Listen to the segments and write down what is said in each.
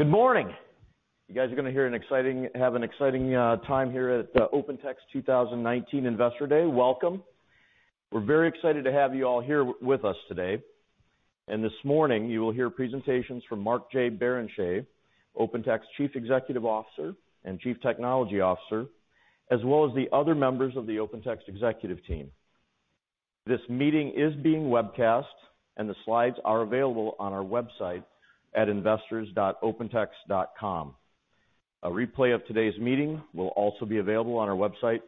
Good morning. You guys are going to have an exciting time here at OpenText 2019 Investor Day. Welcome. We're very excited to have you all here with us today. This morning, you will hear presentations from Mark J. Barrenechea, OpenText Chief Executive Officer and Chief Technology Officer, as well as the other members of the OpenText executive team. This meeting is being webcast, and the slides are available on our website at investors.opentext.com. A replay of today's meeting will also be available on our website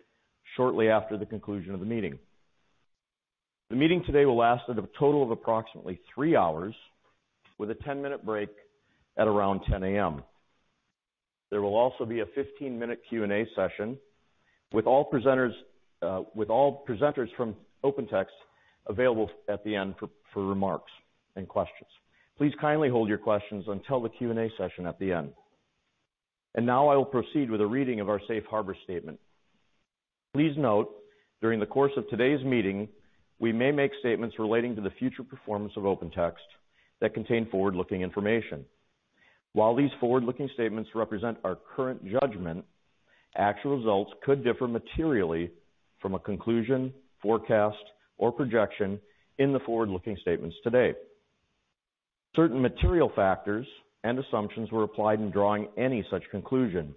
shortly after the conclusion of the meeting. The meeting today will last at a total of approximately three hours, with a 10-minute break at around 10:00 A.M. There will also be a 15-minute Q&A session with all presenters from OpenText available at the end for remarks and questions. Please kindly hold your questions until the Q&A session at the end. Now I will proceed with a reading of our safe harbor statement. Please note, during the course of today's meeting, we may make statements relating to the future performance of OpenText that contain forward-looking information. While these forward-looking statements represent our current judgment, actual results could differ materially from a conclusion, forecast, or projection in the forward-looking statements today. Certain material factors and assumptions were applied in drawing any such conclusion.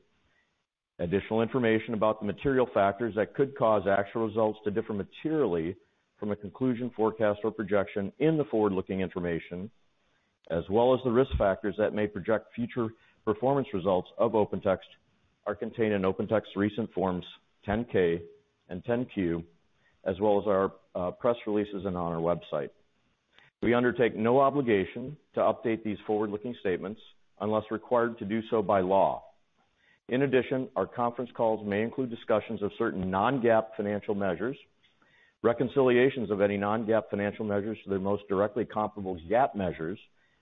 Additional information about the material factors that could cause actual results to differ materially from a conclusion, forecast or projection in the forward-looking information, as well as the risk factors that may project future performance results of OpenText, are contained in OpenText recent forms 10-K and 10-Q, as well as our press releases and on our website. We undertake no obligation to update these forward-looking statements unless required to do so by law. In addition, our conference calls may include discussions of certain non-GAAP financial measures. Reconciliations of any non-GAAP financial measures to their most directly comparable GAAP measures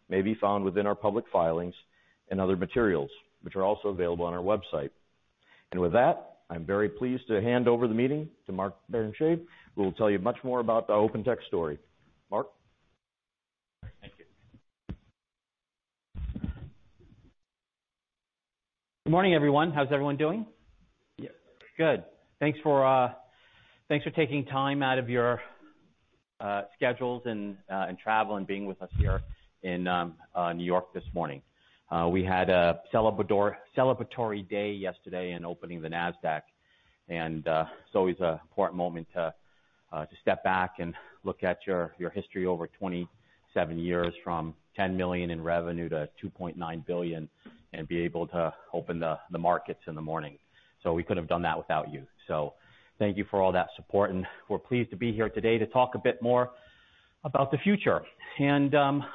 may be found within our public filings and other materials, which are also available on our website. With that, I'm very pleased to hand over the meeting to Mark Barrenechea, who will tell you much more about the OpenText story. Mark? Thank you. Good morning, everyone. How's everyone doing? Yeah. Good. Thanks for taking time out of your schedules and travel and being with us here in N.Y. this morning. We had a celebratory day yesterday in opening the Nasdaq, and it's always an important moment to step back and look at your history over 27 years, from $10 million in revenue to $2.9 billion, and be able to open the markets in the morning. We couldn't have done that without you. Thank you for all that support, and we're pleased to be here today to talk a bit more about the future. I'm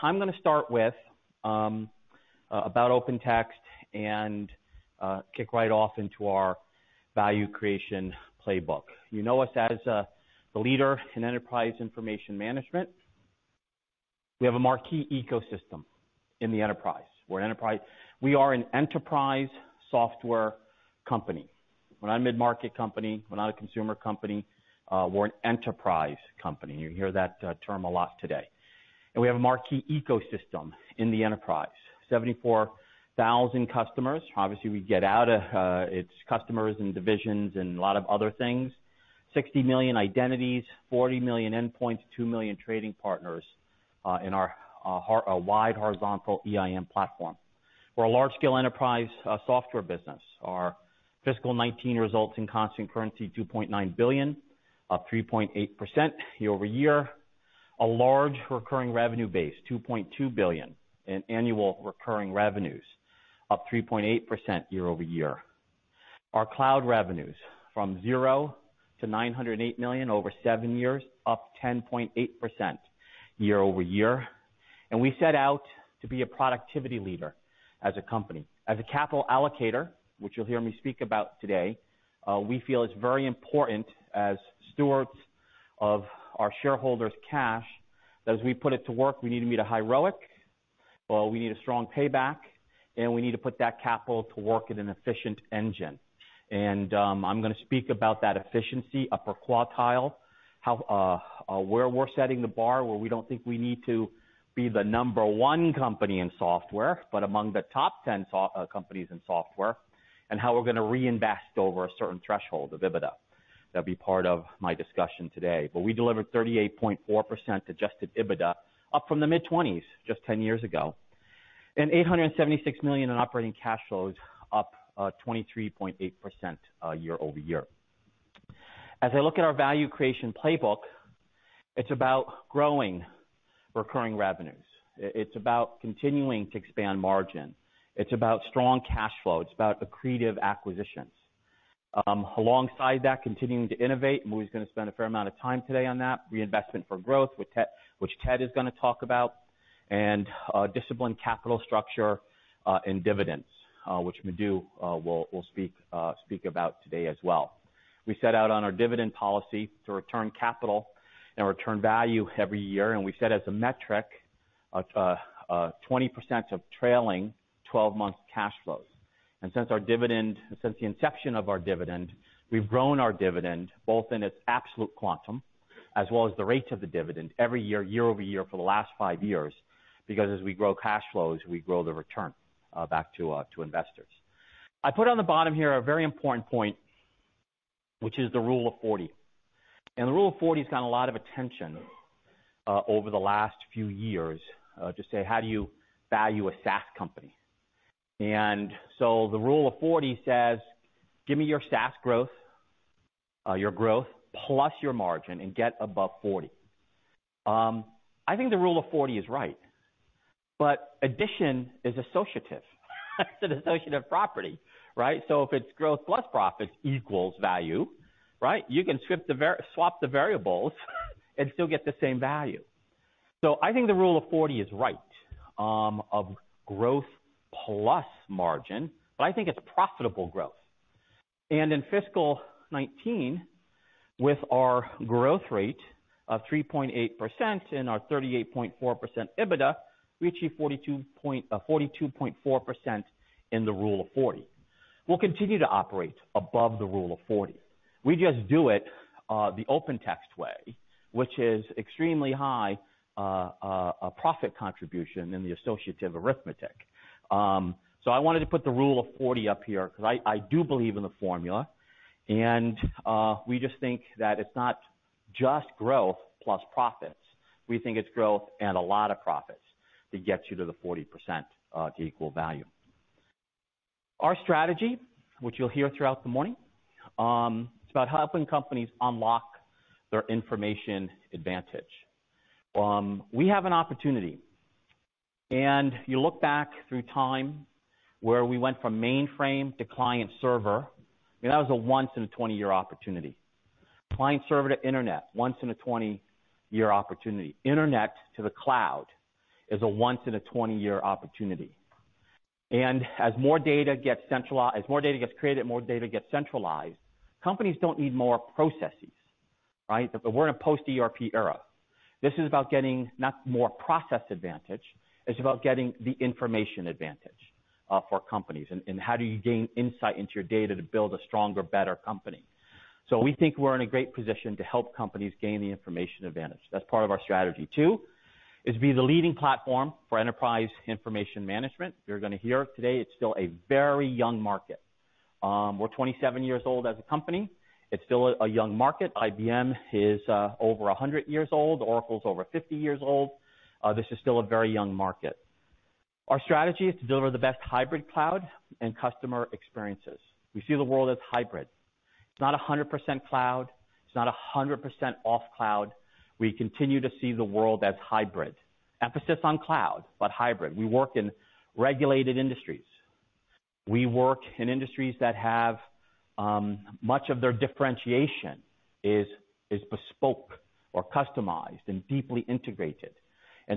going to start with about OpenText and kick right off into our value creation playbook. You know us as a leader in enterprise information management. We have a marquee ecosystem in the enterprise. We're an enterprise software company. We're not a mid-market company. We're not a consumer company. We're an enterprise company. You hear that term a lot today. We have a marquee ecosystem in the enterprise. 74,000 customers. Obviously, we get out. It's customers and divisions and a lot of other things. 60 million identities, 40 million endpoints, 2 million trading partners in our wide horizontal EIM platform. We're a large-scale enterprise software business. Our fiscal 2019 results in constant currency, $2.9 billion, up 3.8% year-over-year. A large recurring revenue base, $2.2 billion in annual recurring revenues, up 3.8% year-over-year. Our cloud revenues from zero to $908 million over seven years, up 10.8% year-over-year. We set out to be a productivity leader as a company. As a capital allocator, which you'll hear me speak about today, we feel it's very important as stewards of our shareholders' cash that as we put it to work, we need to meet a high ROIC, we need a strong payback, and we need to put that capital to work in an efficient engine. I'm going to speak about that efficiency upper quartile, where we're setting the bar, where we don't think we need to be the number one company in software, but among the top 10 companies in software, and how we're going to reinvest over a certain threshold of EBITDA. That'll be part of my discussion today. We delivered 38.4% adjusted EBITDA, up from the mid-20s just 10 years ago, and $876 million in operating cash flows, up 23.8% year-over-year. As I look at our value creation playbook, it's about growing recurring revenues. It's about continuing to expand margin. It's about strong cash flow. It's about accretive acquisitions. Alongside that, continuing to innovate, and we're going to spend a fair amount of time today on that, reinvestment for growth, which Ted is going to talk about, and disciplined capital structure and dividends, which Madhu will speak about today as well. We set out on our dividend policy to return capital and return value every year, and we set as a metric of 20% of trailing 12 months cash flows. Since the inception of our dividend, we've grown our dividend both in its absolute quantum as well as the rates of the dividend every year-over-year for the last five years, because as we grow cash flows, we grow the return back to investors. I put on the bottom here a very important point, which is the rule of 40. The rule of 40 has gotten a lot of attention over the last few years to say, how do you value a SaaS company? The rule of 40 says, "Give me your SaaS growth, your growth, plus your margin, and get above 40." I think the rule of 40 is right, but addition is associative. It's an associative property, right. If it's growth plus profits equals value, right. You can swap the variables and still get the same value. I think the rule of 40 is right of growth plus margin, but I think it's profitable growth. In fiscal 2019, with our growth rate of 3.8% and our 38.4% EBITDA, we achieve 42.4% in the rule of 40. We'll continue to operate above the rule of 40. We just do it the OpenText way, which is extremely high profit contribution in the associative arithmetic. I wanted to put the rule of 40 up here because I do believe in the formula, and we just think that it's not just growth plus profits. We think it's growth and a lot of profits that gets you to the 40% to equal value. Our strategy, which you'll hear throughout the morning, it's about helping companies unlock their information advantage. You look back through time where we went from mainframe to client-server, and that was a once in a 20-year opportunity. Client-server to internet, once in a 20-year opportunity. Internet to the cloud is a once in a 20-year opportunity. As more data gets created, more data gets centralized, companies don't need more processes, right? We're in a post-ERP era. This is about getting not more process advantage, it's about getting the information advantage for companies. How do you gain insight into your data to build a stronger, better company? We think we're in a great position to help companies gain the information advantage. That's part of our strategy. Two, is be the leading platform for Enterprise Information Management. You're going to hear today, it's still a very young market. We're 27 years old as a company. It's still a young market. IBM is over 100 years old. Oracle's over 50 years old. This is still a very young market. Our strategy is to deliver the best hybrid cloud and customer experiences. We see the world as hybrid. It's not 100% cloud. It's not 100% off cloud. We continue to see the world as hybrid. Emphasis on cloud, but hybrid. We work in regulated industries. We work in industries that have much of their differentiation is bespoke or customized and deeply integrated.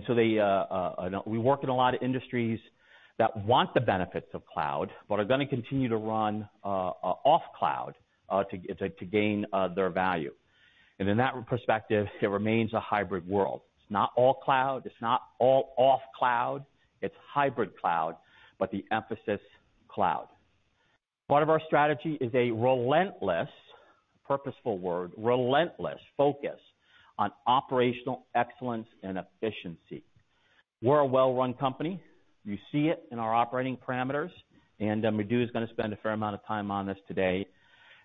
We work in a lot of industries that want the benefits of cloud, but are going to continue to run off cloud, to gain their value. In that perspective, it remains a hybrid world. It's not all cloud, it's not all off cloud, it's hybrid cloud, but the emphasis cloud. Part of our strategy is a relentless, purposeful word, relentless focus on operational excellence and efficiency. We're a well-run company. You see it in our operating parameters, and Madhu is going to spend a fair amount of time on this today.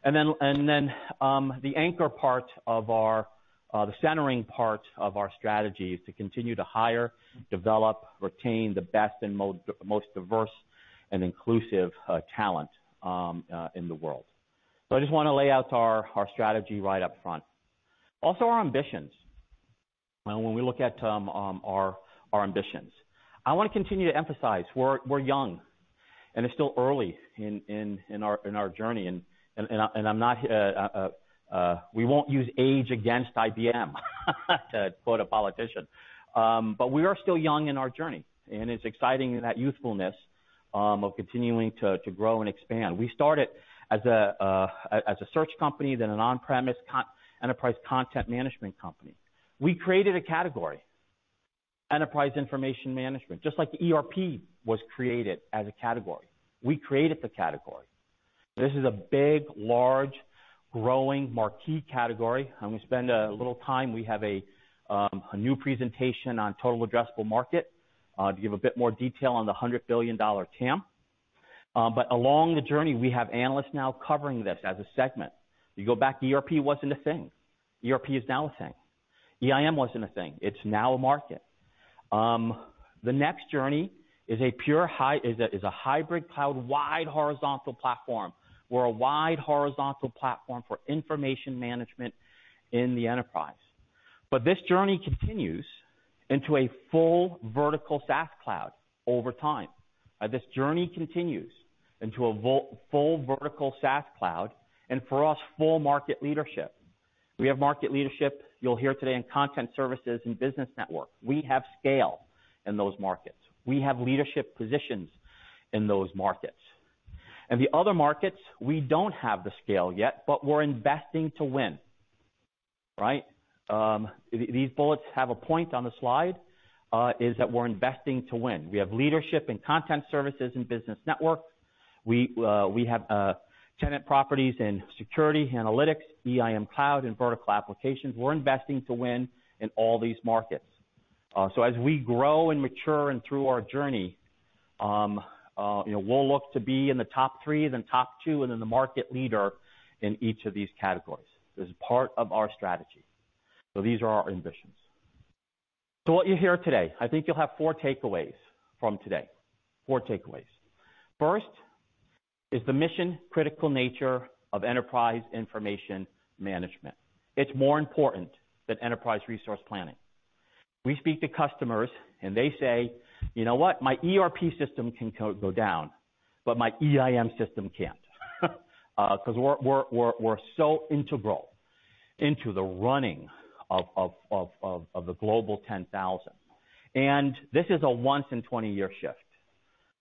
The anchoring part of our strategy is to continue to hire, develop, retain the best and most diverse and inclusive talent in the world. I just want to lay out our strategy right up front. Also our ambitions. When we look at our ambitions. I want to continue to emphasize we're young, and it's still early in our journey, and we won't use age against IBM, to quote a politician. We are still young in our journey, and it's exciting that youthfulness of continuing to grow and expand. We started as a search company, then an on-premise enterprise content management company. We created a category, enterprise information management, just like ERP was created as a category. We created the category. This is a big, large, growing marquee category, and we spend a little time. We have a new presentation on total addressable market to give a bit more detail on the $100 billion TAM. Along the journey, we have analysts now covering this as a segment. You go back, ERP wasn't a thing. ERP is now a thing. EIM wasn't a thing. It's now a market. The next journey is a hybrid cloud-wide horizontal platform or a wide horizontal platform for information management in the enterprise. This journey continues into a full vertical SaaS cloud over time. This journey continues into a full vertical SaaS cloud, and for us, full market leadership. We have market leadership, you'll hear today, in content services and business network. We have scale in those markets. We have leadership positions in those markets. The other markets, we don't have the scale yet, but we're investing to win. Right? These bullets have a point on the slide, is that we're investing to win. We have leadership in content services and business network. We have tenant properties in security, analytics, EIM Cloud, and vertical applications. We're investing to win in all these markets. As we grow and mature and through our journey, we'll look to be in the top 3, then top 2, and then the market leader in each of these categories. This is part of our strategy. These are our ambitions. What you'll hear today, I think you'll have four takeaways from today. Four takeaways. First is the mission-critical nature of Enterprise Information Management. It's more important than Enterprise Resource Planning. We speak to customers, and they say, "You know what? My ERP system can go down, but my EIM system can't." Because we're so integral into the running of the Global 10,000. This is a once in 20-year shift.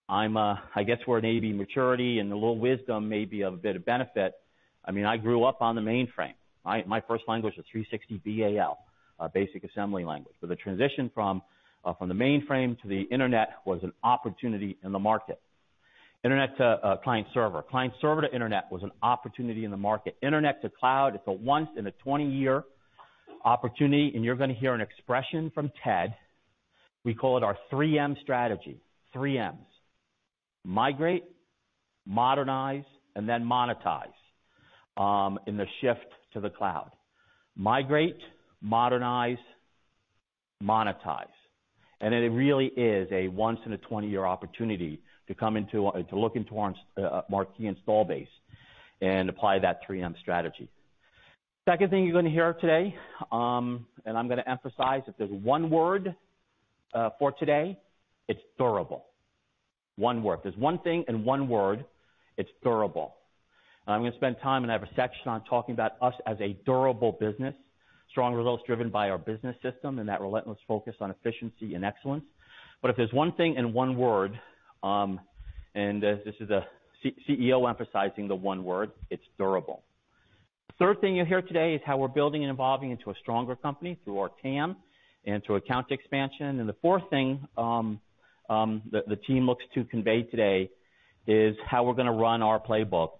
I guess where maybe maturity and a little wisdom may be of a bit of benefit. I mean, I grew up on the mainframe. My first language was 360/BAL, Basic Assembly Language. The transition from the mainframe to the internet was an opportunity in the market. Internet to client server. Client server to internet was an opportunity in the market. Internet to cloud, it's a once in a 20-year opportunity, and you're going to hear an expression from Ted. We call it our 3M strategy. 3Ms. Migrate, modernize, and then monetize, in the shift to the cloud. Migrate, modernize, monetize. It really is a once in a 20-year opportunity to look into our marquee install base and apply that 3M strategy. Second thing you're going to hear today, I'm going to emphasize, if there's one word for today, it's durable. One word. There's one thing and one word, it's durable. I'm going to spend time and have a section on talking about us as a durable business, strong results driven by our OpenText Business System and that relentless focus on efficiency and excellence. If there's one thing and one word, and this is a CEO emphasizing the one word, it's durable. Third thing you'll hear today is how we're building and evolving into a stronger company through our TAM and through account expansion. The fourth thing that the team looks to convey today is how we're going to run our playbook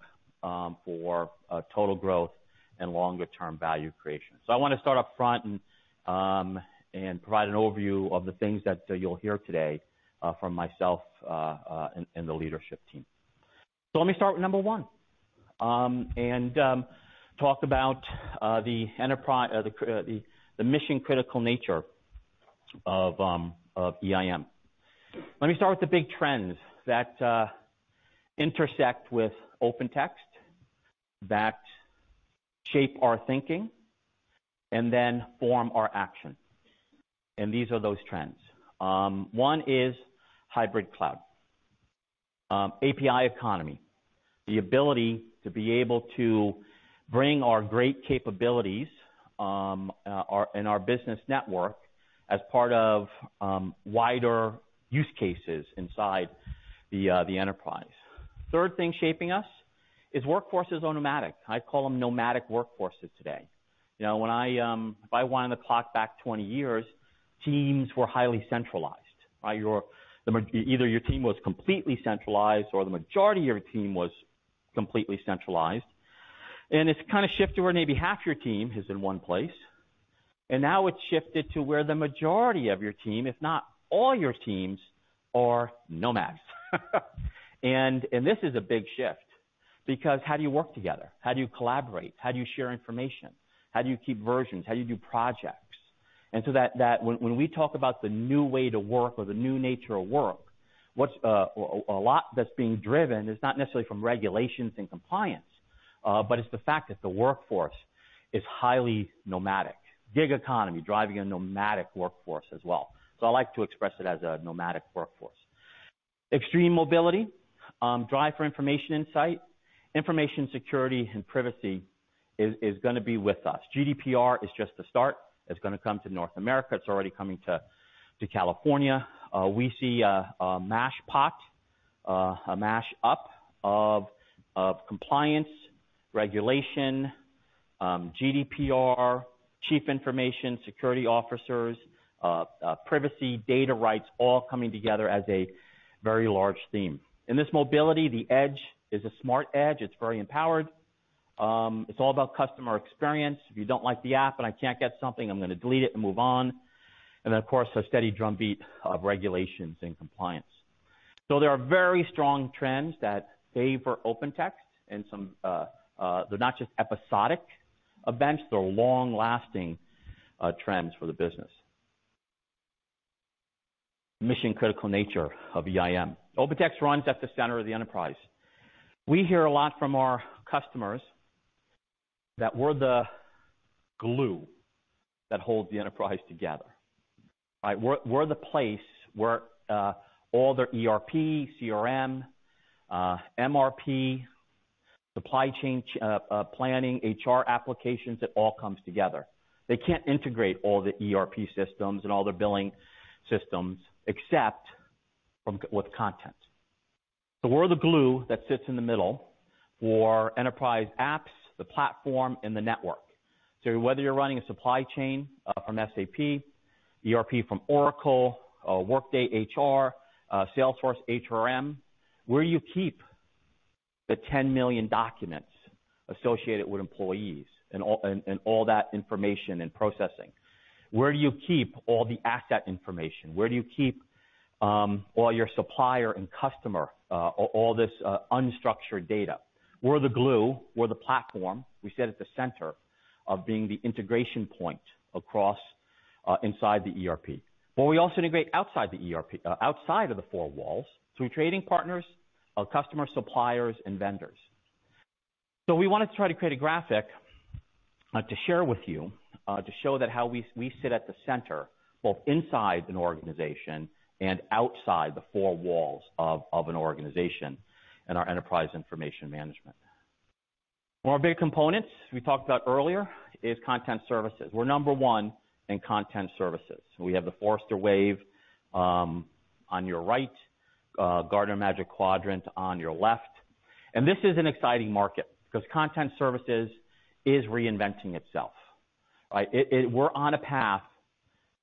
for total growth and longer-term value creation. I want to start up front and provide an overview of the things that you'll hear today from myself and the leadership team. Let me start with number one, and talk about the mission-critical nature of EIM. Let me start with the big trends that intersect with OpenText, that shape our thinking, then form our action. These are those trends. One is hybrid cloud. API economy, the ability to be able to bring our great capabilities and our business network as part of wider use cases inside the enterprise. Third thing shaping us is workforces are nomadic. I call them nomadic workforces today. If I wind the clock back 20 years, teams were highly centralized. Either your team was completely centralized or the majority of your team was completely centralized. It's kind of shifted where maybe half your team is in one place, and now it's shifted to where the majority of your team, if not all your teams, are nomads. This is a big shift because how do you work together? How do you collaborate? How do you share information? How do you keep versions? How do you do projects? When we talk about the new way to work or the new nature of work, a lot that's being driven is not necessarily from regulations and compliance, but it's the fact that the workforce is highly nomadic. Gig economy, driving a nomadic workforce as well. I like to express it as a nomadic workforce. Extreme mobility, drive for information insight, information security, and privacy is going to be with us. GDPR is just the start. It's going to come to North America. It's already coming to California. We see a mashup of compliance, regulation, GDPR, chief information security officers, privacy, data rights, all coming together as a very large theme. In this mobility, the edge is a smart edge. It's very empowered. It's all about customer experience. If you don't like the app and I can't get something, I'm going to delete it and move on. Of course, a steady drumbeat of regulations and compliance. There are very strong trends that favor OpenText and they're not just episodic events, they're long-lasting trends for the business. Mission-critical nature of EIM. OpenText runs at the center of the enterprise. We hear a lot from our customers that we're the glue that holds the enterprise together, right? We're the place where all their ERP, CRM, MRP, supply chain planning, HR applications, it all comes together. They can't integrate all the ERP systems and all their billing systems except with content. We're the glue that sits in the middle for enterprise apps, the platform, and the network. Whether you're running a supply chain from SAP, ERP from Oracle, Workday HR, Salesforce HRM, where you keep the 10 million documents associated with employees and all that information and processing. Where do you keep all the asset information? Where do you keep all your supplier and customer, all this unstructured data? We're the glue. We're the platform. We sit at the center of being the integration point across inside the ERP. We also integrate outside the ERP, outside of the four walls through trading partners, customer suppliers, and vendors. We wanted to try to create a graphic to share with you, to show that how we sit at the center, both inside an organization and outside the four walls of an organization in our enterprise information management. One of our big components we talked about earlier is content services. We're number one in content services. We have the Forrester Wave on your right, Gartner Magic Quadrant on your left. This is an exciting market because content services is reinventing itself. We're on a path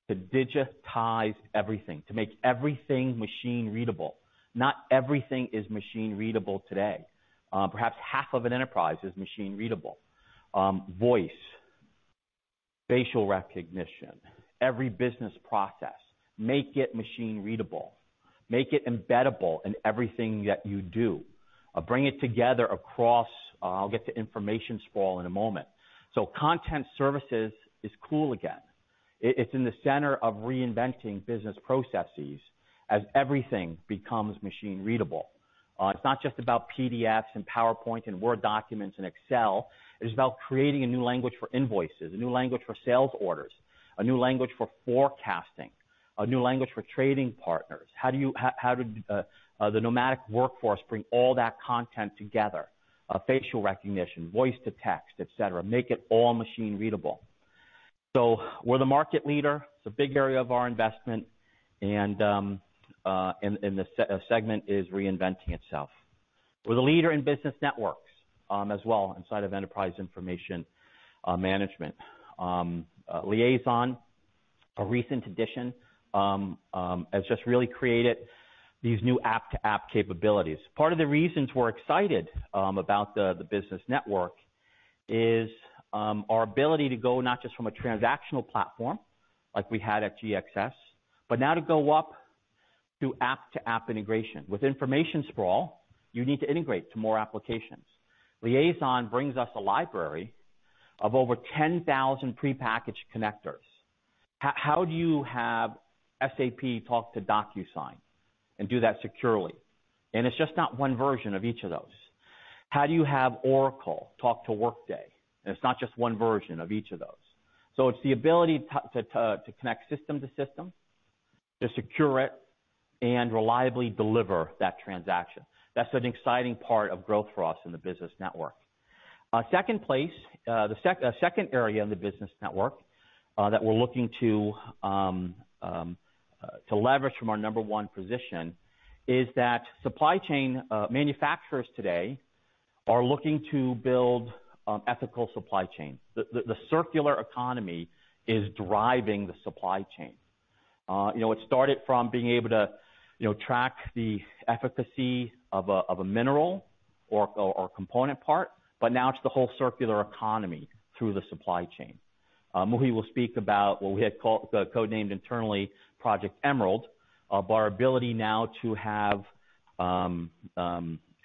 to digitize everything, to make everything machine-readable. Not everything is machine-readable today. Perhaps half of an enterprise is machine-readable. Voice, facial recognition, every business process, make it machine-readable. Make it embeddable in everything that you do. Bring it together. I'll get to information sprawl in a moment. Content services is cool again. It's in the center of reinventing business processes as everything becomes machine-readable. It's not just about PDFs and PowerPoint and Word documents and Excel. It is about creating a new language for invoices, a new language for sales orders, a new language for forecasting, a new language for trading partners. How did the nomadic workforce bring all that content together? Facial recognition, voice to text, et cetera, make it all machine-readable. We're the market leader. It's a big area of our investment, and the segment is reinventing itself. We're the leader in business networks, as well, inside of enterprise information management. Liaison, a recent addition, has just really created these new app-to-app capabilities. Part of the reasons we're excited about the business network is our ability to go not just from a transactional platform like we had at GXS, but now to go up to app-to-app integration. With information sprawl, you need to integrate to more applications. Liaison brings us a library of over 10,000 prepackaged connectors. How do you have SAP talk to DocuSign and do that securely? It's just not one version of each of those. How do you have Oracle talk to Workday? It's not just one version of each of those. It's the ability to connect system to system, to secure it, and reliably deliver that transaction. That's an exciting part of growth for us in the business network. The second area in the business network that we're looking to leverage from our number one position is that supply chain manufacturers today are looking to build ethical supply chain. The circular economy is driving the supply chain. It started from being able to track the efficacy of a mineral or component part, but now it's the whole circular economy through the supply chain. Muhi will speak about what we had codenamed internally Project Emerald, of our ability now to have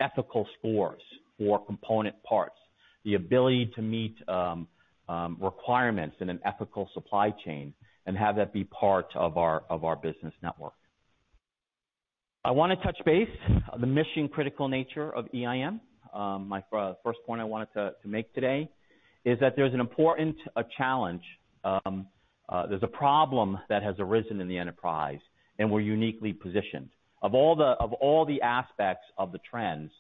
ethical scores for component parts, the ability to meet requirements in an ethical supply chain, and have that be part of our business network. I want to touch base on the mission-critical nature of EIM. My first point I wanted to make today is that there's an important challenge. There's a problem that has arisen in the enterprise. We're uniquely positioned. Of all the aspects of the trends,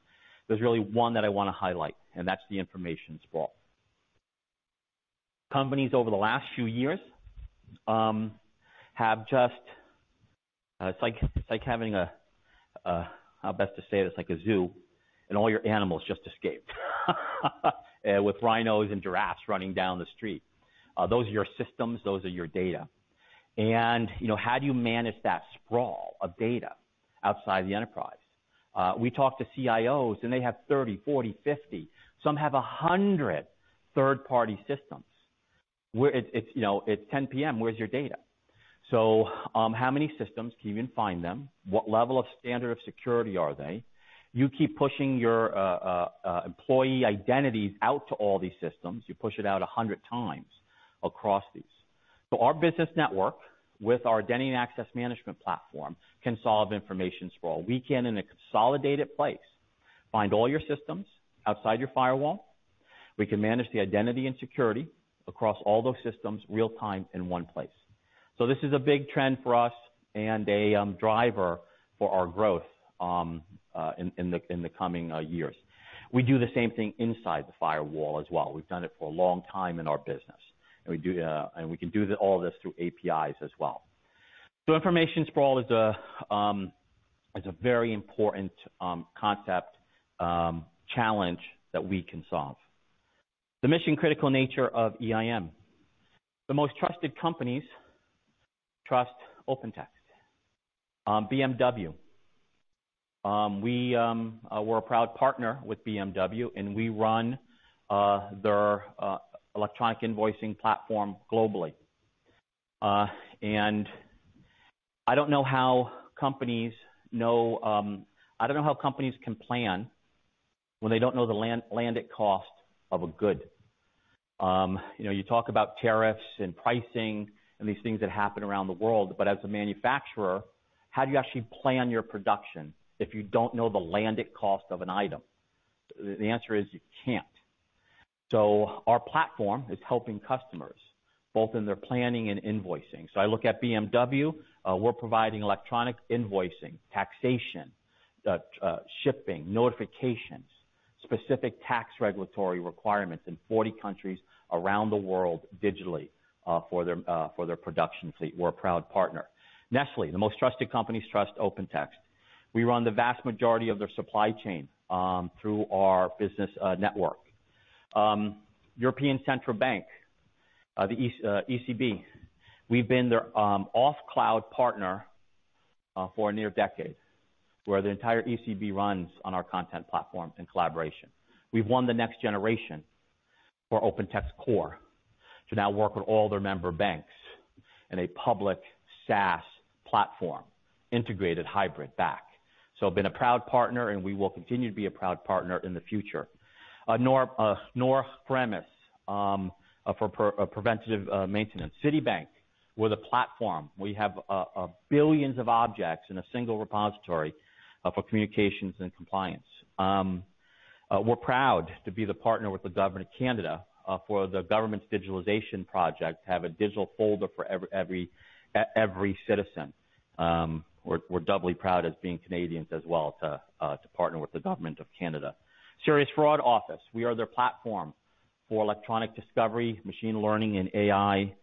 there's really one that I want to highlight, that's the information sprawl. Companies over the last few years have just. It's like having a. How best to say this? Like a zoo, all your animals just escaped. With rhinos and giraffes running down the street. Those are your systems, those are your data. How do you manage that sprawl of data outside the enterprise? We talk to CIOs. They have 30, 40, 50, some have 100 third-party systems, where it's 10:00 P.M., where's your data? How many systems? Can you even find them? What level of standard of security are they? You keep pushing your employee identities out to all these systems. You push it out 100 times across these. Our business network with our Identity and Access Management platform can solve information sprawl. We can, in a consolidated place, find all your systems outside your firewall. We can manage the identity and security across all those systems real-time in one place. This is a big trend for us and a driver for our growth in the coming years. We do the same thing inside the firewall as well. We've done it for a long time in our business, and we can do all this through APIs as well. Information sprawl is a very important concept, challenge that we can solve. The mission-critical nature of EIM. The most trusted companies trust OpenText. BMW. We're a proud partner with BMW, and we run their electronic invoicing platform globally. I don't know how companies can plan when they don't know the landed cost of a good. You talk about tariffs and pricing and these things that happen around the world, but as a manufacturer, how do you actually plan your production if you don't know the landed cost of an item? The answer is you can't. Our platform is helping customers both in their planning and invoicing. I look at BMW, we're providing electronic invoicing, taxation, shipping, notifications, specific tax regulatory requirements in 40 countries around the world digitally, for their production fleet. We're a proud partner. Nestlé, the most trusted companies trust OpenText. We run the vast majority of their supply chain through our business network. European Central Bank, the ECB. We've been their off cloud partner for near a decade, where the entire ECB runs on our content platform in collaboration. We've won the next generation for OpenText Core to now work with all their member banks in a public SaaS platform, integrated hybrid back. Been a proud partner, and we will continue to be a proud partner in the future. On-premise, for preventative maintenance. Citibank, we're the platform. We have billions of objects in a single repository for communications and compliance. We're proud to be the partner with the Government of Canada, for the government's digitalization project, to have a digital folder for every citizen. We're doubly proud as being Canadians as well to partner with the Government of Canada. Serious Fraud Office, we are their platform for e-discovery, machine learning, and AI.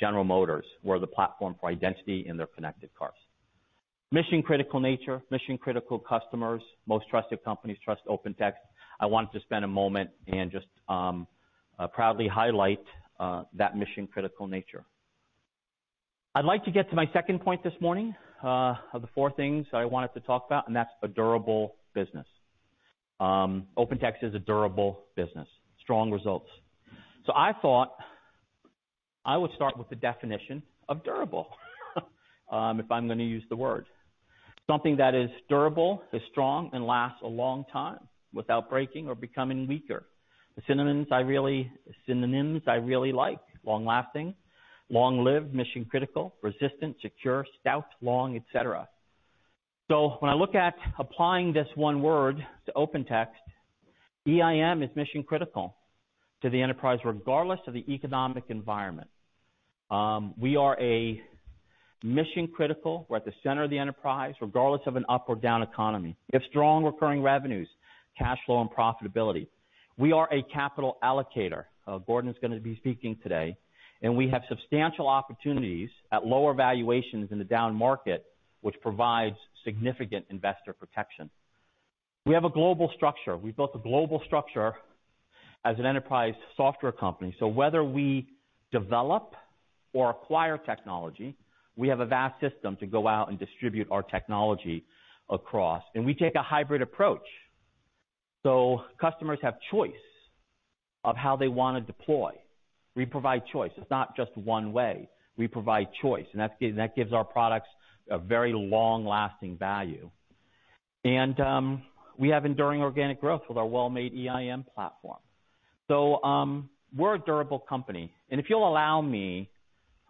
General Motors, we're the platform for identity in their connected cars. Mission-critical nature, mission-critical customers, most trusted companies trust OpenText. I wanted to spend a moment and just proudly highlight that mission-critical nature. I'd like to get to my second point this morning, of the four things I wanted to talk about, and that's a durable business. OpenText is a durable business. Strong results. I thought I would start with the definition of durable, if I'm going to use the word. Something that is durable, is strong, and lasts a long time without breaking or becoming weaker. The synonyms I really like, long-lasting, long-lived, mission-critical, resistant, secure, stout, long, et cetera. When I look at applying this one word to OpenText, EIM is mission-critical to the enterprise, regardless of the economic environment. We are mission-critical. We're at the center of the enterprise, regardless of an up or down economy. We have strong recurring revenues, cash flow, and profitability. We are a capital allocator. Gordon's going to be speaking today. We have substantial opportunities at lower valuations in the down market, which provides significant investor protection. We have a global structure. We've built a global structure as an enterprise software company. Whether we develop or acquire technology, we have a vast system to go out and distribute our technology across. We take a hybrid approach, so customers have choice of how they want to deploy. We provide choice. It's not just one way. We provide choice, and that gives our products a very long-lasting value. We have enduring organic growth with our well-made EIM platform. We're a durable company. If you'll allow me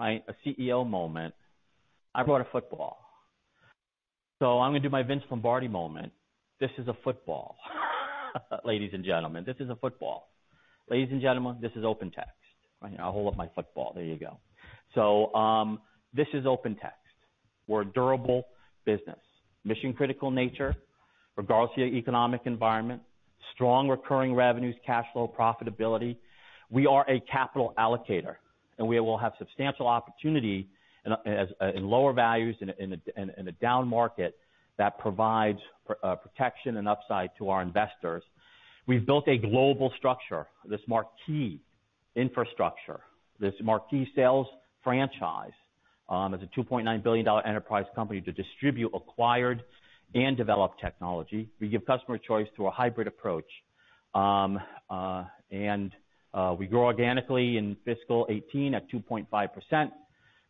a CEO moment, I brought a football. I'm going to do my Vince Lombardi moment. This is a football, ladies and gentlemen. This is a football. Ladies and gentlemen, this is OpenText. I'll hold up my football. There you go. This is OpenText. We're a durable business. Mission-critical nature, regardless of your economic environment. Strong recurring revenues, cash flow, profitability. We are a capital allocator, and we will have substantial opportunity in lower values in a down market that provides protection and upside to our investors. We've built a global structure, this marquee infrastructure, this marquee sales franchise, as a $2.9 billion enterprise company to distribute acquired and developed technology. We give customer choice through a hybrid approach. We grow organically in fiscal 2018 at 2.5%.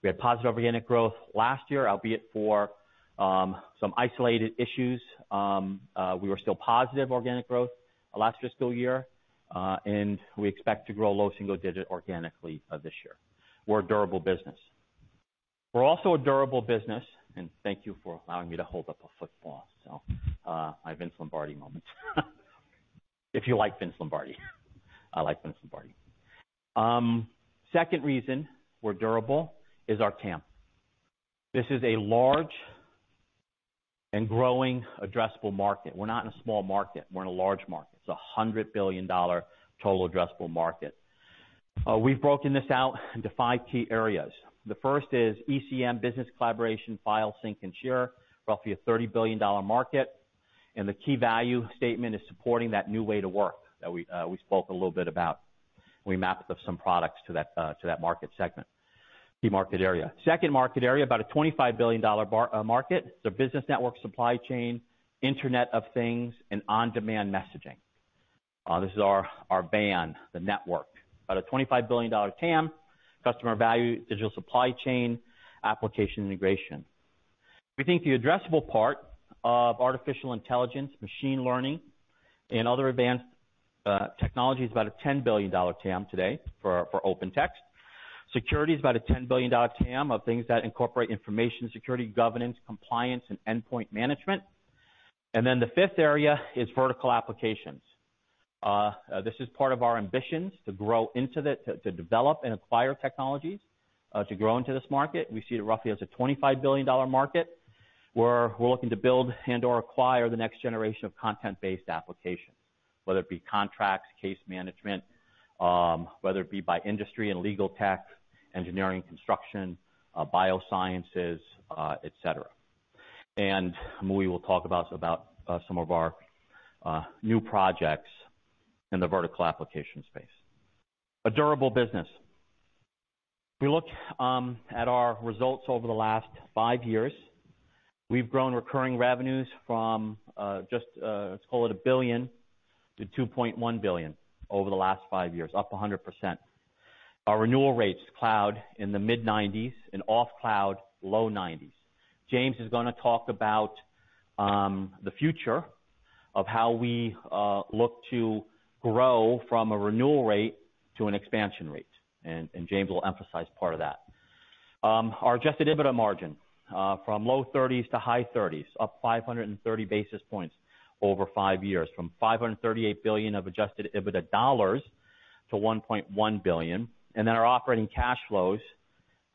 We had positive organic growth last year, albeit for some isolated issues. We were still positive organic growth last fiscal year. We expect to grow low single-digit organically this year. We're a durable business. We're also a durable business, and thank you for allowing me to hold up a football. My Vince Lombardi moment. If you like Vince Lombardi. I like Vince Lombardi. Second reason we're durable is our TAM. This is a large and growing addressable market. We're not in a small market, we're in a large market. It's $100 billion total addressable market. We've broken this out into five key areas. The first is ECM business collaboration, file sync and share, roughly a $30 billion market. The key value statement is supporting that new way to work that we spoke a little bit about. We mapped up some products to that market segment. Key market area. Second market area, about a $25 billion market, it's a business network supply chain, Internet of Things, and on-demand messaging. This is our VAN, the network. About a $25 billion TAM customer value digital supply chain application integration. We think the addressable part of artificial intelligence, machine learning, and other advanced technology is about a $10 billion TAM today for OpenText. Security is about a $10 billion TAM of things that incorporate information security, governance, compliance, and endpoint management. Then the fifth area is vertical applications. This is part of our ambitions to grow into that, to develop and acquire technologies, to grow into this market. We see it roughly as a $25 billion market, where we're looking to build and/or acquire the next generation of content-based applications, whether it be contracts, case management, whether it be by industry and legal tech, engineering, construction, biosciences, et cetera. Muhi will talk about some of our new projects in the vertical application space. A durable business. If you look at our results over the last five years, we've grown recurring revenues from just, let's call it $1 billion to $2.1 billion over the last five years, up 100%. Our renewal rates cloud in the mid-90s and off cloud low 90s. James is gonna talk about the future of how we look to grow from a renewal rate to an expansion rate. James will emphasize part of that. Our adjusted EBITDA margin, from low 30s to high 30s, up 530 basis points over five years, from $538 billion of adjusted EBITDA to $1.1 billion. Our operating cash flows.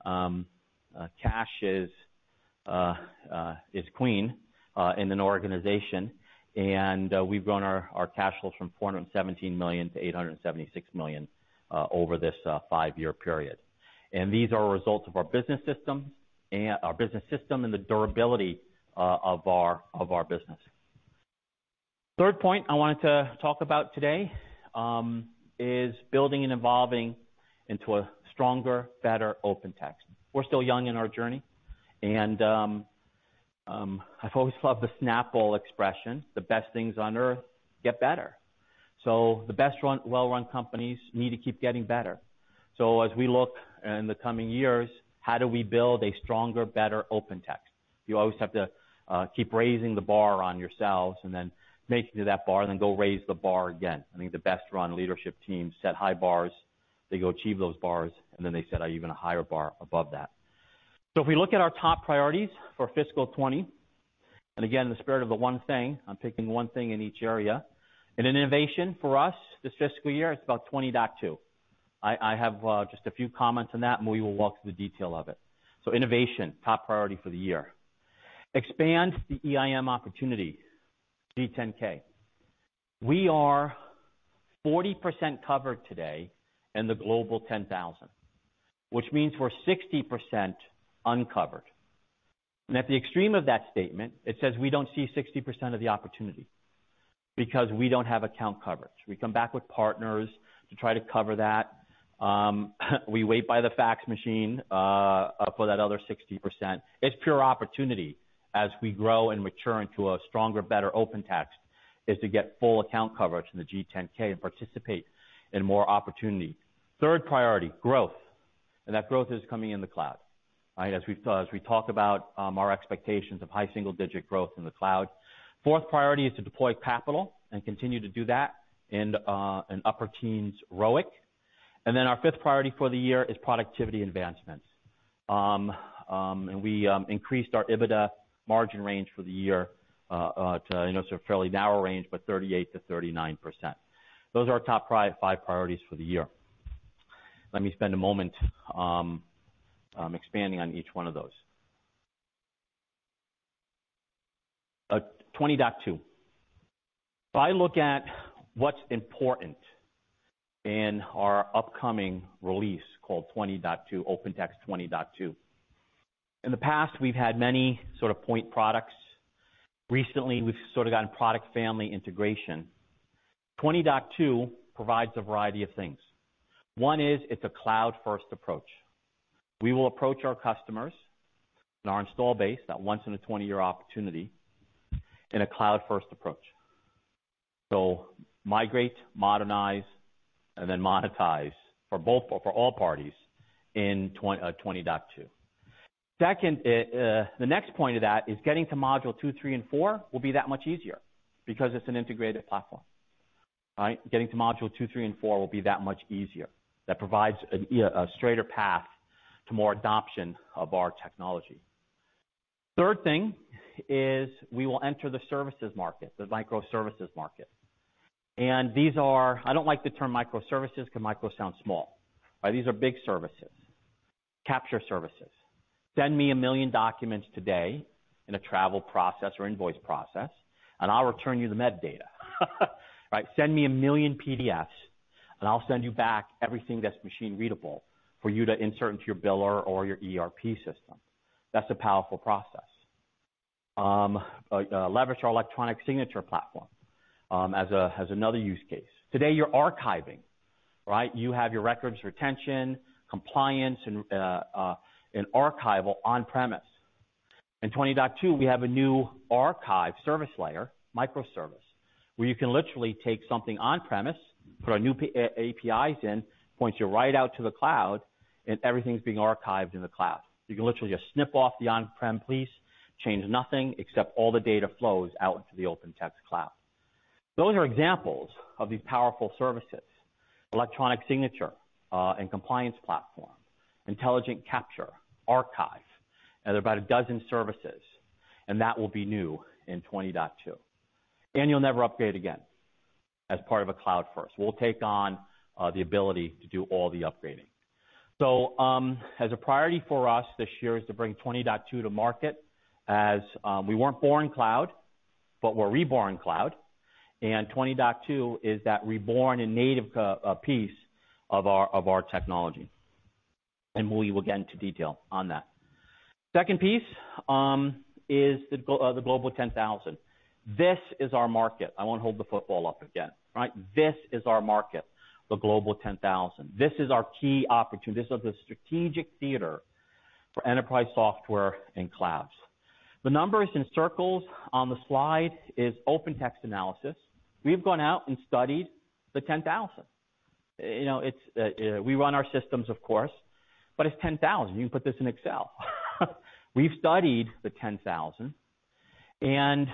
Cash is clean in an organization, and we've grown our cash flows from $417 million to $876 million over this five-year period. These are results of our Business System and the durability of our business. Third point I wanted to talk about today, is building and evolving into a stronger, better OpenText. We're still young in our journey, and I've always loved the Snapple expression, "The best things on Earth get better." The best well-run companies need to keep getting better. As we look in the coming years, how do we build a stronger, better OpenText? You always have to keep raising the bar on yourselves and then make it to that bar, and then go raise the bar again. I think the best-run leadership teams set high bars, they go achieve those bars, and then they set an even higher bar above that. If we look at our top priorities for fiscal 2020, and again, in the spirit of the one thing, I'm picking one thing in each area. In innovation for us this fiscal year, it's about 20.2. I have just a few comments on that, and Muhi will walk through the detail of it. Innovation, top priority for the year. Expand the EIM opportunity, G10K. We are 40% covered today in the Global 10,000, which means we're 60% uncovered. At the extreme of that statement, it says we don't see 60% of the opportunity because we don't have account coverage. We come back with partners to try to cover that. We wait by the fax machine, for that other 60%. It's pure opportunity as we grow and mature into a stronger, better OpenText, is to get full account coverage in the G10K and participate in more opportunity. Third priority, growth. That growth is coming in the cloud. As we talk about our expectations of high single-digit growth in the cloud. Fourth priority is to deploy capital and continue to do that in upper teens ROIC. Then our fifth priority for the year is productivity advancements. We increased our EBITDA margin range for the year to I know it's a fairly narrow range, but 38%-39%. Those are our top five priorities for the year. Let me spend a moment expanding on each one of those. 20.2. If I look at what's important in our upcoming release called 20.2, OpenText 20.2. In the past, we've had many sort of point products. Recently, we've sort of gotten product family integration. 20.2 provides a variety of things. One is, it's a cloud-first approach. We will approach our customers and our install base, that once-in-a-20-year opportunity, in a cloud-first approach. Migrate, modernize, and then monetize for all parties in 20.2. Second, the next point of that is getting to module 2, 3, and 4 will be that much easier because it's an integrated platform, right? Getting to module 2, 3, and 4 will be that much easier. That provides a straighter path to more adoption of our technology. Third thing is we will enter the services market, the microservices market. I don't like the term microservices because micro sounds small. These are big services. Capture services. Send me 1 million documents today in a travel process or invoice process, and I'll return you the metadata. Send me 1 million PDFs, and I'll send you back everything that's machine-readable for you to insert into your biller or your ERP system. That's a powerful process. Leverage our electronic signature platform as another use case. Today, you're archiving. You have your records retention, compliance, and archival on-premise. In 20.2, we have a new archive service layer, microservice, where you can literally take something on-premise, put our new APIs in, points you right out to the cloud, and everything's being archived in the cloud. You can literally just snip off the on-prem piece, change nothing, except all the data flows out into the OpenText Cloud. Those are examples of these powerful services, electronic signature, and compliance platform, intelligent capture, archive. There are about 12 services. That will be new in 20.2. You'll never upgrade again as part of a cloud first. We'll take on the ability to do all the upgrading. As a priority for us this year is to bring 20.2 to market as we weren't born cloud, but we're reborn cloud, and 20.2 is that reborn and native piece of our technology. We will get into detail on that. Second piece is the Global 10,000. This is our market. I won't hold the football up again. This is our market, the Global 10,000. This is our key opportunity. This is the strategic theater for enterprise software and clouds. The numbers in circles on the slide is OpenText analysis. We've gone out and studied the 10,000. We run our systems, of course, but it's 10,000. You can put this in Excel. We've studied the 10,000, and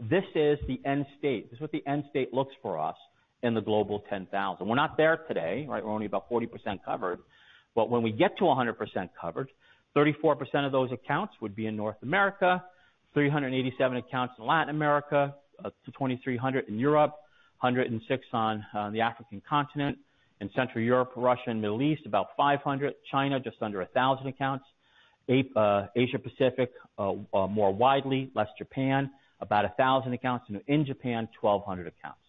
this is the end state. This is what the end state looks for us in the Global 10,000. We're not there today. We're only about 40% covered. But when we get to 100% covered, 34% of those accounts would be in North America, 387 accounts in Latin America, up to 2,300 in Europe, 106 on the African continent. In Central Europe, Russia, and Middle East, about 500. China, just under 1,000 accounts. Asia-Pacific, more widely, less Japan, about 1,000 accounts. And in Japan, 1,200 accounts.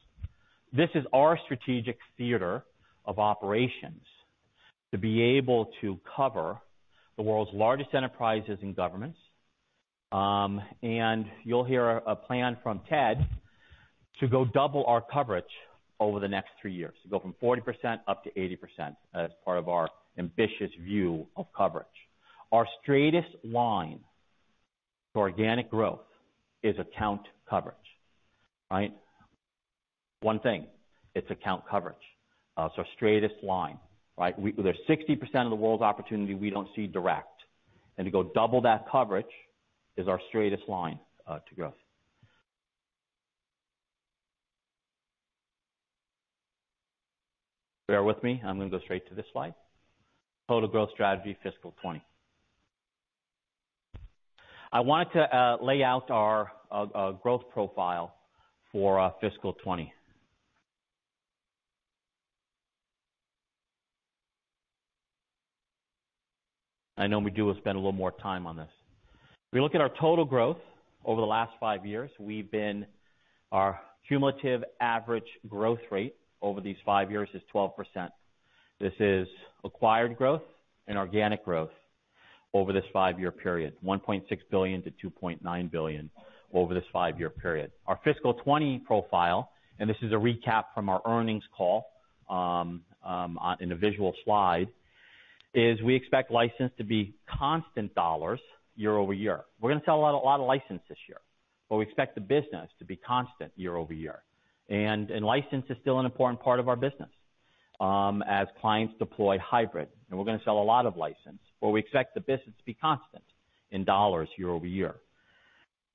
This is our strategic theater of operations to be able to cover the world's largest enterprises and governments. You'll hear a plan from Ted to go double our coverage over the next three years, to go from 40% up to 80% as part of our ambitious view of coverage. Our straightest line to organic growth is account coverage. One thing, it's account coverage. Our straightest line. There's 60% of the world's opportunity we don't see direct, and to go double that coverage is our straightest line to growth. Bear with me, I'm going to go straight to this slide. Total growth strategy fiscal 2020. I wanted to lay out our growth profile for fiscal 2020. I know we do spend a little more time on this. If you look at our total growth over the last five years, our cumulative average growth rate over these five years is 12%. This is acquired growth and organic growth over this 5-year period, $1.6 billion-$2.9 billion over this 5-year period. Our fiscal 2020 profile, and this is a recap from our earnings call in a visual slide, is we expect license to be constant dollars year-over-year. We're going to sell a lot of license this year, but we expect the business to be constant year-over-year. License is still an important part of our business as clients deploy hybrid, and we're going to sell a lot of license. We expect the business to be constant in dollars year-over-year.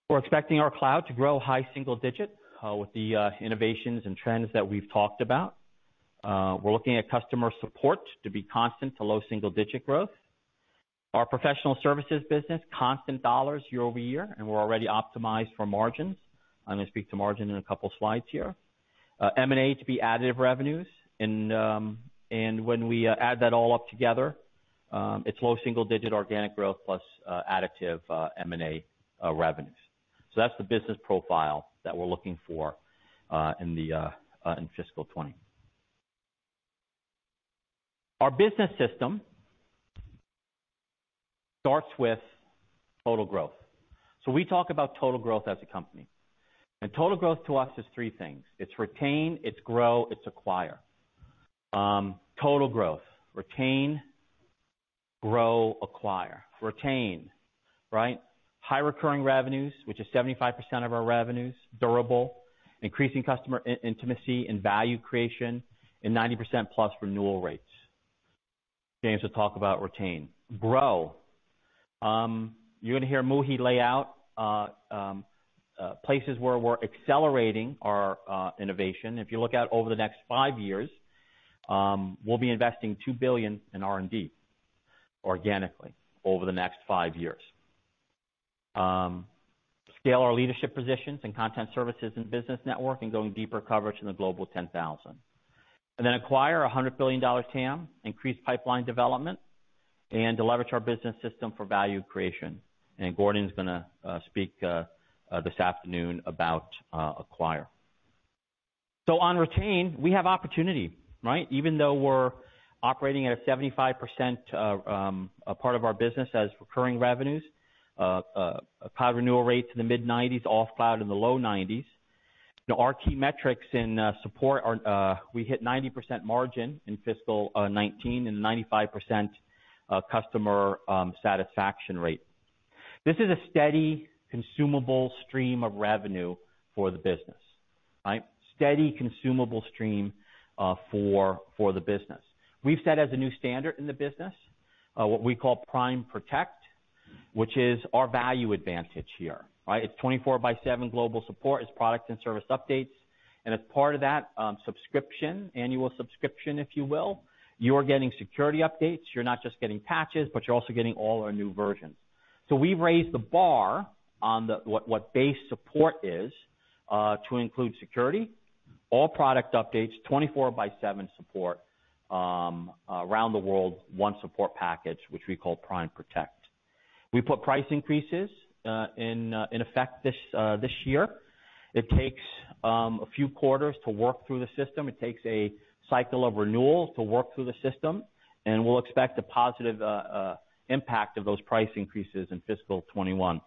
We're expecting our cloud to grow high single-digit with the innovations and trends that we've talked about. We're looking at customer support to be constant to low double-digit growth. Our professional services business, constant dollars year-over-year. We're already optimized for margins. I'm going to speak to margin in a couple of slides here. M&A to be additive revenues. When we add that all up together, it's low single digit organic growth plus additive M&A revenues. That's the business profile that we're looking for in fiscal 2020. Our business system starts with total growth. We talk about total growth as a company. Total growth to us is three things. It's retain, it's grow, it's acquire. Total growth, retain, grow, acquire. Retain. High recurring revenues, which is 75% of our revenues, durable, increasing customer intimacy and value creation, and 90% plus renewal rates. James will talk about retain. Grow. You're going to hear Muhi lay out places where we're accelerating our innovation. If you look out over the next five years, we'll be investing $2 billion in R&D organically over the next five years. Scale our leadership positions in content services and business network, and going deeper coverage in the global 10,000. Acquire a $100 billion TAM, increase pipeline development, and to leverage our business system for value creation. Gordon's going to speak this afternoon about acquire. On retain, we have opportunity, right? Even though we're operating at a 75% part of our business as recurring revenues, cloud renewal rates in the mid-90s, off cloud in the low 90s. Our key metrics in support are, we hit 90% margin in fiscal 2019 and 95% customer satisfaction rate. This is a steady consumable stream of revenue for the business. Steady consumable stream for the business. We've set as a new standard in the business, what we call Prime Protect, which is our value advantage here, right? It's 24/7 global support. It's product and service updates. As part of that subscription, annual subscription, if you will, you're getting security updates. You're not just getting patches, but you're also getting all our new versions. We've raised the bar on what base support is to include security, all product updates, 24/7 support around the world, one support package, which we call Prime Protect. We put price increases in effect this year. It takes a few quarters to work through the system. It takes a cycle of renewal to work through the system, and we'll expect a positive impact of those price increases in fiscal 2021.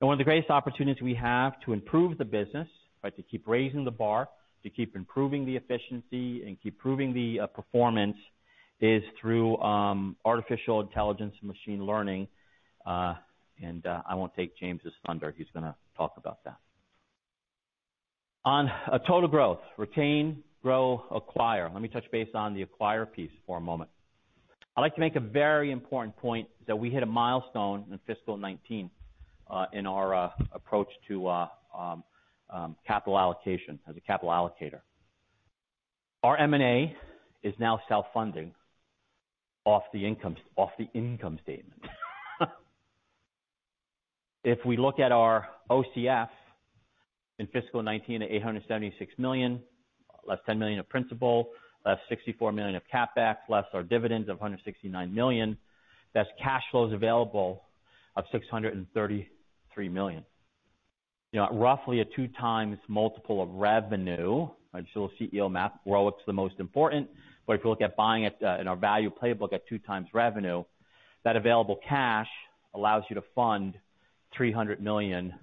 One of the greatest opportunities we have to improve the business, to keep raising the bar, to keep improving the efficiency and keep improving the performance is through artificial intelligence and machine learning. I won't take James's thunder. He's going to talk about that. On total growth, retain, grow, acquire. Let me touch base on the acquire piece for a moment. I'd like to make a very important point that we hit a milestone in fiscal 2019 in our approach to capital allocation as a capital allocator. Our M&A is now self-funding off the income statement. If we look at our OCF in fiscal 2019 at $876 million, less $10 million of principal, less $64 million of CapEx, less our dividends of $169 million, that's cash flows available of $633 million. Roughly a 2x multiple of revenue. I show CEO math, ROIC's the most important, but if you look at buying it in our value playbook at 2 times revenue, that available cash allows you to fund $300 million,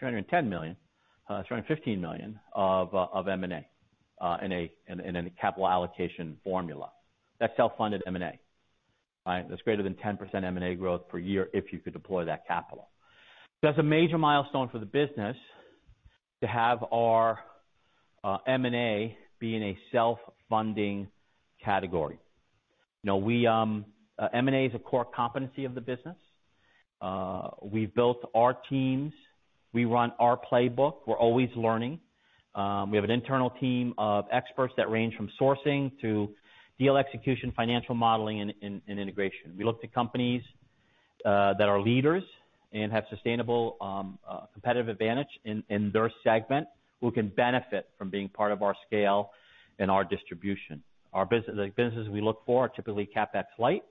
$310 million, $315 million of M&A in a capital allocation formula. That's self-funded M&A. That's greater than 10% M&A growth per year if you could deploy that capital. That's a major milestone for the business to have our M&A be in a self-funding category. M&A is a core competency of the business. We've built our teams. We run our playbook. We're always learning. We have an internal team of experts that range from sourcing to deal execution, financial modeling, and integration. We look to companies that are leaders and have sustainable competitive advantage in their segment who can benefit from being part of our scale and our distribution. The businesses we look for are typically CapEx light.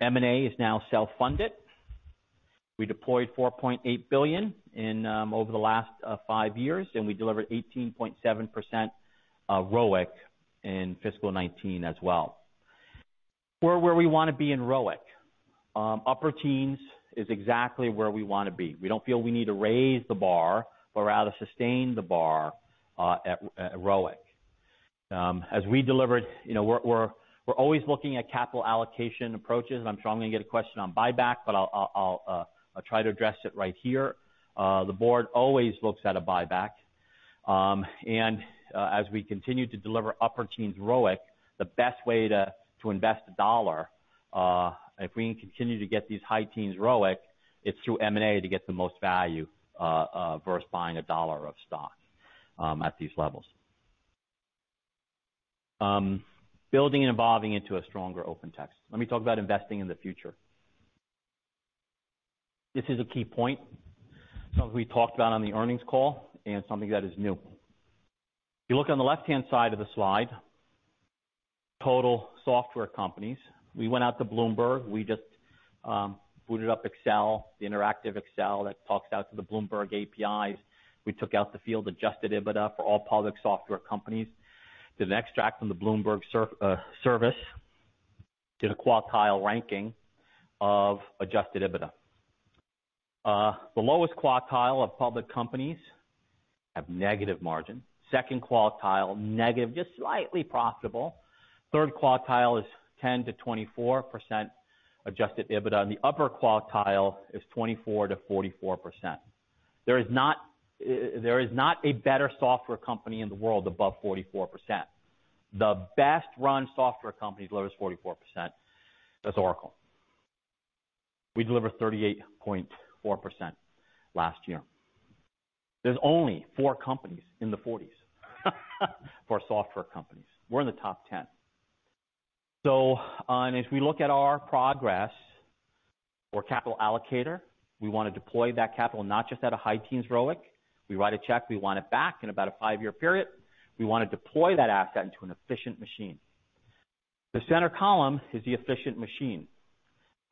M&A is now self-funded. We deployed $4.8 billion over the last five years. We delivered 18.7% ROIC in fiscal 2019 as well. We're where we want to be in ROIC. Upper teens is exactly where we want to be. We don't feel we need to raise the bar, rather sustain the bar at ROIC. We're always looking at capital allocation approaches. I'm sure I'm going to get a question on buyback. I'll try to address it right here. The board always looks at a buyback. As we continue to deliver upper teens ROIC, the best way to invest a dollar, if we can continue to get these high teens ROIC, it's through M&A to get the most value versus buying a dollar of stock at these levels. Building and evolving into a stronger OpenText. Let me talk about investing in the future. This is a key point. Something we talked about on the earnings call and something that is new. If you look on the left-hand side of the slide, total software companies. We went out to Bloomberg. We just booted up Excel, the interactive Excel that talks out to the Bloomberg APIs. We took out the field adjusted EBITDA for all public software companies. Did an extract from the Bloomberg service. Did a quartile ranking of adjusted EBITDA. The lowest quartile of public companies have negative margin. Second quartile, negative, just slightly profitable. Third quartile is 10%-24% adjusted EBITDA, and the upper quartile is 24%-44%. There is not a better software company in the world above 44%. The best run software company as low as 44%, that's Oracle. We delivered 38.4% last year. There's only four companies in the 40s for software companies. We're in the top 10. And as we look at our progress or capital allocator, we want to deploy that capital not just at a high teens ROIC. We write a check, we want it back in about a five-year period. We want to deploy that asset into an efficient machine. The center column is the efficient machine.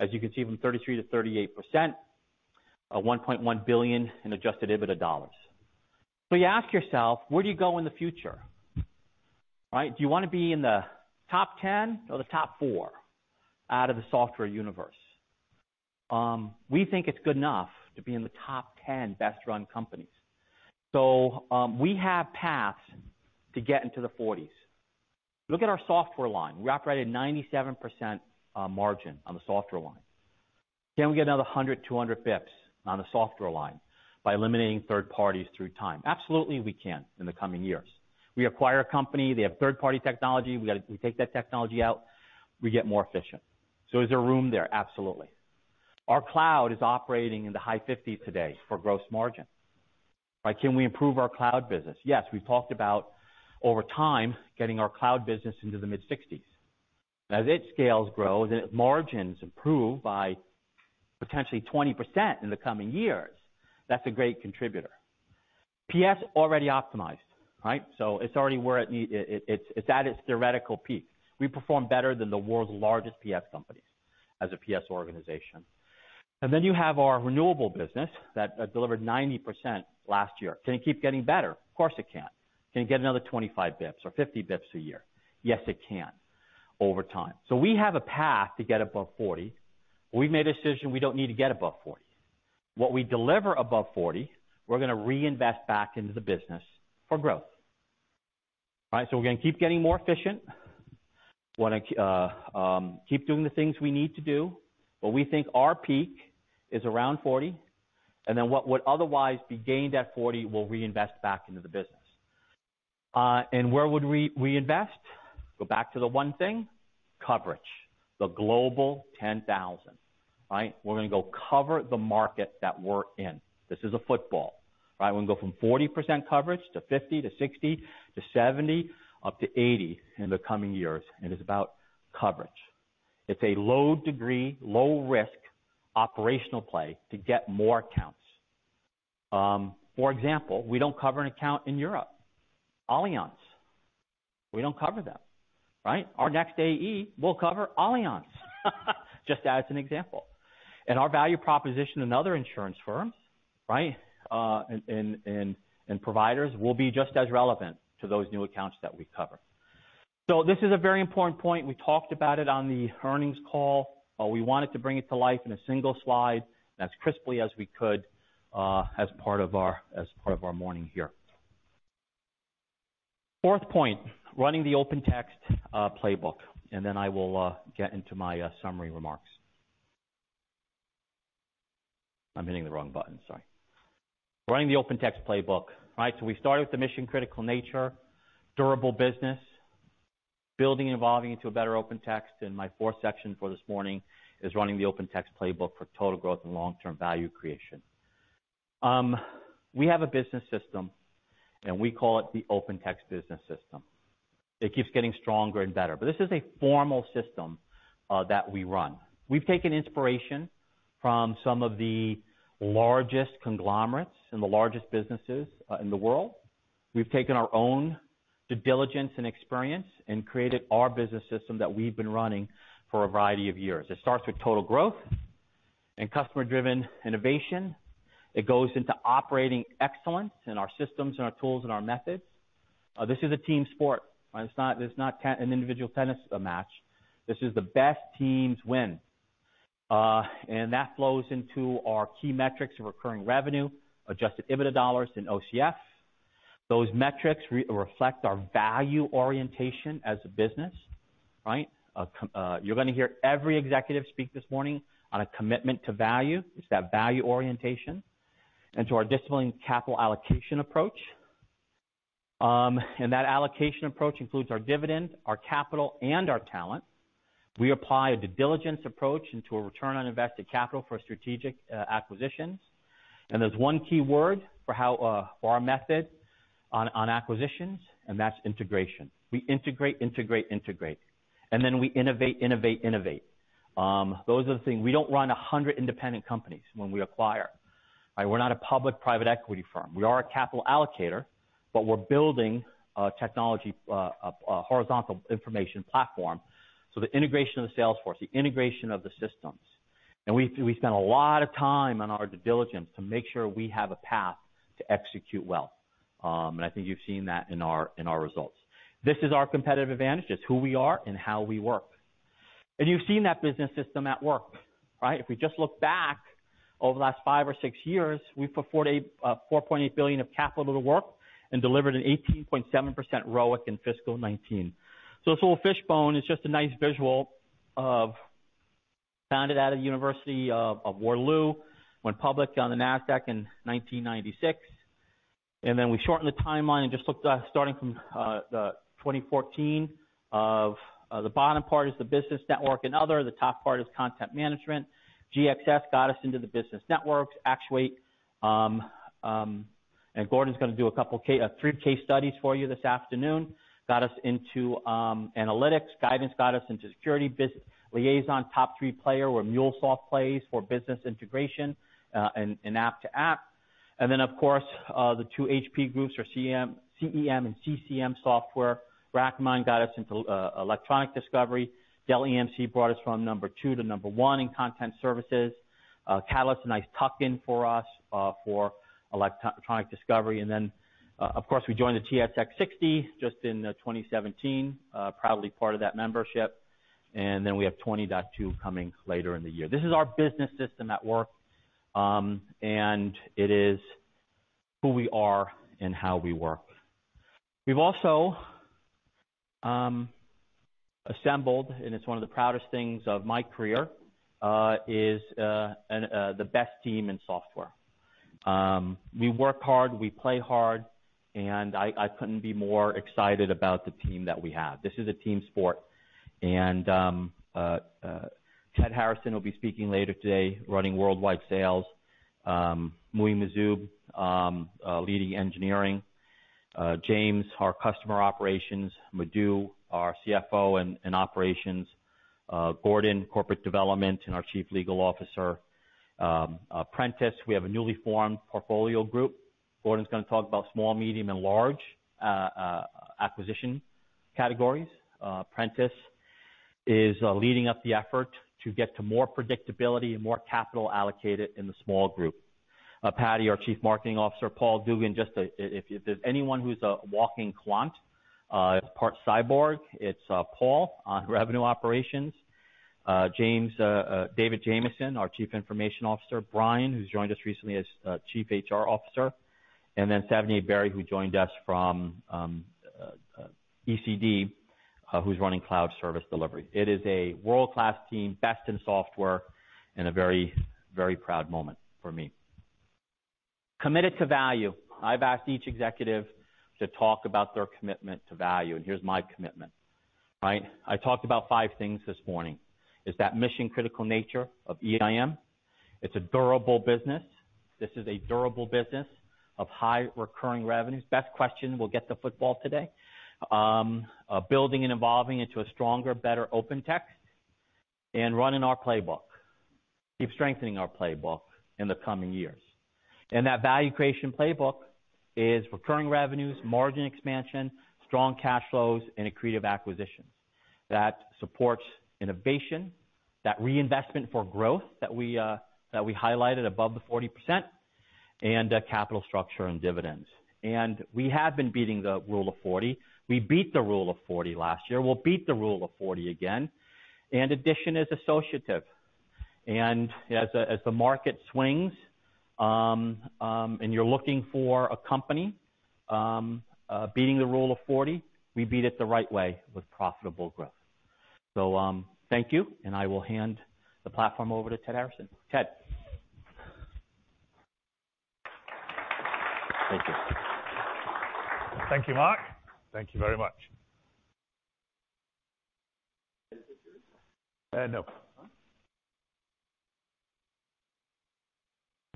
As you can see, from 33% to 38%, a $1.1 billion in adjusted EBITDA dollars. You ask yourself, where do you go in the future, right? Do you want to be in the top 10 or the top four out of the software universe? We think it's good enough to be in the top 10 best-run companies. We have paths to get into the 40s. Look at our software line. We operate at a 97% margin on the software line. Can we get another 100, 200 basis points on the software line by eliminating third parties through time? Absolutely, we can in the coming years. We acquire a company, they have third-party technology. We take that technology out, we get more efficient. Is there room there? Absolutely. Our cloud is operating in the high 50s today for gross margin, right? Can we improve our cloud business? Yes. We've talked about, over time, getting our cloud business into the mid-60s. As its scales grow, then its margins improve by potentially 20% in the coming years. That's a great contributor. PS already optimized, right? It's already where it's at its theoretical peak. We perform better than the world's largest PS companies as a PS organization. You have our renewable business that delivered 90% last year. Can it keep getting better? Of course, it can. Can it get another 25 basis points or 50 basis points a year? Yes, it can over time. We have a path to get above 40. We've made a decision we don't need to get above 40. What we deliver above 40, we're going to reinvest back into the business for growth. We're going to keep getting more efficient, want to keep doing the things we need to do, but we think our peak is around 40, and then what would otherwise be gained at 40, we'll reinvest back into the business. Where would we reinvest? Go back to the one thing, coverage. The Global 10,000, right? We're going to go cover the market that we're in. This is a football, right? We're going to go from 40% coverage to 50% to 60% to 70% up to 80% in the coming years. It's about coverage. It's a low degree, low risk operational play to get more accounts. For example, we don't cover an account in Europe. Allianz, we don't cover them, right? Our next AE will cover Allianz, just as an example. Our value proposition and other insurance firms, right, and providers will be just as relevant to those new accounts that we cover. This is a very important point. We talked about it on the earnings call. We wanted to bring it to life in a single slide, as crisply as we could, as part of our morning here. Fourth point, running the OpenText playbook, then I will get into my summary remarks. I'm hitting the wrong button, sorry. Running the OpenText playbook, right? We started with the mission-critical nature, durable business, building and evolving into a better OpenText. My fourth section for this morning is running the OpenText playbook for total growth and long-term value creation. We have a business system, and we call it the OpenText Business System. It keeps getting stronger and better, but this is a formal system that we run. We've taken inspiration from some of the largest conglomerates and the largest businesses in the world. We've taken our own due diligence and experience and created our business system that we've been running for a variety of years. It starts with total growth and customer-driven innovation. It goes into operating excellence in our systems and our tools and our methods. This is a team sport. It's not an individual tennis match. This is the best teams win. That flows into our key metrics of recurring revenue, adjusted EBITDA dollars in OCF. Those metrics reflect our value orientation as a business, right? You're going to hear every executive speak this morning on a commitment to value. It's that value orientation. To our disciplined capital allocation approach. That allocation approach includes our dividend, our capital, and our talent. We apply a due diligence approach into a return on invested capital for strategic acquisitions. There's one key word for our method on acquisitions, and that's integration. We integrate, integrate, and then we innovate, innovate. Those are the things. We don't run 100 independent companies when we acquire. We're not a public-private equity firm. We are a capital allocator, but we're building a technology, a horizontal information platform. The integration of the Salesforce, the integration of the systems. We spend a lot of time on our due diligence to make sure we have a path to execute well. I think you've seen that in our results. This is our competitive advantage. It's who we are and how we work. You've seen that business system at work, right? If we just look back over the last five or six years, we've put $4.8 billion of capital to work and delivered an 18.7% ROIC in fiscal 2019. This little fish bone is just a nice visual of founded out of the University of Waterloo, went public on the Nasdaq in 1996. We then shorten the timeline and just look starting from the 2014 of the bottom part is the Business Network and other, the top part is Content Management. GXS got us into the business networks. Actuate, and Gordon's going to do three case studies for you this afternoon, got us into analytics. Guidance got us into security business. Liaison, top three player where MuleSoft plays for business integration and app to app. Of course, the two HP groups are CEM and CCM Software. Recommind got us into electronic discovery. Dell EMC brought us from number two to number one in content services. Catalyst, a nice tuck-in for us, for electronic discovery. Of course, we joined the TSX-60 just in 2017. Proudly part of that membership. We have 20.2 coming later in the year. This is our business system at work, and it is who we are and how we work. We've also assembled, and it's one of the proudest things of my career, is the best team in software. We work hard, we play hard, and I couldn't be more excited about the team that we have. This is a team sport. Simon Harrison will be speaking later today, running Worldwide Sales. Muhi Majzoub, leading Engineering. James, our Customer Operations. Madhu, our CFO and Operations. Gordon, Corporate Development and our Chief Legal Officer. Prentiss, we have a newly formed Portfolio Group. Gordon's going to talk about small, medium, and large acquisition categories. Prentiss is leading up the effort to get to more predictability and more capital allocated in the small group. Patty, our Chief Marketing Officer. Paul Duggan, if there's anyone who's a walking quant, part cyborg, it's Paul on Revenue Operations. David Jamieson, our Chief Information Officer. Brian, who's joined us recently as Chief HR Officer. Savinay Berry, who joined us from ECD, who's running Cloud Service Delivery. It is a world-class team, best in software, and a very proud moment for me. Committed to value. I've asked each executive to talk about their commitment to value. Here's my commitment. I talked about five things this morning. It's that mission-critical nature of EIM. It's a durable business. This is a durable business of high recurring revenues. Best question will get the football today. Building and evolving into a stronger, better OpenText. Running our playbook. Keep strengthening our playbook in the coming years. That value creation playbook is recurring revenues, margin expansion, strong cash flows, and accretive acquisitions that supports innovation, that reinvestment for growth that we highlighted above the 40%, capital structure and dividends. We have been beating the rule of 40. We beat the rule of 40 last year. We'll beat the rule of 40 again. Addition is associative. As the market swings, and you're looking for a company beating the rule of 40, we beat it the right way with profitable growth. Thank you, and I will hand the platform over to Simon Harrison. Simon. Thank you. Thank you, Mark. Thank you very much. Is this yours? No. Huh.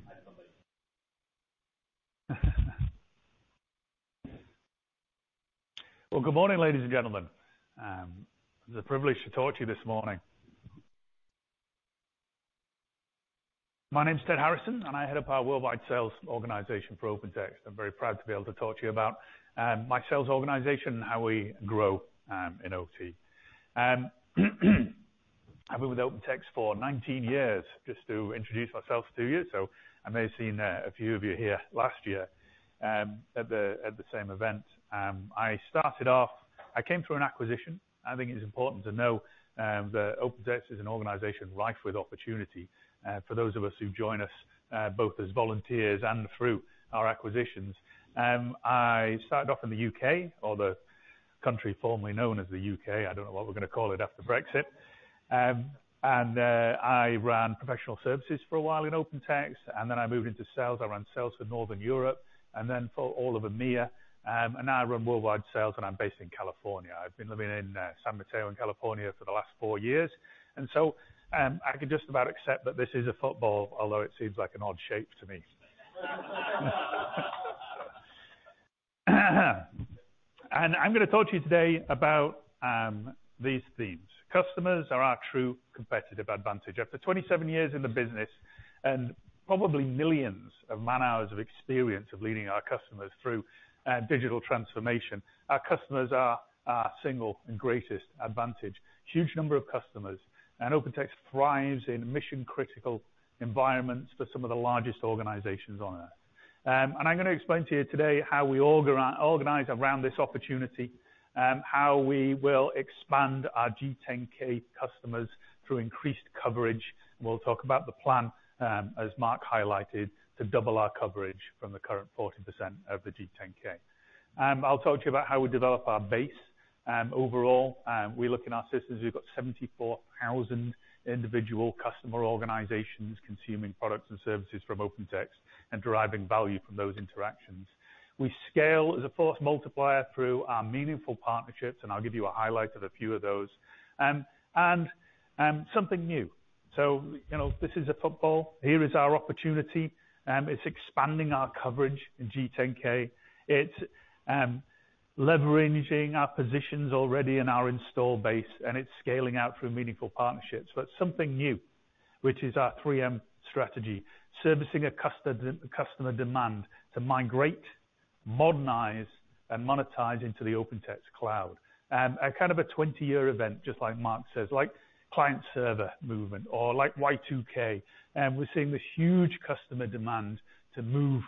I have no idea. Well, good morning, ladies and gentlemen. It's a privilege to talk to you this morning. My name's Simon Harrison, I head up our worldwide sales organization for OpenText. I'm very proud to be able to talk to you about my sales organization and how we grow in OT. I've been with OpenText for 19 years, just to introduce myself to you. I may have seen a few of you here last year at the same event. I came through an acquisition. I think it's important to know that OpenText is an organization rife with opportunity for those of us who join us, both as volunteers and through our acquisitions. I started off in the U.K., or the country formerly known as the U.K. I don't know what we're going to call it after Brexit. I ran professional services for a while in OpenText, then I moved into sales. I ran sales for Northern Europe and then for all of EMEA. Now I run worldwide sales, and I'm based in California. I've been living in San Mateo in California for the last four years. I could just about accept that this is a football, although it seems like an odd shape to me. I'm going to talk to you today about these themes. Customers are our true competitive advantage. After 27 years in the business and probably millions of man-hours of experience of leading our customers through digital transformation, our customers are our single and greatest advantage. Huge number of customers. OpenText thrives in mission-critical environments for some of the largest organizations on Earth. I'm going to explain to you today how we organize around this opportunity, how we will expand our G10K customers through increased coverage. We'll talk about the plan, as Mark highlighted, to double our coverage from the current 40% of the G10K. I'll talk to you about how we develop our base. Overall, we look in our systems, we've got 74,000 individual customer organizations consuming products and services from OpenText and deriving value from those interactions. I'll give you a highlight of a few of those. Something new. This is a football. Here is our opportunity. It's expanding our coverage in G10K. It's leveraging our positions already in our install base, and it's scaling out through meaningful partnerships. Something new, which is our 3M strategy, servicing a customer demand to migrate, modernize, and monetize into the OpenText Cloud. A kind of a 20-year event, just like Mark says, like client-server movement or like Y2K. We're seeing this huge customer demand to move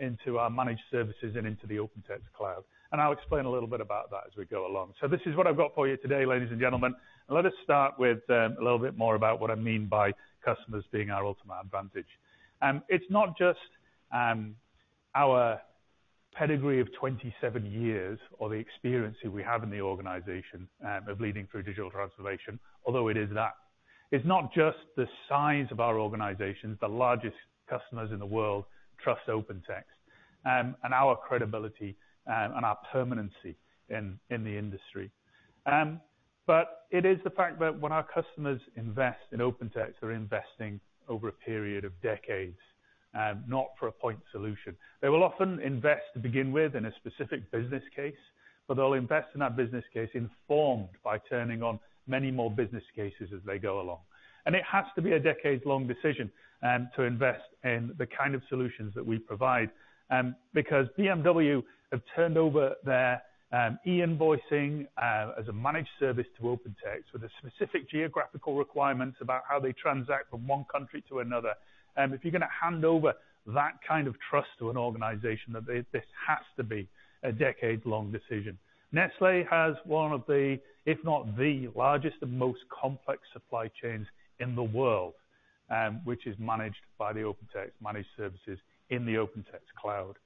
into our managed services and into the OpenText Cloud. I'll explain a little bit about that as we go along. This is what I've got for you today, ladies and gentlemen. Let us start with a little bit more about what I mean by customers being our ultimate advantage. It's not just our pedigree of 27 years or the experience that we have in the organization of leading through digital transformation, although it is that. It's not just the size of our organizations, the largest customers in the world trust OpenText, and our credibility, and our permanency in the industry. It is the fact that when our customers invest in OpenText, they're investing over a period of decades, not for a point solution. They will often invest to begin with in a specific business case, but they'll invest in that business case informed by turning on many more business cases as they go along. It has to be a decades long decision to invest in the kind of solutions that we provide, because BMW have turned over their e-invoicing as a managed service to OpenText with a specific geographical requirements about how they transact from one country to another. If you're going to hand over that kind of trust to an organization, this has to be a decade long decision. Nestlé has one of the, if not the largest and most complex supply chains in the world, which is managed by the OpenText Managed Services in the OpenText Cloud.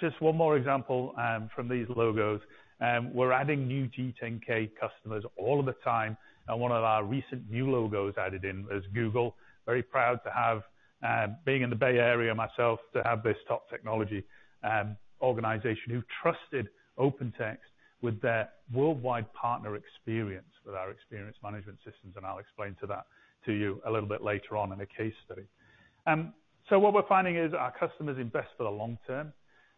Just one more example from these logos. We're adding new G10K customers all of the time, and one of our recent new logos added in is Google. Very proud to have, being in the Bay Area myself, to have this top technology organization who trusted OpenText with their worldwide partner experience with our experience management systems. I'll explain to that to you a little bit later on in a case study. What we're finding is that our customers invest for the long term.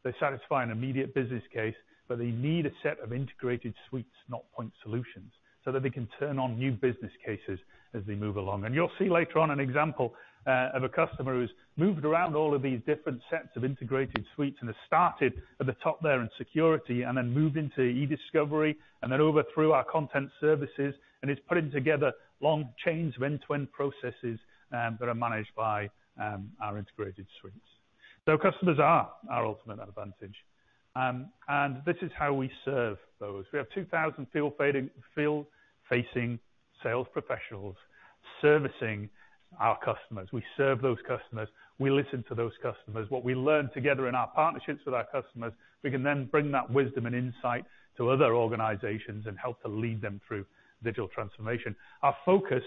They satisfy an immediate business case, but they need a set of integrated suites, not point solutions, so that they can turn on new business cases as they move along. You'll see later on an example of a customer who's moved around all of these different sets of integrated suites and has started at the top there in security and then moved into e-discovery and then over through our content services and is putting together long chains of end-to-end processes that are managed by our integrated suites. Customers are our ultimate advantage. This is how we serve those. We have 2,000 field-facing sales professionals servicing our customers. We serve those customers. We listen to those customers. What we learn together in our partnerships with our customers, we can then bring that wisdom and insight to other organizations and help to lead them through digital transformation. Our focus,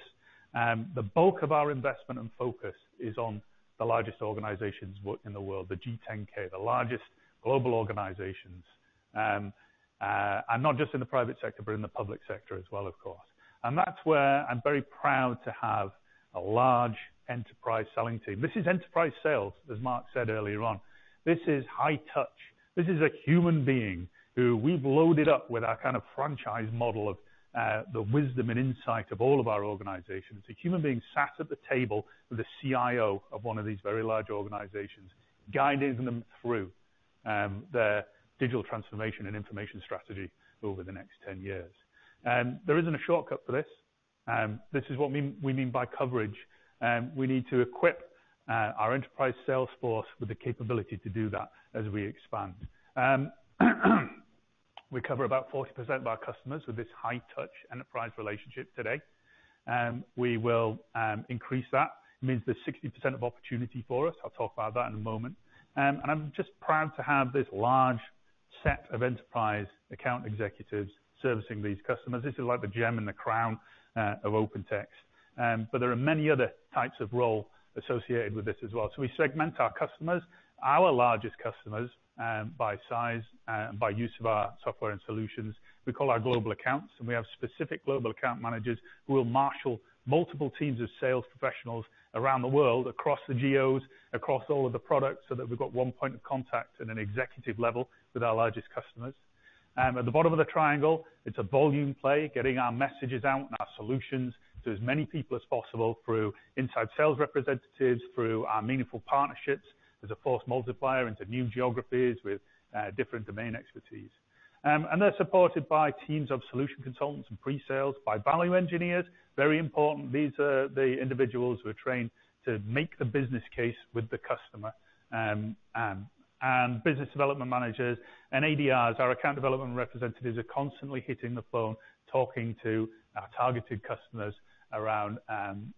the bulk of our investment and focus is on the largest organizations in the world, the G10K, the largest global organizations. Not just in the private sector, but in the public sector as well, of course. That's where I'm very proud to have a large enterprise selling team. This is enterprise sales, as Mark said earlier on. This is high touch. This is a human being who we've loaded up with our kind of franchise model of the wisdom and insight of all of our organizations. A human being sat at the table with a CIO of one of these very large organizations, guiding them through their digital transformation and information strategy over the next 10 years. There isn't a shortcut for this. This is what we mean by coverage. We need to equip our enterprise sales force with the capability to do that as we expand. We cover about 40% of our customers with this high touch enterprise relationship today. We will increase that. It means there's 60% of opportunity for us. I'll talk about that in a moment. I'm just proud to have this large set of enterprise account executives servicing these customers. This is like the gem in the crown of OpenText. There are many other types of role associated with this as well. We segment our customers, our largest customers, by size and by use of our software and solutions. We call our global accounts, and we have specific global account managers who will marshal multiple teams of sales professionals around the world, across the geos, across all of the products, so that we've got one point of contact at an executive level with our largest customers. At the bottom of the triangle, it's a volume play, getting our messages out and our solutions to as many people as possible through inside sales representatives, through our meaningful partnerships as a force multiplier into new geographies with different domain expertise. They're supported by teams of solution consultants and pre-sales, by value engineers. Very important. These are the individuals who are trained to make the business case with the customer. Business development managers and ADRs. Our account development representatives are constantly hitting the phone, talking to our targeted customers around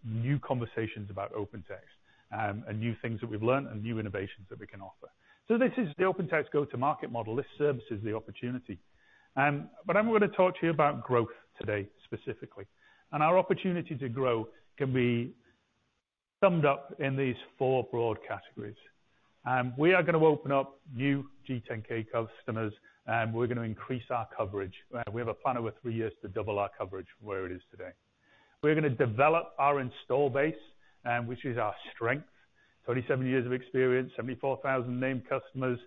new conversations about OpenText, and new things that we've learned, and new innovations that we can offer. This is the OpenText go-to-market model. This service is the opportunity. I'm going to talk to you about growth today, specifically. Our opportunity to grow can be summed up in these four broad categories. We are going to open up new G10K customers, and we're going to increase our coverage. We have a plan over three years to double our coverage from where it is today. We're going to develop our install base, which is our strength. 27 years of experience, 74,000 named customers,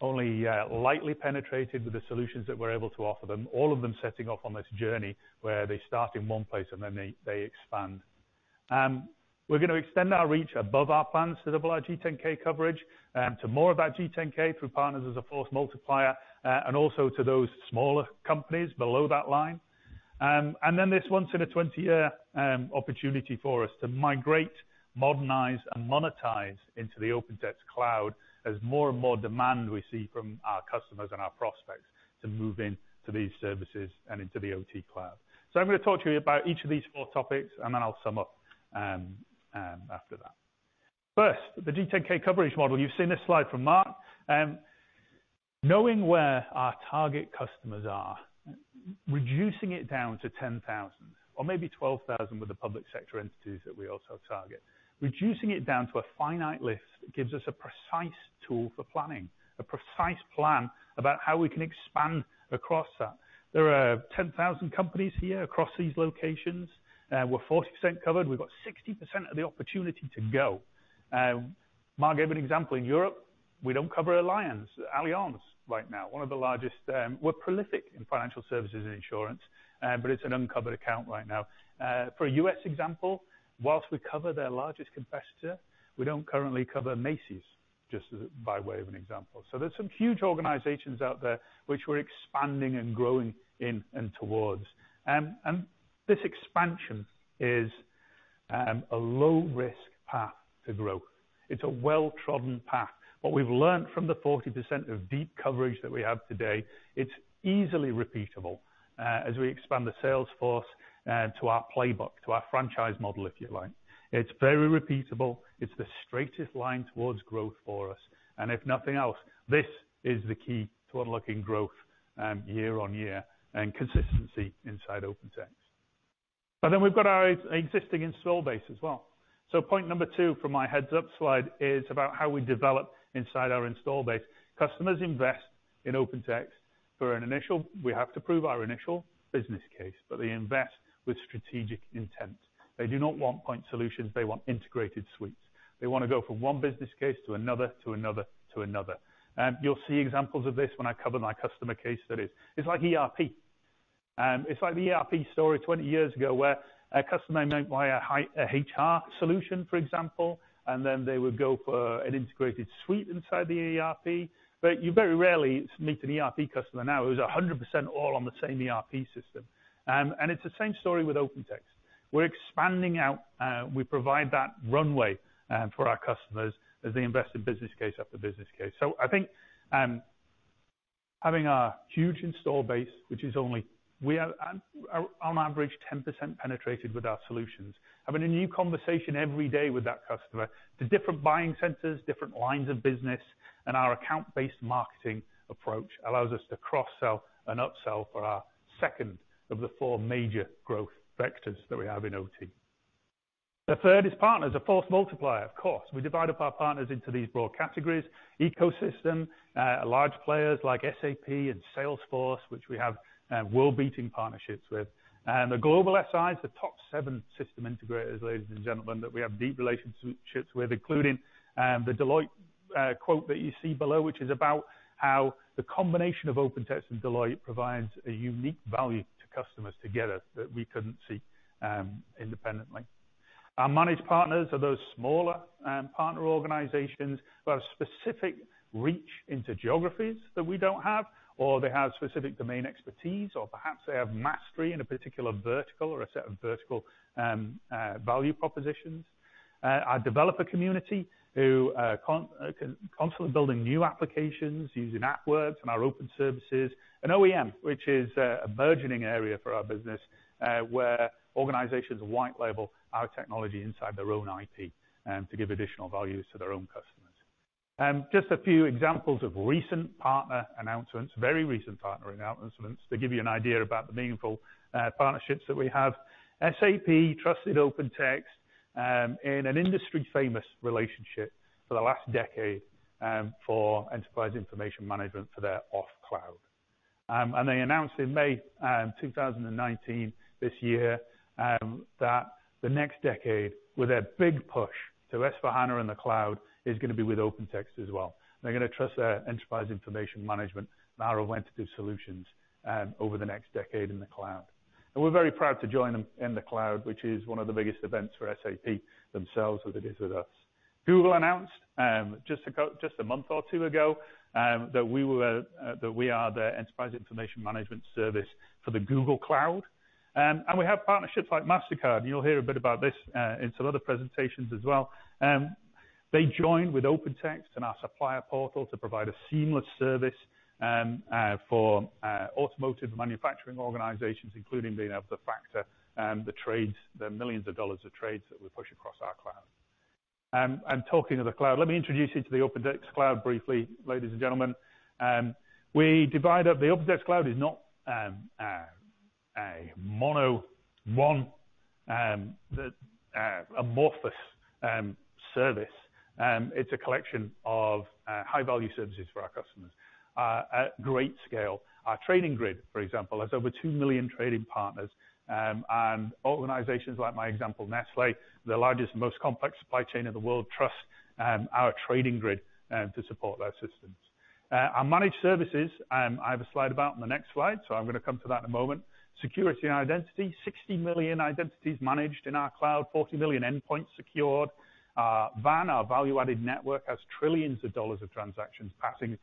only lightly penetrated with the solutions that we're able to offer them, all of them setting off on this journey where they start in one place and then they expand. We're going to extend our reach above our plans to double our G10K coverage to more of that G10K through partners as a force multiplier, and also to those smaller companies below that line. This once in a 20-year opportunity for us to migrate, modernize, and monetize into the OpenText Cloud as more and more demand we see from our customers and our prospects to move into these services and into the OT Cloud. I'm going to talk to you about each of these four topics, then I'll sum up after that. First, the G10K coverage model. You've seen this slide from Mark. Knowing where our target customers are, reducing it down to 10,000 or maybe 12,000 with the public sector entities that we also target. Reducing it down to a finite list gives us a precise tool for planning, a precise plan about how we can expand across that. There are 10,000 companies here across these locations. We're 40% covered. We've got 60% of the opportunity to go. Mark gave an example. In Europe, we don't cover Allianz right now. We're prolific in financial services and insurance, it's an uncovered account right now. For a U.S. example, whilst we cover their largest competitor, we don't currently cover Macy's, just by way of an example. There's some huge organizations out there which we're expanding and growing in and towards. This expansion is a low-risk path to growth. It's a well-trodden path. What we've learned from the 40% of deep coverage that we have today, it's easily repeatable as we expand the sales force to our playbook, to our franchise model, if you like. It's very repeatable. It's the straightest line towards growth for us. If nothing else, this is the key to unlocking growth year on year and consistency inside OpenText. We've got our existing install base as well. Point number 2 from my heads-up slide is about how we develop inside our install base. We have to prove our initial business case, but they invest with strategic intent. They do not want point solutions. They want integrated suites. They want to go from one business case to another. You'll see examples of this when I cover my customer case studies. It's like the ERP story 20 years ago, where a customer might buy a HR solution, for example, and then they would go for an integrated suite inside the ERP. You very rarely meet an ERP customer now who's 100% all on the same ERP system. It's the same story with OpenText. We're expanding out. We provide that runway for our customers as they invest in business case after business case. I think having a huge install base, which is only on average 10% penetrated with our solutions, having a new conversation every day with that customer to different buying centers, different lines of business, and our account-based marketing approach allows us to cross-sell and upsell for our second of the four major growth vectors that we have in OT. The third is partners, a force multiplier, of course. We divide up our partners into these broad categories, ecosystem, large players like SAP and Salesforce, which we have world-beating partnerships with. The global SIs, the top seven system integrators, ladies and gentlemen, that we have deep relationships with, including the Deloitte quote that you see below, which is about how the combination of OpenText and Deloitte provides a unique value to customers together that we couldn't see independently. Our managed partners are those smaller partner organizations who have specific reach into geographies that we don't have, or they have specific domain expertise, or perhaps they have mastery in a particular vertical or a set of vertical value propositions. Our developer community who are constantly building new applications using AppWorks and our open services. OEM, which is a burgeoning area for our business, where organizations white label our technology inside their own IP to give additional values to their own customers. Just a few examples of recent partner announcements, very recent partner announcements to give you an idea about the meaningful partnerships that we have. SAP trusted OpenText in an industry-famous relationship for the last decade for enterprise information management for their off cloud. They announced in May 2019, this year, that the next decade, with a big push to S/4HANA and the cloud, is going to be with OpenText as well. They're going to trust their enterprise information management and our relative solutions over the next decade in the cloud. We're very proud to join them in the cloud, which is one of the biggest events for SAP themselves as it is with us. Google announced, just a month or two ago, that we are their enterprise information management service for the Google Cloud. We have partnerships like MasterCard, and you'll hear a bit about this in some other presentations as well. They joined with OpenText and our supplier portal to provide a seamless service for automotive manufacturing organizations, including being able to factor the trades, the millions of dollars of trades that we push across our cloud. Talking of the cloud, let me introduce you to the OpenText Cloud briefly, ladies and gentlemen. The OpenText Cloud is not a mono, one, amorphous service. It's a collection of high-value services for our customers at great scale. Our Trading Grid, for example, has over 2 million trading partners. Organizations like my example, Nestlé, the largest and most complex supply chain in the world, trust our Trading Grid to support their systems. Our managed services, I have a slide about on the next slide, so I'm going to come to that in a moment. Security and identity, 60 million identities managed in our cloud, 40 million endpoints secured. VAN, our value-added network, has $ trillions of transactions passing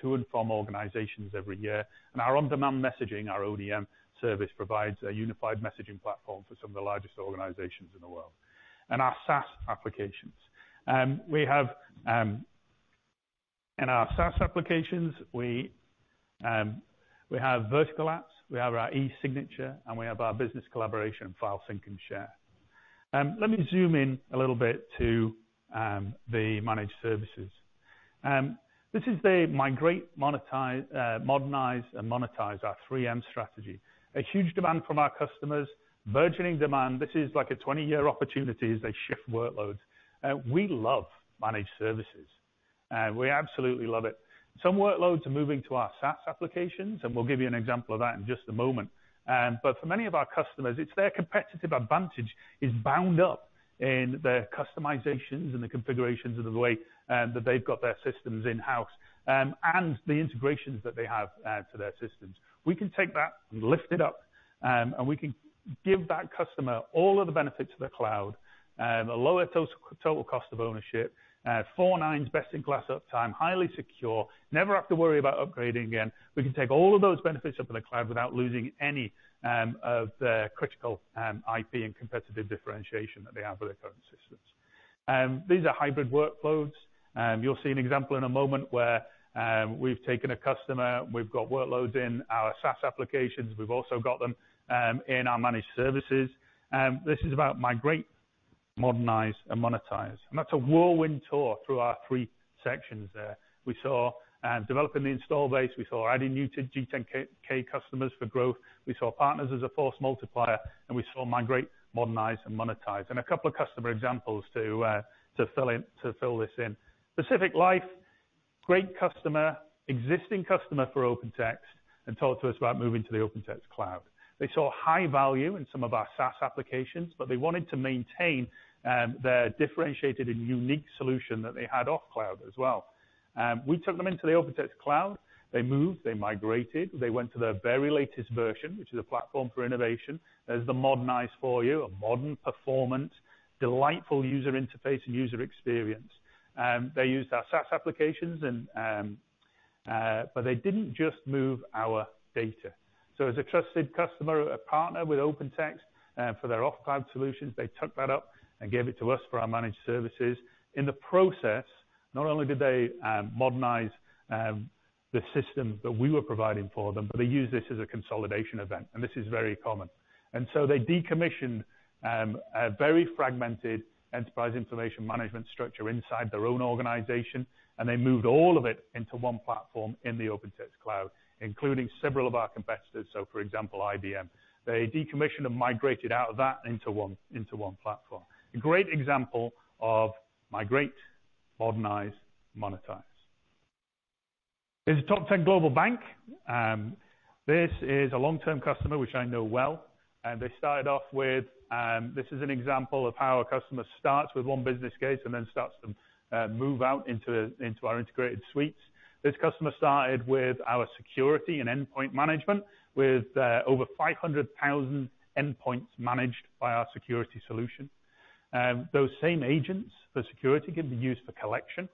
to and from organizations every year. Our on-demand messaging, our ODM service, provides a unified messaging platform for some of the largest organizations in the world. Our SaaS applications. In our SaaS applications, we have vertical apps. We have our e-signature, and we have our business collaboration, file sync and share. Let me zoom in a little bit to the managed services. This is the migrate, modernize and monetize, our 3M strategy. A huge demand from our customers. Burgeoning demand. This is like a 20-year opportunity as they shift workloads. We love managed services. We absolutely love it. Some workloads are moving to our SaaS applications, and we'll give you an example of that in just a moment. For many of our customers, it's their competitive advantage is bound up in their customizations and the configurations of the way that they've got their systems in-house, and the integrations that they have to their systems. We can take that and lift it up, and we can give that customer all of the benefits of the cloud, a lower total cost of ownership. Four nines best-in-class uptime, highly secure, never have to worry about upgrading again. We can take all of those benefits up in the cloud without losing any of the critical IP and competitive differentiation that they have for their current systems. These are hybrid workloads. You'll see an example in a moment where we've taken a customer, we've got workloads in our SaaS applications. We've also got them in our managed services. This is about migrate, modernize, and monetize. That's a whirlwind tour through our three sections there. We saw developing the install base. We saw adding new G10K customers for growth. We saw partners as a force multiplier, and we saw migrate, modernize, and monetize. A couple of customer examples to fill this in. Pacific Life, great customer, existing customer for OpenText, and talked to us about moving to the OpenText Cloud. They saw high value in some of our SaaS applications, but they wanted to maintain their differentiated and unique solution that they had off cloud as well. We took them into the OpenText Cloud. They moved, they migrated, they went to their very latest version, which is a platform for innovation. There's the modernize for you, a modern performance, delightful user interface and user experience. They used our SaaS applications, but they didn't just move our data. As a trusted customer, a partner with OpenText for their off-cloud solutions, they took that up and gave it to us for our managed services. In the process, not only did they modernize the system that we were providing for them, but they used this as a consolidation event, and this is very common. They decommissioned a very fragmented enterprise information management structure inside their own organization, and they moved all of it into one platform in the OpenText Cloud, including several of our competitors, so for example, IBM. They decommissioned and migrated out of that into one platform. A great example of Migrate, Modernize, Monetize. Here's a top 10 global bank. This is a long-term customer, which I know well. This is an example of how a customer starts with one business case and then starts to move out into our integrated suites. This customer started with our security and endpoint management with over 500,000 endpoints managed by our security solution. Those same agents for security can be used for collection.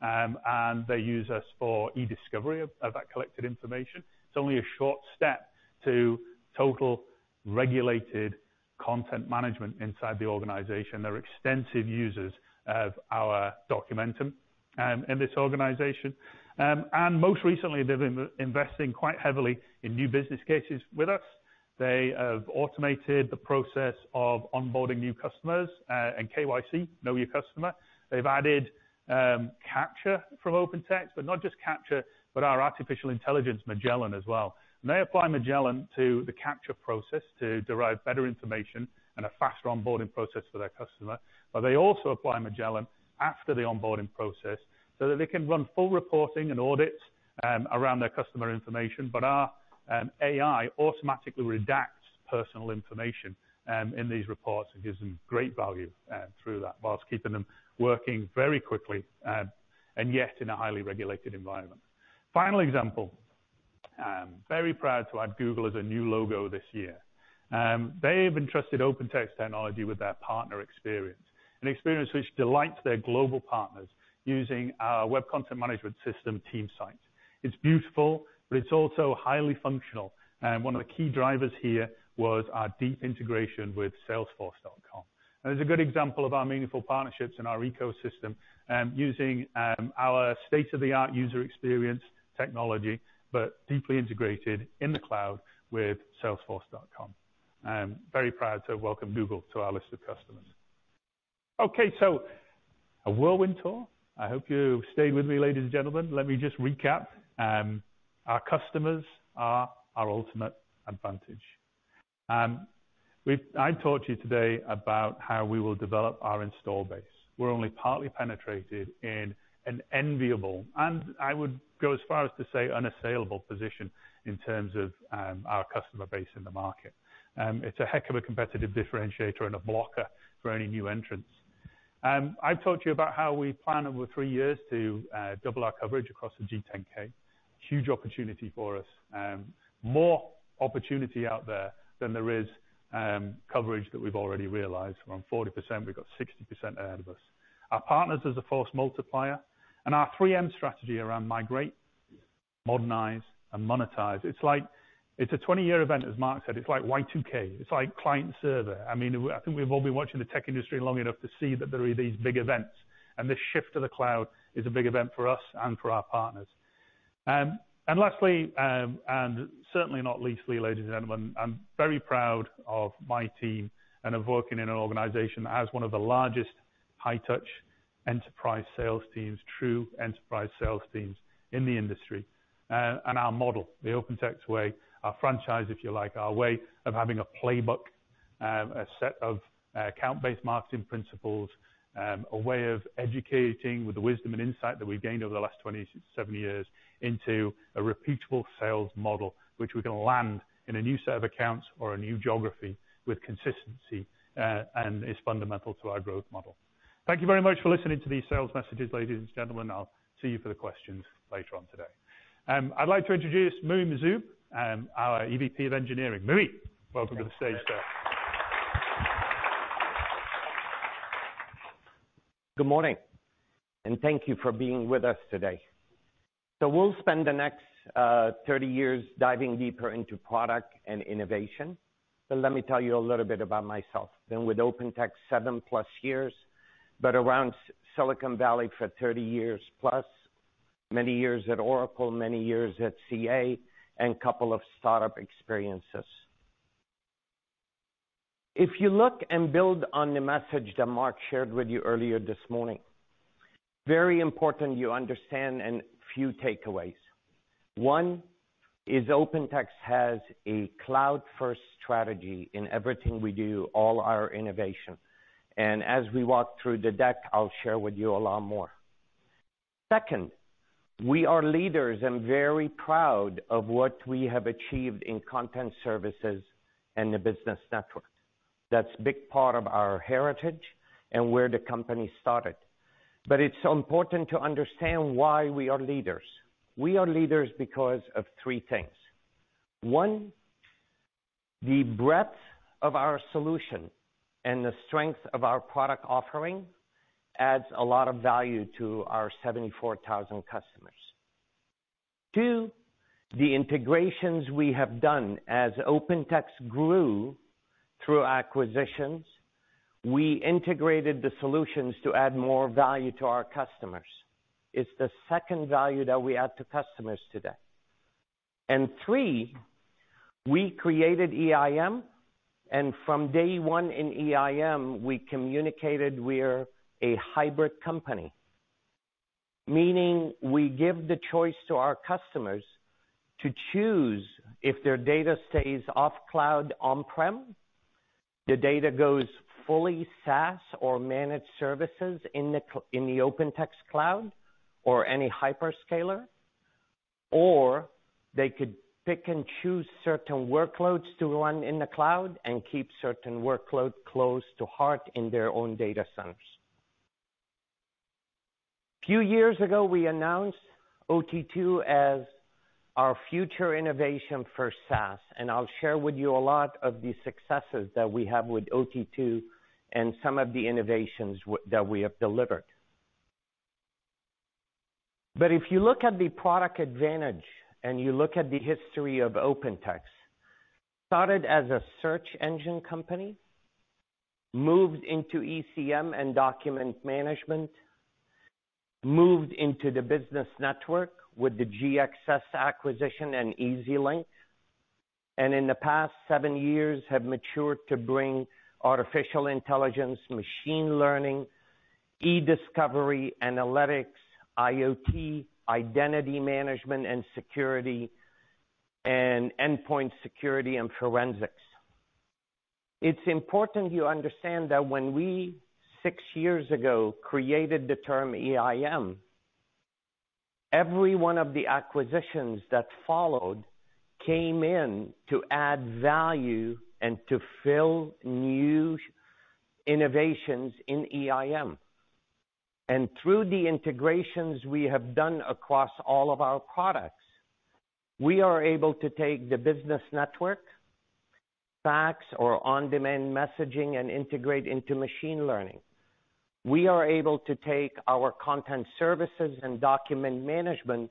They use us for e-discovery of that collected information. It's only a short step to total regulated content management inside the organization. They're extensive users of our Documentum in this organization. Most recently, they've been investing quite heavily in new business cases with us. They have automated the process of onboarding new customers, and KYC, know your customer. They've added Capture from OpenText, but not just Capture, but our artificial intelligence, Magellan, as well. They apply Magellan to the Capture process to derive better information and a faster onboarding process for their customer. They also apply Magellan after the onboarding process so that they can run full reporting and audits around their customer information. Our AI automatically redacts personal information in these reports and gives them great value through that while keeping them working very quickly, and yet in a highly regulated environment. Final example. Very proud to add Google as a new logo this year. They've entrusted OpenText technology with their partner experience, an experience which delights their global partners using our web content management system, Team Sites. It's beautiful, but it's also highly functional. One of the key drivers here was our deep integration with Salesforce.com. It's a good example of our meaningful partnerships in our ecosystem using our state-of-the-art user experience technology, but deeply integrated in the cloud with Salesforce.com. I'm very proud to welcome Google to our list of customers. Okay, a whirlwind tour. I hope you stayed with me, ladies and gentlemen. Let me just recap. Our customers are our ultimate advantage. I talked to you today about how we will develop our install base. We're only partly penetrated in an enviable, and I would go as far as to say, unassailable position in terms of our customer base in the market. It's a heck of a competitive differentiator and a blocker for any new entrants. I've talked to you about how we plan over three years to double our coverage across the G10K. Huge opportunity for us. More opportunity out there than there is coverage that we've already realized. From 40%, we've got 60% ahead of us. Our partners as a force multiplier and our 3M strategy around migrate, modernize, and monetize. It's a 20-year event, as Mark said. It's like Y2K. It's like client server. I think we've all been watching the tech industry long enough to see that there are these big events, and this shift to the cloud is a big event for us and for our partners. Lastly, and certainly not leastly, ladies and gentlemen, I'm very proud of my team and of working in an organization that has one of the largest high-touch enterprise sales teams, true enterprise sales teams in the industry. Our model, the OpenText way, our franchise, if you like, our way of having a playbook, a set of account-based marketing principles, a way of educating with the wisdom and insight that we've gained over the last 27 years into a repeatable sales model, which we're going to land in a new set of accounts or a new geography with consistency, and it's fundamental to our growth model. Thank you very much for listening to these sales messages, ladies and gentlemen. I'll see you for the questions later on today. I'd like to introduce Muhi Majzoub, our EVP of Engineering. Muhi, welcome to the stage, sir. Good morning, thank you for being with us today. We'll spend the next 30 years diving deeper into product and innovation. Let me tell you a little bit about myself. Been with OpenText seven plus years, but around Silicon Valley for 30 years plus, many years at Oracle, many years at CA, and a couple of startup experiences. If you look and build on the message that Mark shared with you earlier this morning, very important you understand an few takeaways. One is OpenText has a cloud-first strategy in everything we do, all our innovation. As we walk through the deck, I'll share with you a lot more. Second, we are leaders and very proud of what we have achieved in content services and the business network. That's big part of our heritage and where the company started. It's important to understand why we are leaders. We are leaders because of three things. One, the breadth of our solution and the strength of our product offering adds a lot of value to our 74,000 customers. Two, the integrations we have done as OpenText grew through acquisitions, we integrated the solutions to add more value to our customers. It's the second value that we add to customers today. Three, we created EIM, and from day one in EIM, we communicated we're a hybrid company. Meaning we give the choice to our customers to choose if their data stays off cloud, on-prem, the data goes fully SaaS or managed services in the OpenText Cloud or any hyperscaler, or they could pick and choose certain workloads to run in the cloud and keep certain workload close to heart in their own data centers. Few years ago, we announced OT2 as our future innovation for SaaS, and I'll share with you a lot of the successes that we have with OT2 and some of the innovations that we have delivered. If you look at the product advantage and you look at the history of OpenText, started as a search engine company, moved into ECM and document management, moved into the business network with the GXS acquisition and EasyLink. In the past seven years, have matured to bring artificial intelligence, machine learning, e-discovery, analytics, IoT, identity management and security, and endpoint security and forensics. It's important you understand that when we, six years ago, created the term EIM, every one of the acquisitions that followed came in to add value and to fill new innovations in EIM. Through the integrations we have done across all of our products, we are able to take the business network, fax or on-demand messaging, and integrate into machine learning. We are able to take our content services and document management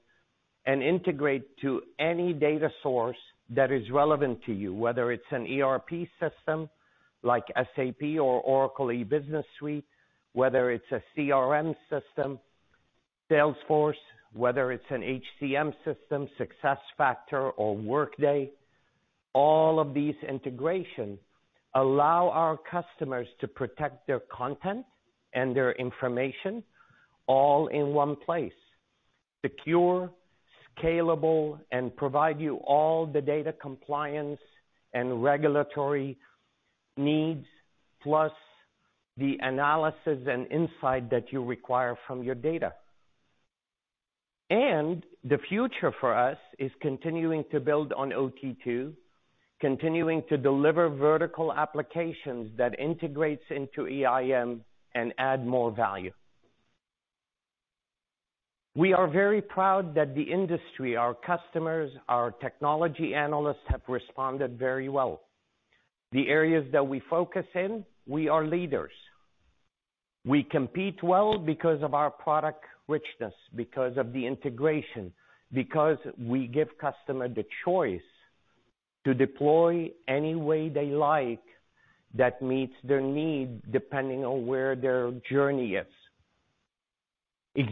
and integrate to any data source that is relevant to you, whether it's an ERP system like SAP or Oracle E-Business Suite, whether it's a CRM system Salesforce, whether it's an HCM system, SuccessFactors, or Workday, all of these integration allow our customers to protect their content and their information all in one place. Secure, scalable, and provide you all the data compliance and regulatory needs, plus the analysis and insight that you require from your data. The future for us is continuing to build on OT2, continuing to deliver vertical applications that integrates into EIM and add more value. We are very proud that the industry, our customers, our technology analysts have responded very well. The areas that we focus in, we are leaders. We compete well because of our product richness, because of the integration, because we give customer the choice to deploy any way they like that meets their need, depending on where their journey is. 10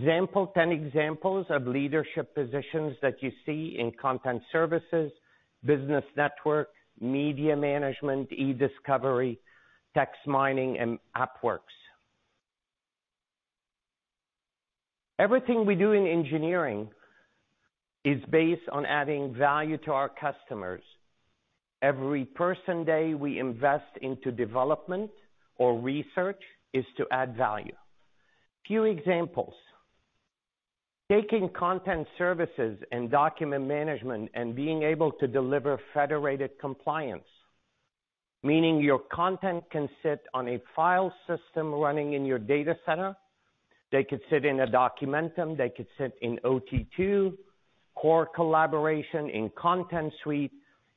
examples of leadership positions that you see in content services, business network, media management, e-discovery, text mining, and AppWorks. Everything we do in engineering is based on adding value to our customers. Every person day we invest into development or research is to add value. Few examples. Taking content services and document management and being able to deliver federated compliance, meaning your content can sit on a file system running in your data center. They could sit in a Documentum, they could sit in OT2, Core Collaboration in Content Suite,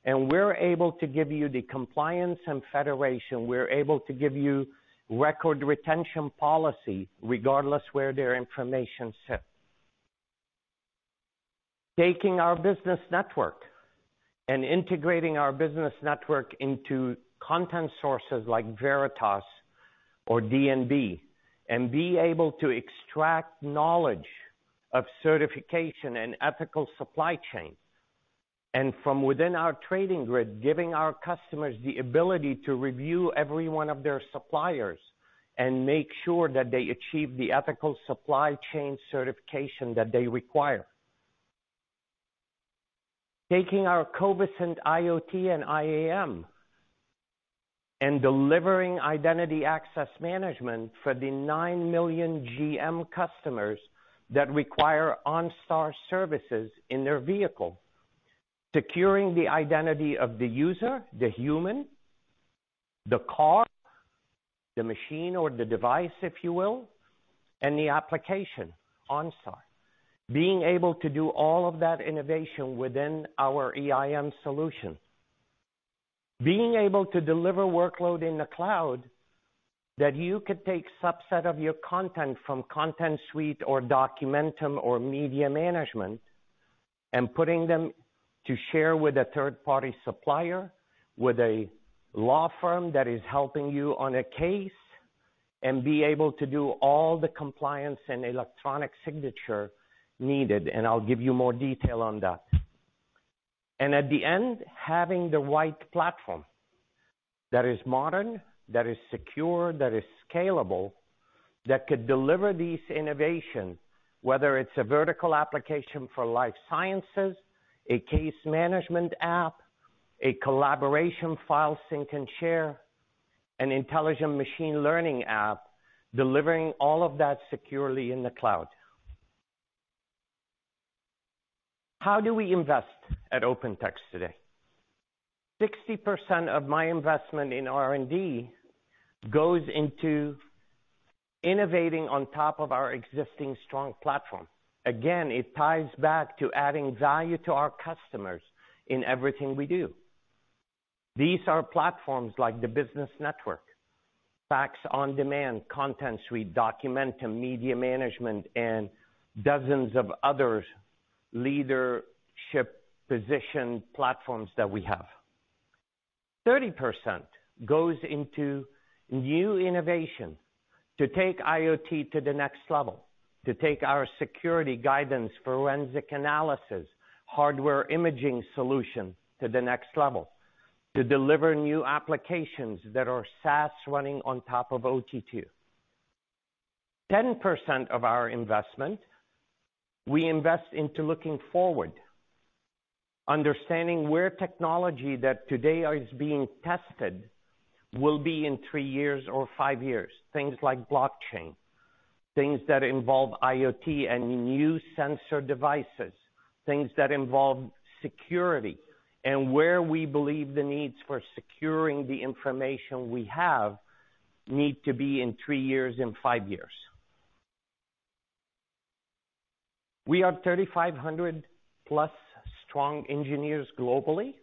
and we're able to give you the compliance and federation. We're able to give you record retention policy regardless where their information sit. Taking our business network and integrating our business network into content sources like Veritas or D&B, and be able to extract knowledge of certification and ethical supply chain. From within our Trading Grid, giving our customers the ability to review every one of their suppliers and make sure that they achieve the ethical supply chain certification that they require. Taking our Covisint IoT and IAM and delivering identity access management for the 9 million GM customers that require OnStar services in their vehicle. Securing the identity of the user, the human, the car, the machine, or the device, if you will, and the application, OnStar. Being able to do all of that innovation within our EIM solution. Being able to deliver workload in the cloud that you could take subset of your content from Content Suite or Documentum or media management, and putting them to share with a third-party supplier, with a law firm that is helping you on a case, and be able to do all the compliance and electronic signature needed. I'll give you more detail on that. At the end, having the right platform that is modern, that is secure, that is scalable, that could deliver these innovation, whether it's a vertical application for life sciences, a case management app, a collaboration file sync and share, an intelligent machine learning app, delivering all of that securely in the cloud. How do we invest at OpenText today? 60% of my investment in R&D goes into innovating on top of our existing strong platform. Again, it ties back to adding value to our customers in everything we do. These are platforms like the Business Network, Fax on Demand, Content Suite, Documentum, Media Management, and dozens of others leadership position platforms that we have. 30% goes into new innovation to take IoT to the next level, to take our security guidance, forensic analysis, hardware imaging solution to the next level, to deliver new applications that are SaaS running on top of OT2. 10% of our investment, we invest into looking forward, understanding where technology that today is being tested will be in three years or five years. Things like blockchain, things that involve IoT and new sensor devices, things that involve security, and where we believe the needs for securing the information we have need to be in three years and five years. We are 3,500-plus strong engineers globally.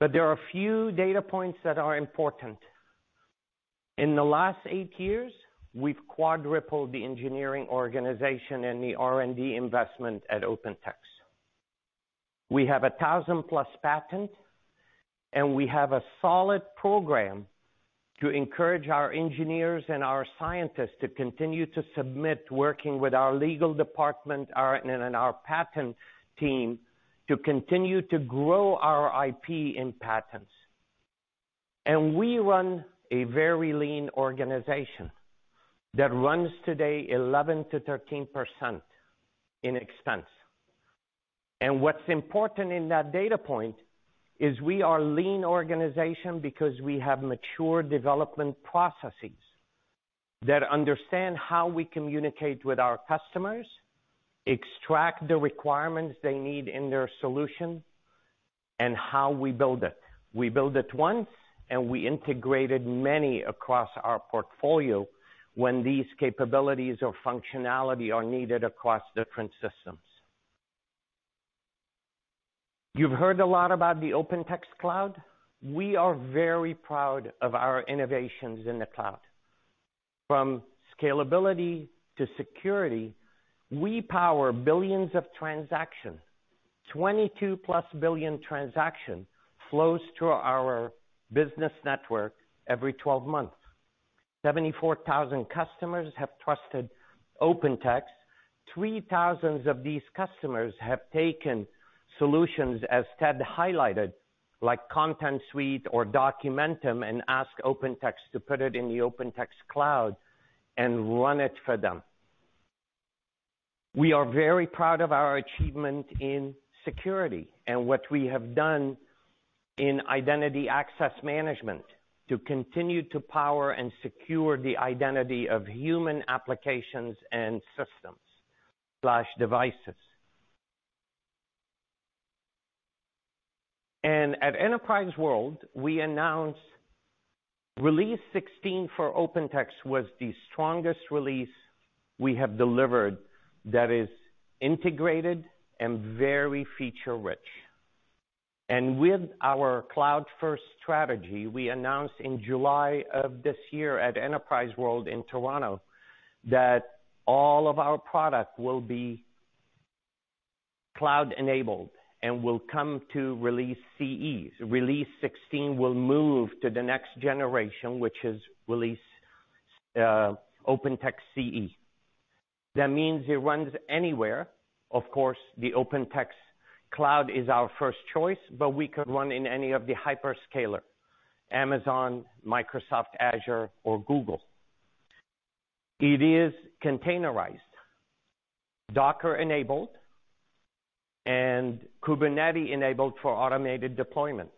There are a few data points that are important. In the last eight years, we've quadrupled the engineering organization and the R&D investment at OpenText. We have 1,000-plus patents. We have a solid program to encourage our engineers and our scientists to continue to submit, working with our legal department and our patent team, to continue to grow our IP in patents. We run a very lean organization that runs today 11%-13% in expense. What's important in that data point is we are a lean organization because we have mature development processes that understand how we communicate with our customers, extract the requirements they need in their solution, and how we build it. We build it once, we integrated many across our portfolio when these capabilities or functionality are needed across different systems. You've heard a lot about the OpenText Cloud. We are very proud of our innovations in the cloud. From scalability to security, we power billions of transactions. 22-plus billion transactions flows through our business network every 12 months. 74,000 customers have trusted OpenText. 3,000 of these customers have taken solutions, as Ted highlighted, like Content Suite or Documentum, and asked OpenText to put it in the OpenText Cloud and run it for them. We are very proud of our achievement in Identity and Access Management to continue to power and secure the identity of human applications and systems/devices. At OpenText World, we announced Release 16 for OpenText was the strongest release we have delivered that is integrated and very feature-rich. With our cloud-first strategy, we announced in July of this year at OpenText World in Toronto that all of our products will be cloud-enabled and will come to Release CE. Release 16 will move to the next generation, which is OpenText Cloud Editions. That means it runs anywhere. Of course, the OpenText Cloud is our first choice, but we could run in any of the hyperscaler, Amazon, Microsoft Azure, or Google. It is containerized, Docker-enabled, and Kubernetes-enabled for automated deployment,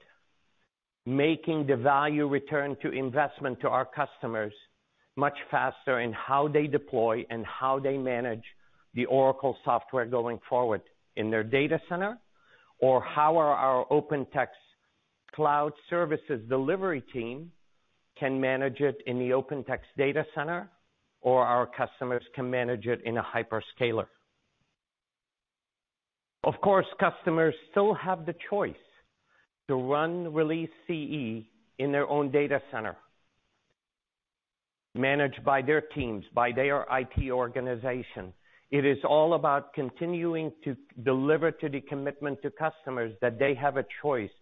making the value return to investment to our customers much faster in how they deploy and how they manage the Oracle software going forward in their data center, or how our OpenText Cloud Services delivery team can manage it in the OpenText Data Center, or our customers can manage it in a hyperscaler. Of course, customers still have the choice to run Release CE in their own data center, managed by their teams, by their IT organization. It is all about continuing to deliver to the commitment to customers that they have a choice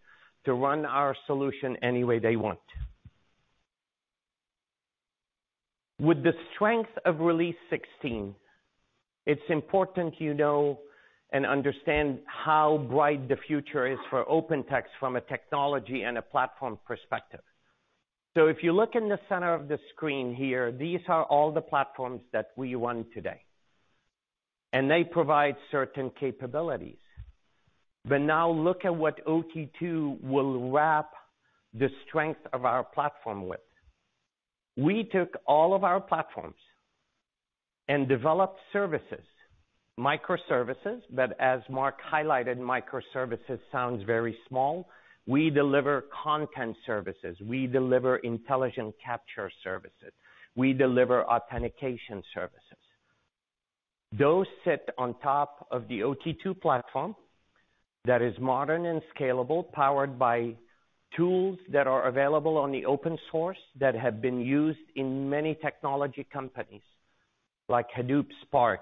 to run our solution any way they want. With the strength of Release 16, it's important you know and understand how bright the future is for OpenText from a technology and a platform perspective. If you look in the center of the screen here, these are all the platforms that we run today. They provide certain capabilities. Now look at what OT2 will wrap the strength of our platform with. We took all of our platforms and developed services, microservices. As Mark highlighted, microservices sounds very small. We deliver content services. We deliver intelligent capture services. We deliver authentication services. Those sit on top of the OT2 platform that is modern and scalable, powered by tools that are available on the open source that have been used in many technology companies like Hadoop, Spark,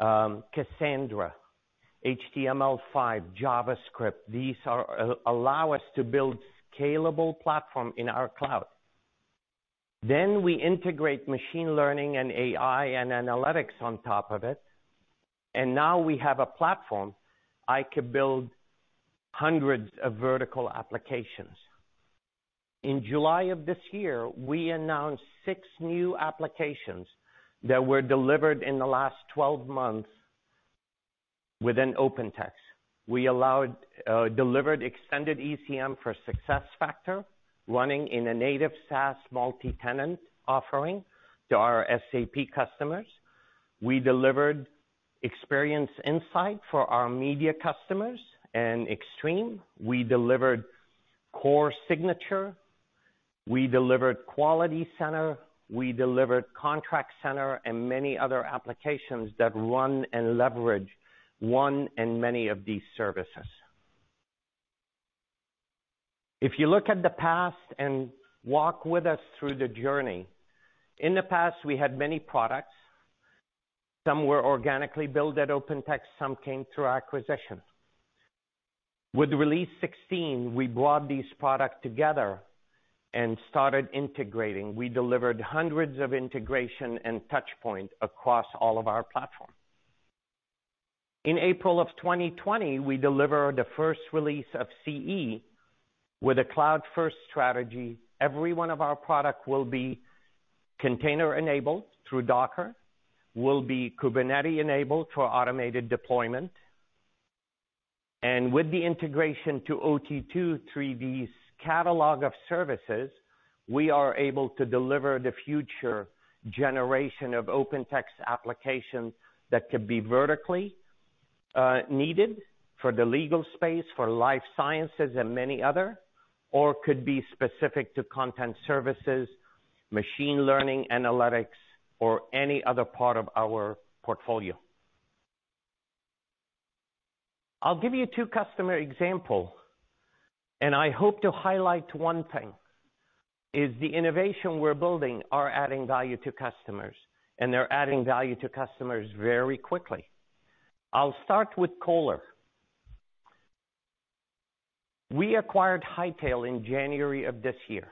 Cassandra, HTML5, JavaScript. These allow us to build scalable platform in our cloud. We integrate machine learning and AI and analytics on top of it, and now we have a platform I could build hundreds of vertical applications. In July of this year, we announced six new applications that were delivered in the last 12 months within OpenText. We delivered extended ECM for SuccessFactors, running in a native SaaS multi-tenant offering to our SAP customers. We delivered Experience Insight for our media customers and Exstream. We delivered Core Signature. We delivered Quality Center. We delivered Contract Center and many other applications that run and leverage one and many of these services. If you look at the past and walk with us through the journey, in the past, we had many products. Some were organically built at OpenText, some came through acquisition. With Release 16, we brought these products together and started integrating. We delivered hundreds of integration and touch points across all of our platforms. In April of 2020, we delivered the first release of CE with a cloud-first strategy. Every one of our products will be container enabled through Docker, will be Kubernetes enabled for automated deployment. With the integration to OT2's catalog of services, we are able to deliver the future generation of OpenText applications that could be vertically needed for the legal space, for life sciences, and many others, or could be specific to content services, machine learning, analytics, or any other part of our portfolio. I'll give you two customer examples, and I hope to highlight one thing, is the innovation we're building are adding value to customers, and they're adding value to customers very quickly. I'll start with Kohler. We acquired Hightail in January of this year.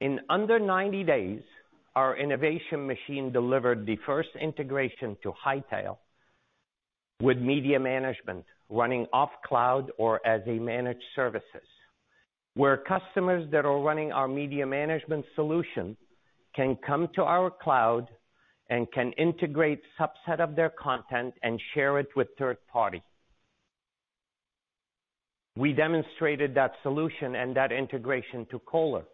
In under 90 days, our innovation machine delivered the first integration to Hightail with media management running off cloud or as a managed services, where customers that are running our media management solution can come to our cloud and can integrate subset of their content and share it with third party. We demonstrated that solution and that integration to Kohler.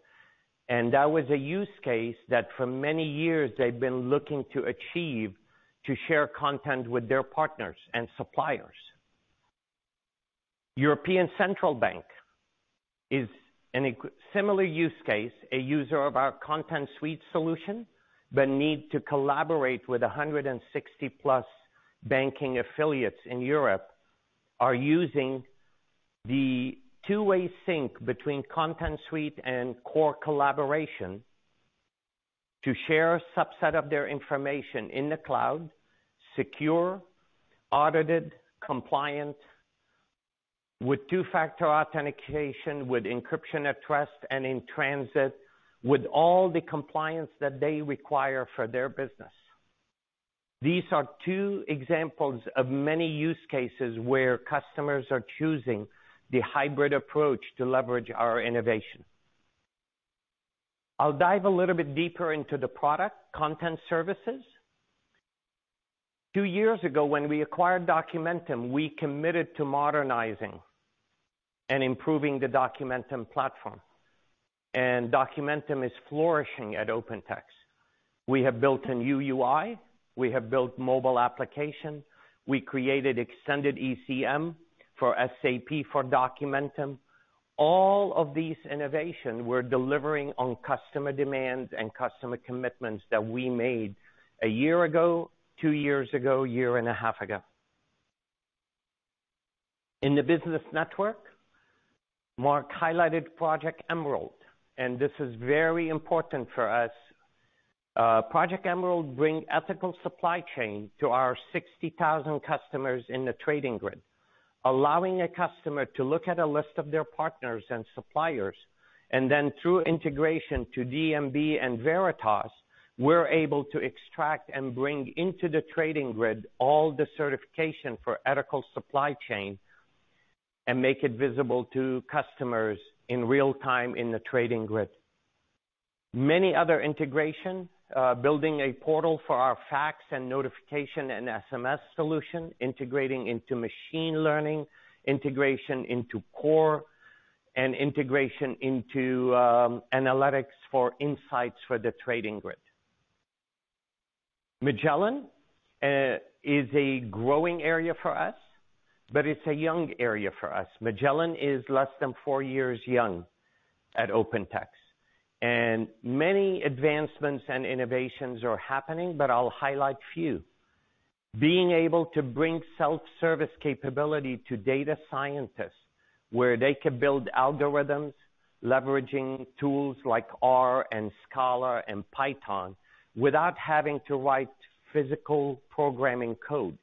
That was a use case that for many years they've been looking to achieve to share content with their partners and suppliers. European Central Bank is a similar use case, a user of our Content Suite solution. Need to collaborate with 160-plus banking affiliates in Europe are using the two-way sync between Content Suite and Core Collaboration to share a subset of their information in the cloud, secure, audited, compliant with two-factor authentication, with encryption at rest and in transit, with all the compliance that they require for their business. These are two examples of many use cases where customers are choosing the hybrid approach to leverage our innovation. I'll dive a little bit deeper into the product, Content Services. Two years ago, when we acquired Documentum, we committed to modernizing and improving the Documentum platform. Documentum is flourishing at OpenText. We have built a new UI, we have built mobile application, we created Extended ECM for SAP for Documentum. All of these innovations were delivering on customer demands and customer commitments that we made a year ago, two years ago, a year and a half ago. In the business network, Mark highlighted Project Emerald, and this is very important for us. Project Emerald bring ethical supply chain to our 60,000 customers in the Trading Grid, allowing a customer to look at a list of their partners and suppliers, and then through integration to D&B and Veritas, we're able to extract and bring into the Trading Grid all the certification for ethical supply chain and make it visible to customers in real time in the Trading Grid. Many other integration, building a portal for our fax and notification and SMS solution, integrating into machine learning, integration into Core, and integration into analytics for insights for the Trading Grid. Magellan is a growing area for us. It's a young area for us. Magellan is less than four years young at OpenText. Many advancements and innovations are happening, I'll highlight few. Being able to bring self-service capability to data scientists, where they can build algorithms leveraging tools like R and Scala and Python without having to write physical programming code.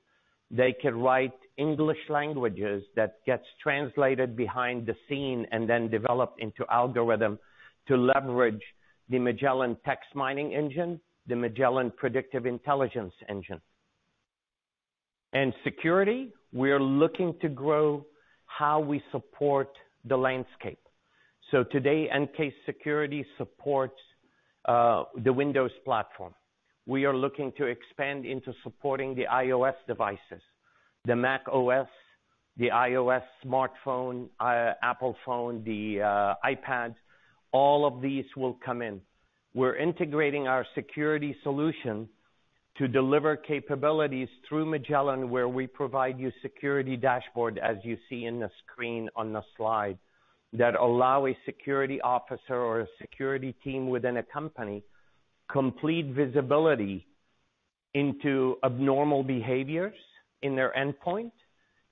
They can write English languages that gets translated behind the scene and then developed into algorithm to leverage the Magellan text mining engine, the Magellan predictive intelligence engine. Security, we are looking to grow how we support the landscape. Today, EnCase Security supports the Windows platform. We are looking to expand into supporting the iOS devices, the macOS, the iOS smartphone, Apple phone, the iPads. All of these will come in. We're integrating our security solution to deliver capabilities through Magellan, where we provide you security dashboard, as you see in the screen on the slide, that allow a security officer or a security team within a company complete visibility into abnormal behaviors in their endpoint,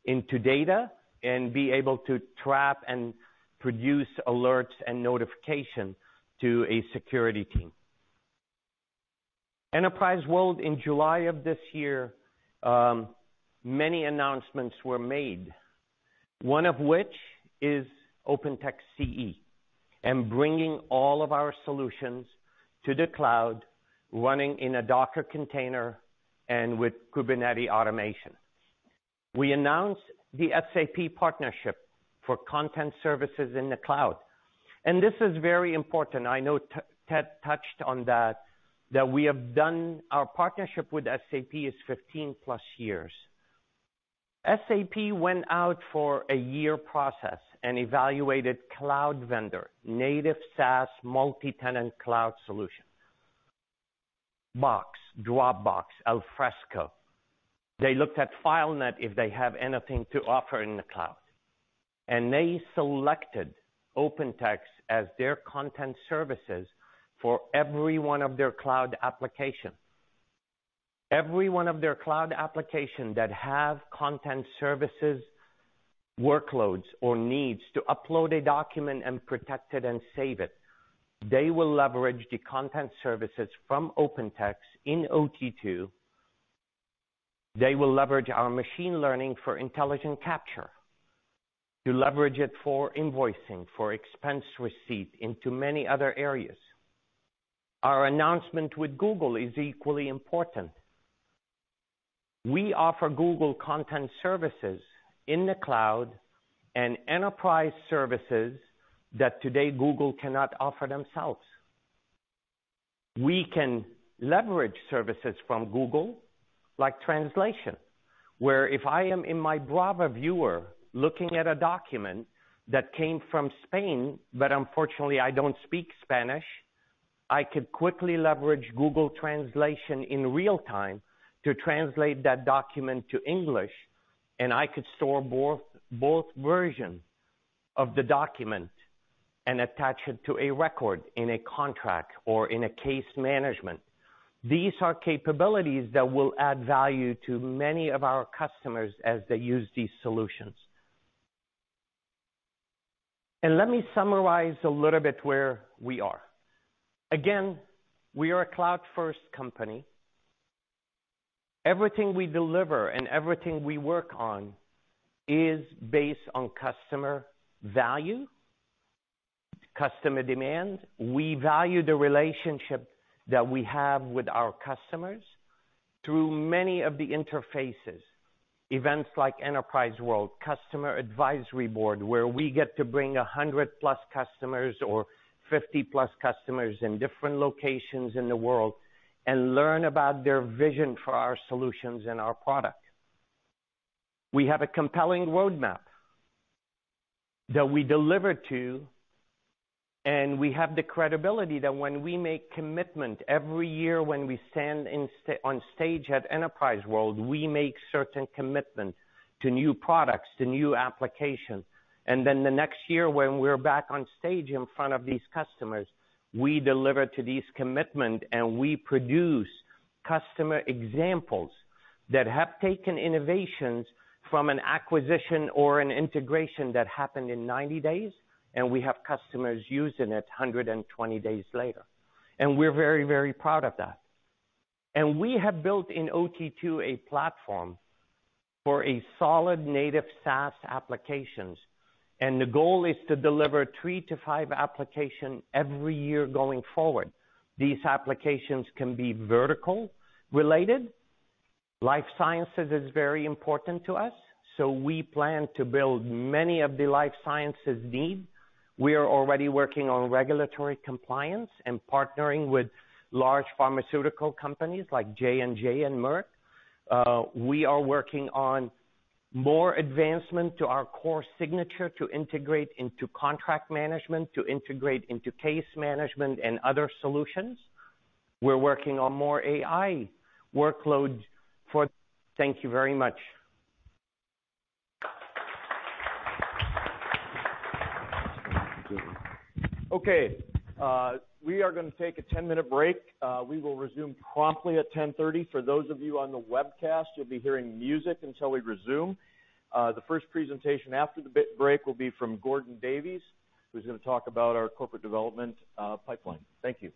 into data, and be able to trap and produce alerts and notification to a security team. Enterprise World in July of this year, many announcements were made, one of which is OpenText CE, bringing all of our solutions to the cloud, running in a Docker container and with Kubernetes automation. We announced the SAP partnership for content services in the cloud. This is very important. I know Ted touched on that our partnership with SAP is 15 plus years. SAP went out for a year process and evaluated cloud vendor native SaaS multi-tenant cloud solution. Box, Dropbox, Alfresco. They looked at FileNet if they have anything to offer in the cloud. They selected OpenText as their content services for every one of their cloud application. Every one of their cloud application that have content services workloads or needs to upload a document and protect it and save it, they will leverage the content services from OpenText in OT2. They will leverage our machine learning for intelligent capture, to leverage it for invoicing, for expense receipt, into many other areas. Our announcement with Google is equally important. We offer Google content services in the cloud and enterprise services that today Google cannot offer themselves. We can leverage services from Google, like translation, where if I am in my Brava viewer looking at a document that came from Spain, but unfortunately I don't speak Spanish, I could quickly leverage Google translation in real time to translate that document to English, and I could store both version of the document and attach it to a record in a contract or in a case management. These are capabilities that will add value to many of our customers as they use these solutions. Let me summarize a little bit where we are. Again, we are a cloud-first company. Everything we deliver and everything we work on is based on customer value, customer demand. We value the relationship that we have with our customers through many of the interfaces. Events like OpenText World, Customer Advisory Board, where we get to bring 100-plus customers or 50-plus customers in different locations in the world and learn about their vision for our solutions and our product. We have a compelling roadmap that we deliver to, we have the credibility that when we make commitment every year when we stand on stage at OpenText World, we make certain commitment to new products, to new application. The next year, when we're back on stage in front of these customers, we deliver to these commitment, and we produce customer examples that have taken innovations from an acquisition or an integration that happened in 90 days, and we have customers using it 120 days later. We're very proud of that. We have built in OT2 a platform for a solid native SaaS applications, and the goal is to deliver three to five application every year going forward. These applications can be vertical related. Life sciences is very important to us, so we plan to build many of the life sciences need. We are already working on regulatory compliance and partnering with large pharmaceutical companies like J&J and Merck. We are working on more advancement to our Core Signature to integrate into contract management, to integrate into case management and other solutions. We're working on more AI workload for. Thank you very much. Okay. We are going to take a 10-minute break. We will resume promptly at 10:30 A.M. For those of you on the webcast, you'll be hearing music until we resume. The first presentation after the break will be from Gordon Davies, who's going to talk about our corporate development pipeline. Thank you.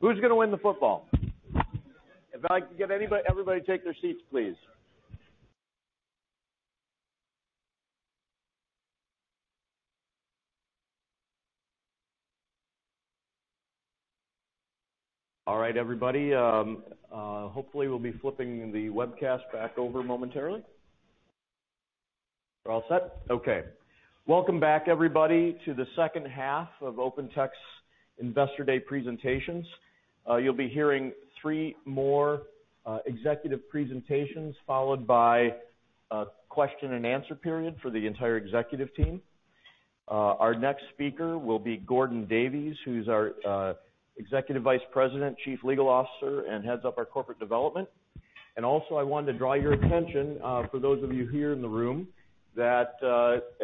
Who's going to win the football? If I could get everybody to take their seats, please. All right, everybody. Hopefully, we'll be flipping the webcast back over momentarily. We're all set? Okay. Welcome back, everybody, to the second half of OpenText's Investor Day presentations. You'll be hearing three more executive presentations, followed by a question and answer period for the entire executive team. Our next speaker will be Gordon Davies, who's our Executive Vice President, Chief Legal Officer, and heads up our corporate development. Also, I wanted to draw your attention, for those of you here in the room, that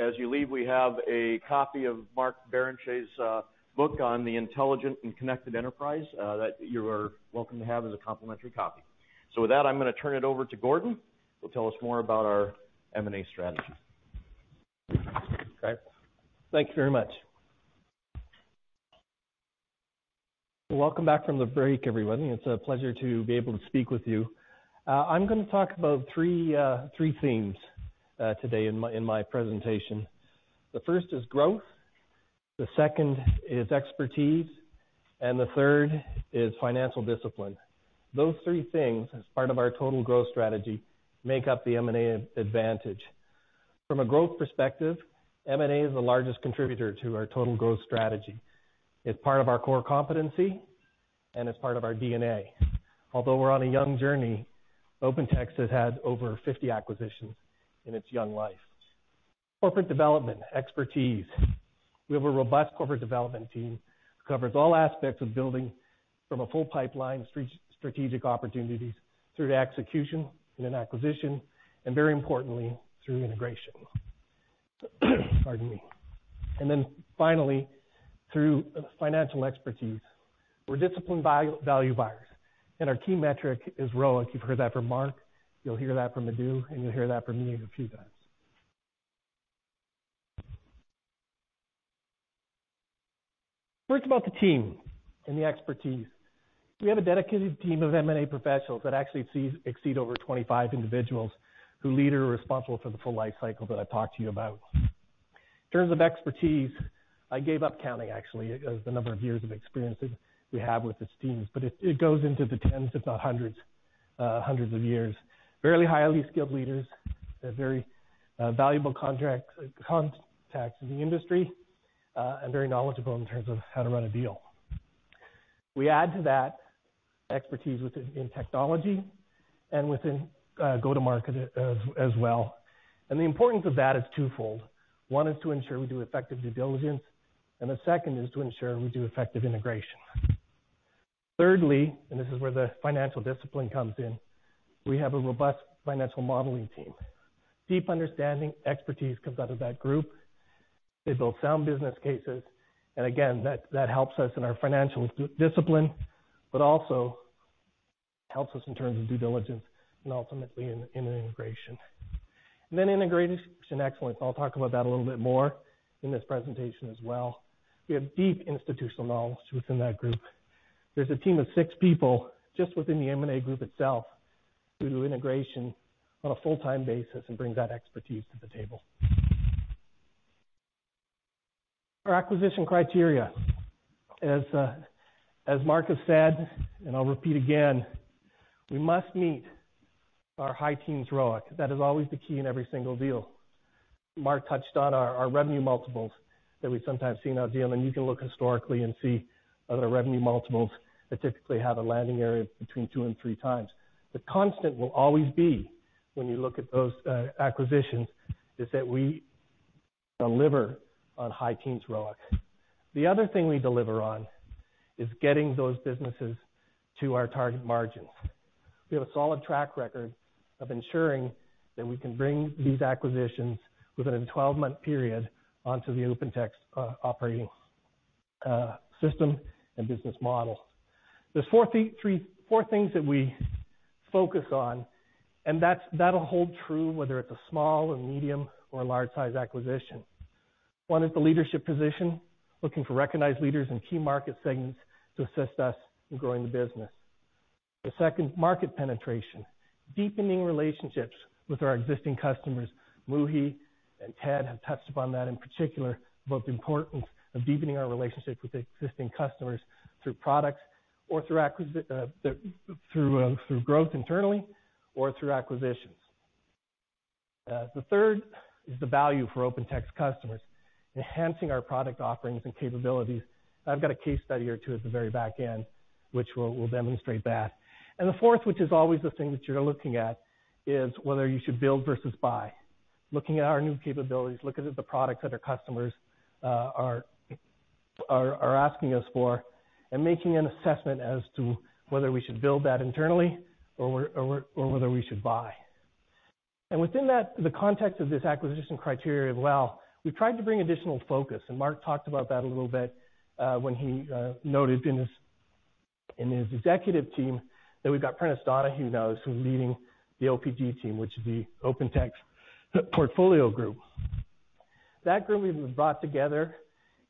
as you leave, we have a copy of Mark J. Barrenechea's book on "The Intelligent and Connected Enterprise" that you are welcome to have as a complimentary copy. With that, I'm going to turn it over to Gordon, who'll tell us more about our M&A strategy. Thank you very much. Welcome back from the break, everyone. It's a pleasure to be able to speak with you. I'm going to talk about three themes today in my presentation. The first is growth, the second is expertise, and the third is financial discipline. Those three things, as part of our total growth strategy, make up the M&A advantage. From a growth perspective, M&A is the largest contributor to our total growth strategy. It's part of our core competency, and it's part of our DNA. Although we're on a young journey, OpenText has had over 50 acquisitions in its young life. Corporate development, expertise. We have a robust corporate development team, covers all aspects of building from a full pipeline, strategic opportunities through to execution and then acquisition, and very importantly, through integration. Pardon me. Then finally, through financial expertise. We're disciplined value buyers, and our key metric is ROIC. You've heard that from Mark, you'll hear that from Madhu, and you'll hear that from me a few times. First about the team and the expertise. We have a dedicated team of M&A professionals that actually exceed over 25 individuals who lead or are responsible for the full life cycle that I've talked to you about. In terms of expertise, I gave up counting, actually, the number of years of experiences we have with this team, but it goes into the tens, if not hundreds of years. Fairly highly skilled leaders. They're very valuable contacts in the industry, and very knowledgeable in terms of how to run a deal. We add to that expertise within technology and within go-to-market as well. The importance of that is twofold. One is to ensure we do effective due diligence, and the second is to ensure we do effective integration. Thirdly, and this is where the financial discipline comes in, we have a robust financial modeling team. Deep understanding, expertise comes out of that group. They build sound business cases, and again, that helps us in our financial discipline, but also helps us in terms of due diligence and ultimately in integration. Integration excellence, I'll talk about that a little bit more in this presentation as well. We have deep institutional knowledge within that group. There's a team of six people just within the M&A group itself who do integration on a full-time basis and bring that expertise to the table. Our acquisition criteria. As Mark has said, and I'll repeat again, we must meet our high teens ROIC. That is always the key in every single deal. Mark touched on our revenue multiples that we've sometimes seen on deal. You can look historically and see our revenue multiples that typically have a landing area between two and three times. The constant will always be when you look at those acquisitions is that we deliver on high teens ROIC. The other thing we deliver on is getting those businesses to our target margins. We have a solid track record of ensuring that we can bring these acquisitions within a 12-month period onto the OpenText operating system and business model. There's four things that we focus on. That'll hold true whether it's a small or medium or large size acquisition. One is the leadership position, looking for recognized leaders in key market segments to assist us in growing the business. The second, market penetration, deepening relationships with our existing customers. Muhi and Ted have touched upon that in particular, about the importance of deepening our relationship with existing customers through products or through growth internally or through acquisitions. The third is the value for OpenText customers, enhancing our product offerings and capabilities. I've got a case study or two at the very back end, which will demonstrate that. The fourth, which is always the thing that you're looking at, is whether you should build versus buy. Looking at our new capabilities, looking at the products that our customers are asking us for, and making an assessment as to whether we should build that internally or whether we should buy. Within that, the context of this acquisition criteria as well, we've tried to bring additional focus, and Mark talked about that a little bit when he noted in his executive team that we've got Prentiss Donohue now, who's leading the OPG team, which is the OpenText Portfolio Group. That group we've brought together,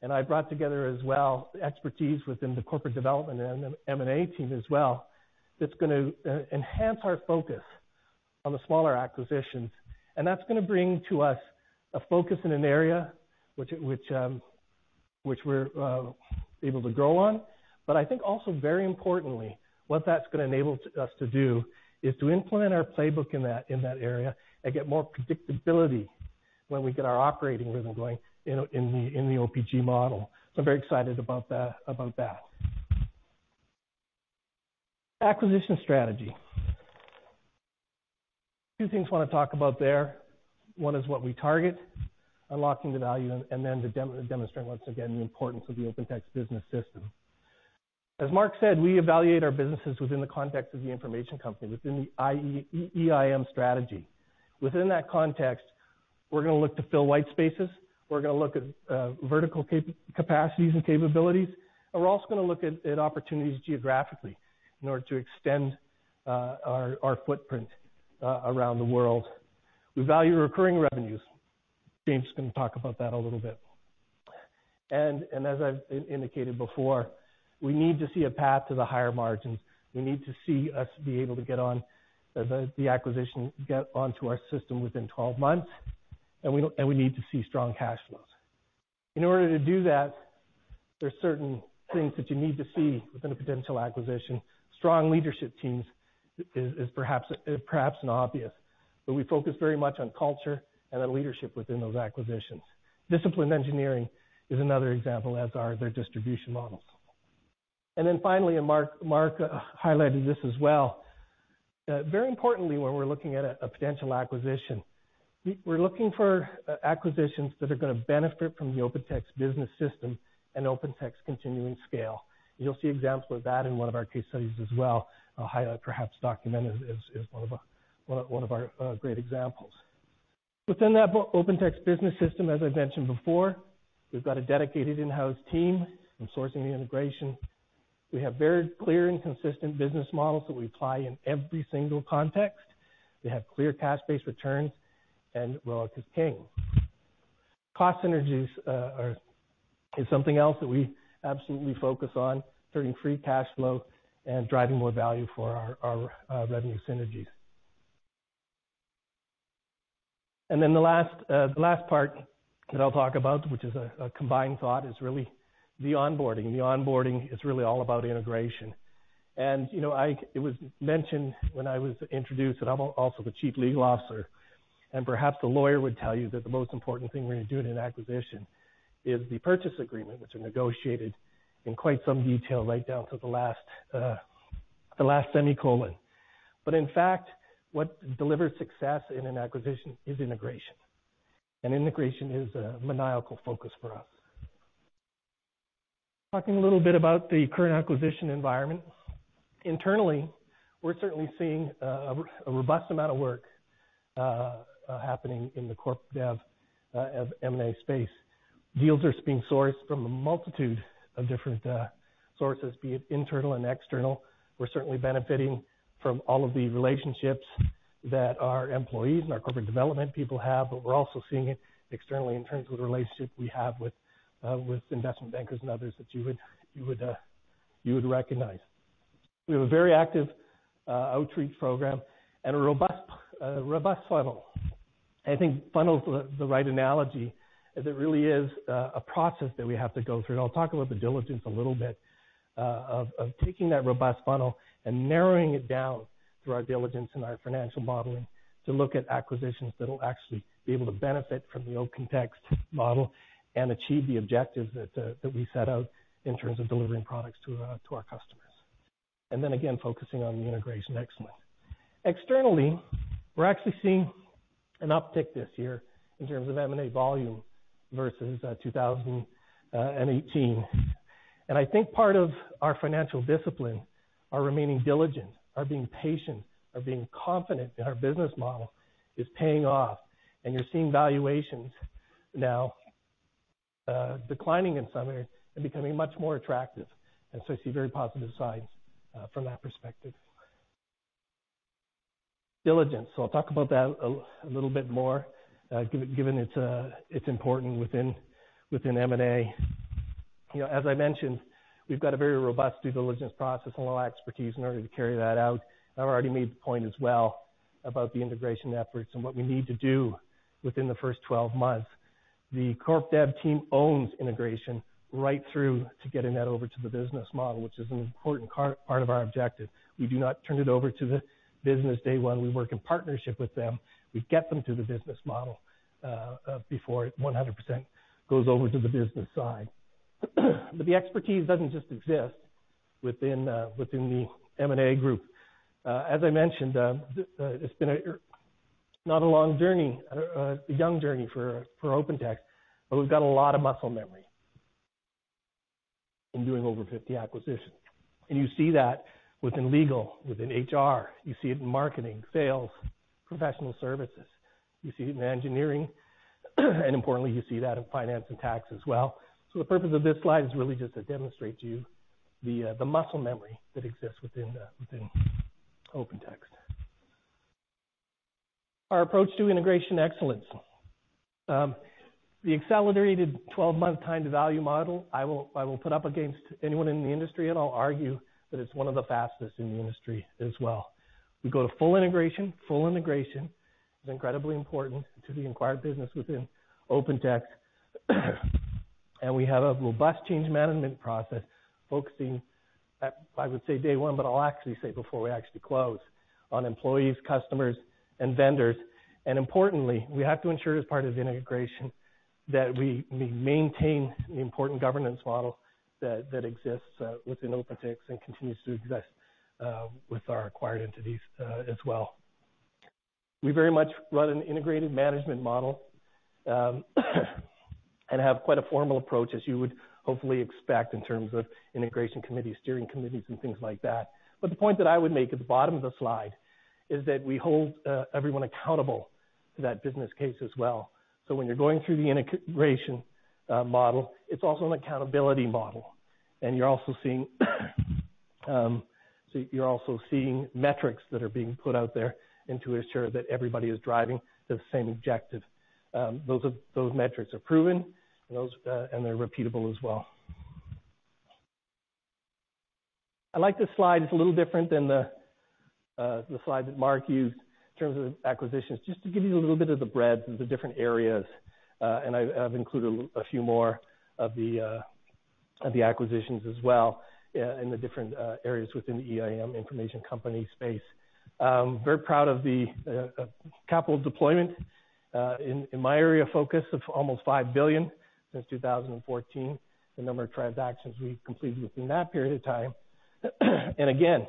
and I brought together as well, expertise within the corporate development and M&A team as well, that's going to enhance our focus on the smaller acquisitions. That's going to bring to us a focus in an area, which we're able to grow on. I think also very importantly, what that's going to enable us to do is to implement our playbook in that area and get more predictability when we get our operating rhythm going in the OPG model. I'm very excited about that. Acquisition strategy. Two things I want to talk about there. One is what we target, unlocking the value, to demonstrate once again the importance of the OpenText Business System. As Mark said, we evaluate our businesses within the context of the information company, within the EIM strategy. Within that context, we're going to look to fill white spaces. We're going to look at vertical capacities and capabilities. We're also going to look at opportunities geographically in order to extend our footprint around the world. We value recurring revenues. James is going to talk about that a little bit. As I've indicated before, we need to see a path to the higher margins. We need to see us be able to get on the acquisition, get onto our system within 12 months, and we need to see strong cash flows. In order to do that, there's certain things that you need to see within a potential acquisition. Strong leadership teams is perhaps an obvious, but we focus very much on culture and on leadership within those acquisitions. Disciplined engineering is another example, as are their distribution models. Finally, Mark highlighted this as well. Very importantly, when we're looking at a potential acquisition, we're looking for acquisitions that are going to benefit from the OpenText Business System and OpenText continuing scale. You'll see examples of that in one of our case studies as well. I'll highlight, perhaps Documentum as one of our great examples. Within that OpenText Business System, as I mentioned before, we've got a dedicated in-house team in sourcing and integration. We have very clear and consistent business models that we apply in every single context. We have clear cash-based returns and ROIC is king. Cost synergies is something else that we absolutely focus on, turning free cash flow and driving more value for our revenue synergies. The last part that I'll talk about, which is a combined thought, is really the onboarding. The onboarding is really all about integration. It was mentioned when I was introduced, I'm also the Chief Legal Officer, perhaps the lawyer would tell you that the most important thing when you're doing an acquisition is the purchase agreement, which are negotiated in quite some detail right down to the last semicolon. In fact, what delivers success in an acquisition is integration. Integration is a maniacal focus for us. Talking a little bit about the current acquisition environment. Internally, we're certainly seeing a robust amount of work happening in the corp dev M&A space. Deals are being sourced from a multitude of different sources, be it internal and external. We're certainly benefiting from all of the relationships that our employees and our corporate development people have, but we're also seeing it externally in terms of the relationship we have with investment bankers and others that you would recognize. We have a very active outreach program and a robust funnel. I think funnel is the right analogy, as it really is a process that we have to go through. I'll talk about the diligence a little bit, of taking that robust funnel and narrowing it down through our diligence and our financial modeling to look at acquisitions that'll actually be able to benefit from the OpenText model and achieve the objectives that we set out in terms of delivering products to our customers. Then again, focusing on the integration excellence. Externally, we're actually seeing an uptick this year in terms of M&A volume versus 2018. I think part of our financial discipline, our remaining diligent, our being patient, our being confident in our business model is paying off. You're seeing valuations now declining in some areas and becoming much more attractive. I see very positive signs from that perspective. Diligence. I'll talk about that a little bit more, given it's important within M&A. As I mentioned, we've got a very robust due diligence process and a lot of expertise in order to carry that out. I've already made the point as well about the integration efforts and what we need to do within the first 12 months. The Corporate Development team owns integration right through to getting that over to the business model, which is an important part of our objective. We do not turn it over to the business day one. We work in partnership with them. We get them to the business model before it 100% goes over to the business side. The expertise doesn't just exist within the M&A group. As I mentioned, it's been a young journey for OpenText, we've got a lot of muscle memory in doing over 50 acquisitions. You see that within legal, within HR, you see it in marketing, sales, professional services. You see it in engineering, importantly, you see that in finance and tax as well. The purpose of this slide is really just to demonstrate to you the muscle memory that exists within OpenText. Our approach to integration excellence. The accelerated 12-month time to value model, I will put up against anyone in the industry, and I'll argue that it's one of the fastest in the industry as well. We go to full integration. Full integration is incredibly important to the acquired business within OpenText. We have a robust change management process focusing at, I would say day one, but I'll actually say before we actually close, on employees, customers, and vendors. Importantly, we have to ensure as part of the integration that we maintain the important governance model that exists within OpenText and continues to exist with our acquired entities as well. We very much run an integrated management model and have quite a formal approach as you would hopefully expect in terms of integration committees, steering committees, and things like that. The point that I would make at the bottom of the slide is that we hold everyone accountable to that business case as well. When you're going through the integration model, it's also an accountability model. You're also seeing metrics that are being put out there and to ensure that everybody is driving the same objective. Those metrics are proven and they're repeatable as well. I like this slide. It's a little different than the slide that Mark used in terms of acquisitions, just to give you a little bit of the breadth of the different areas. I've included a few more of the acquisitions as well in the different areas within the EIM information company space. Very proud of the capital deployment, in my area of focus of almost $5 billion since 2014, the number of transactions we've completed within that period of time. Again,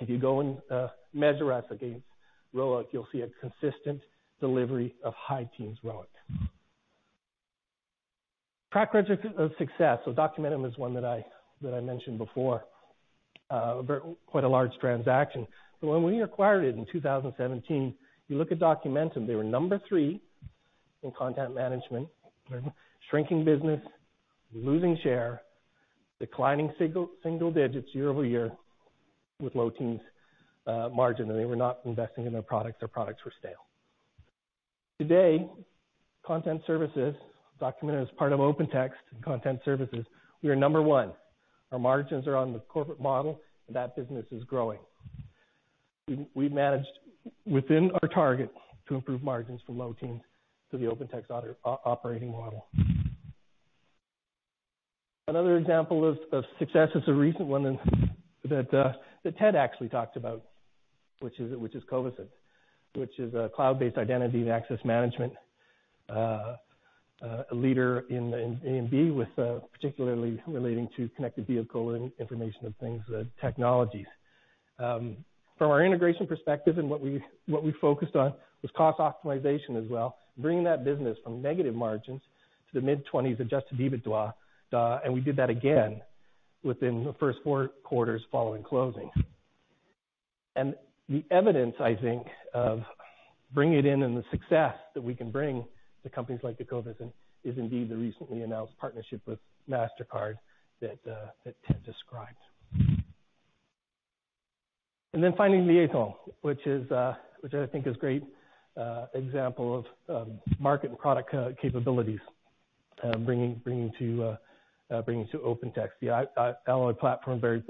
if you go and measure us against ROIC, you'll see a consistent delivery of high teens ROIC. Track record of success. Documentum is one that I mentioned before. Quite a large transaction. When we acquired it in 2017, you look at Documentum, they were number 3 in content management, shrinking business, losing share, declining single digits year-over-year with low teens margin, and they were not investing in their products. Their products were stale. Today, Content Services, Documentum is part of OpenText and Content Services, we are number 1. Our margins are on the corporate model, and that business is growing. We managed within our target to improve margins from low teens to the OpenText operating model. Another example of success is a recent one that Ted actually talked about, which is Covisint, which is a cloud-based identity and access management leader in IAM with particularly relating to connected vehicle and Internet of Things, technologies. From our integration perspective and what we focused on was cost optimization as well, bringing that business from negative margins to the mid-20s adjusted EBITDA. We did that again within the first 4 quarters following closing. The evidence, I think, of bringing it in and the success that we can bring to companies like the Covisint is indeed the recently announced partnership with Mastercard that Ted described. Finally, Liaison, which I think is a great example of market and product capabilities bringing to OpenText the Alloy platform, very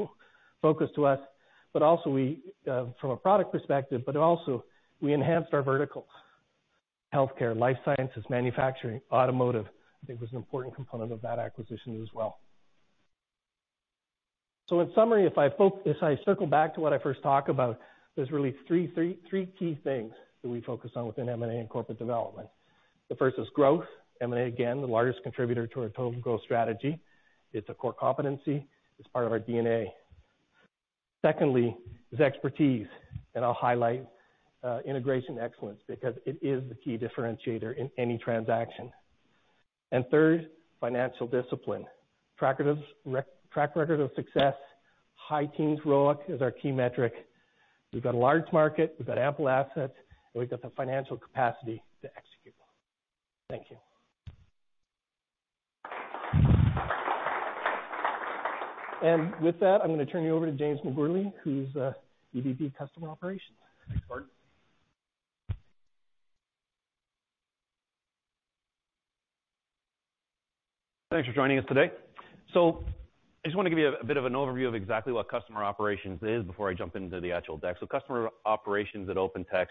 focused to us from a product perspective, but also we enhanced our verticals. Healthcare, life sciences, manufacturing, automotive, I think was an important component of that acquisition as well. In summary, if I circle back to what I first talked about, there's really three key things that we focus on within M&A and corporate development. The first is growth. M&A, again, the largest contributor to our total growth strategy. It's a core competency. It's part of our DNA. Secondly is expertise, and I'll highlight integration excellence because it is the key differentiator in any transaction. Third, financial discipline. Track record of success, high teens ROIC is our key metric. We've got a large market, we've got ample assets, and we've got the financial capacity to execute. Thank you. With that, I'm going to turn you over to James McGourlay, who's EVP, Customer Operations. Thanks, Mark. Thanks for joining us today. I just want to give you a bit of an overview of exactly what customer operations is before I jump into the actual deck. Customer operations at OpenText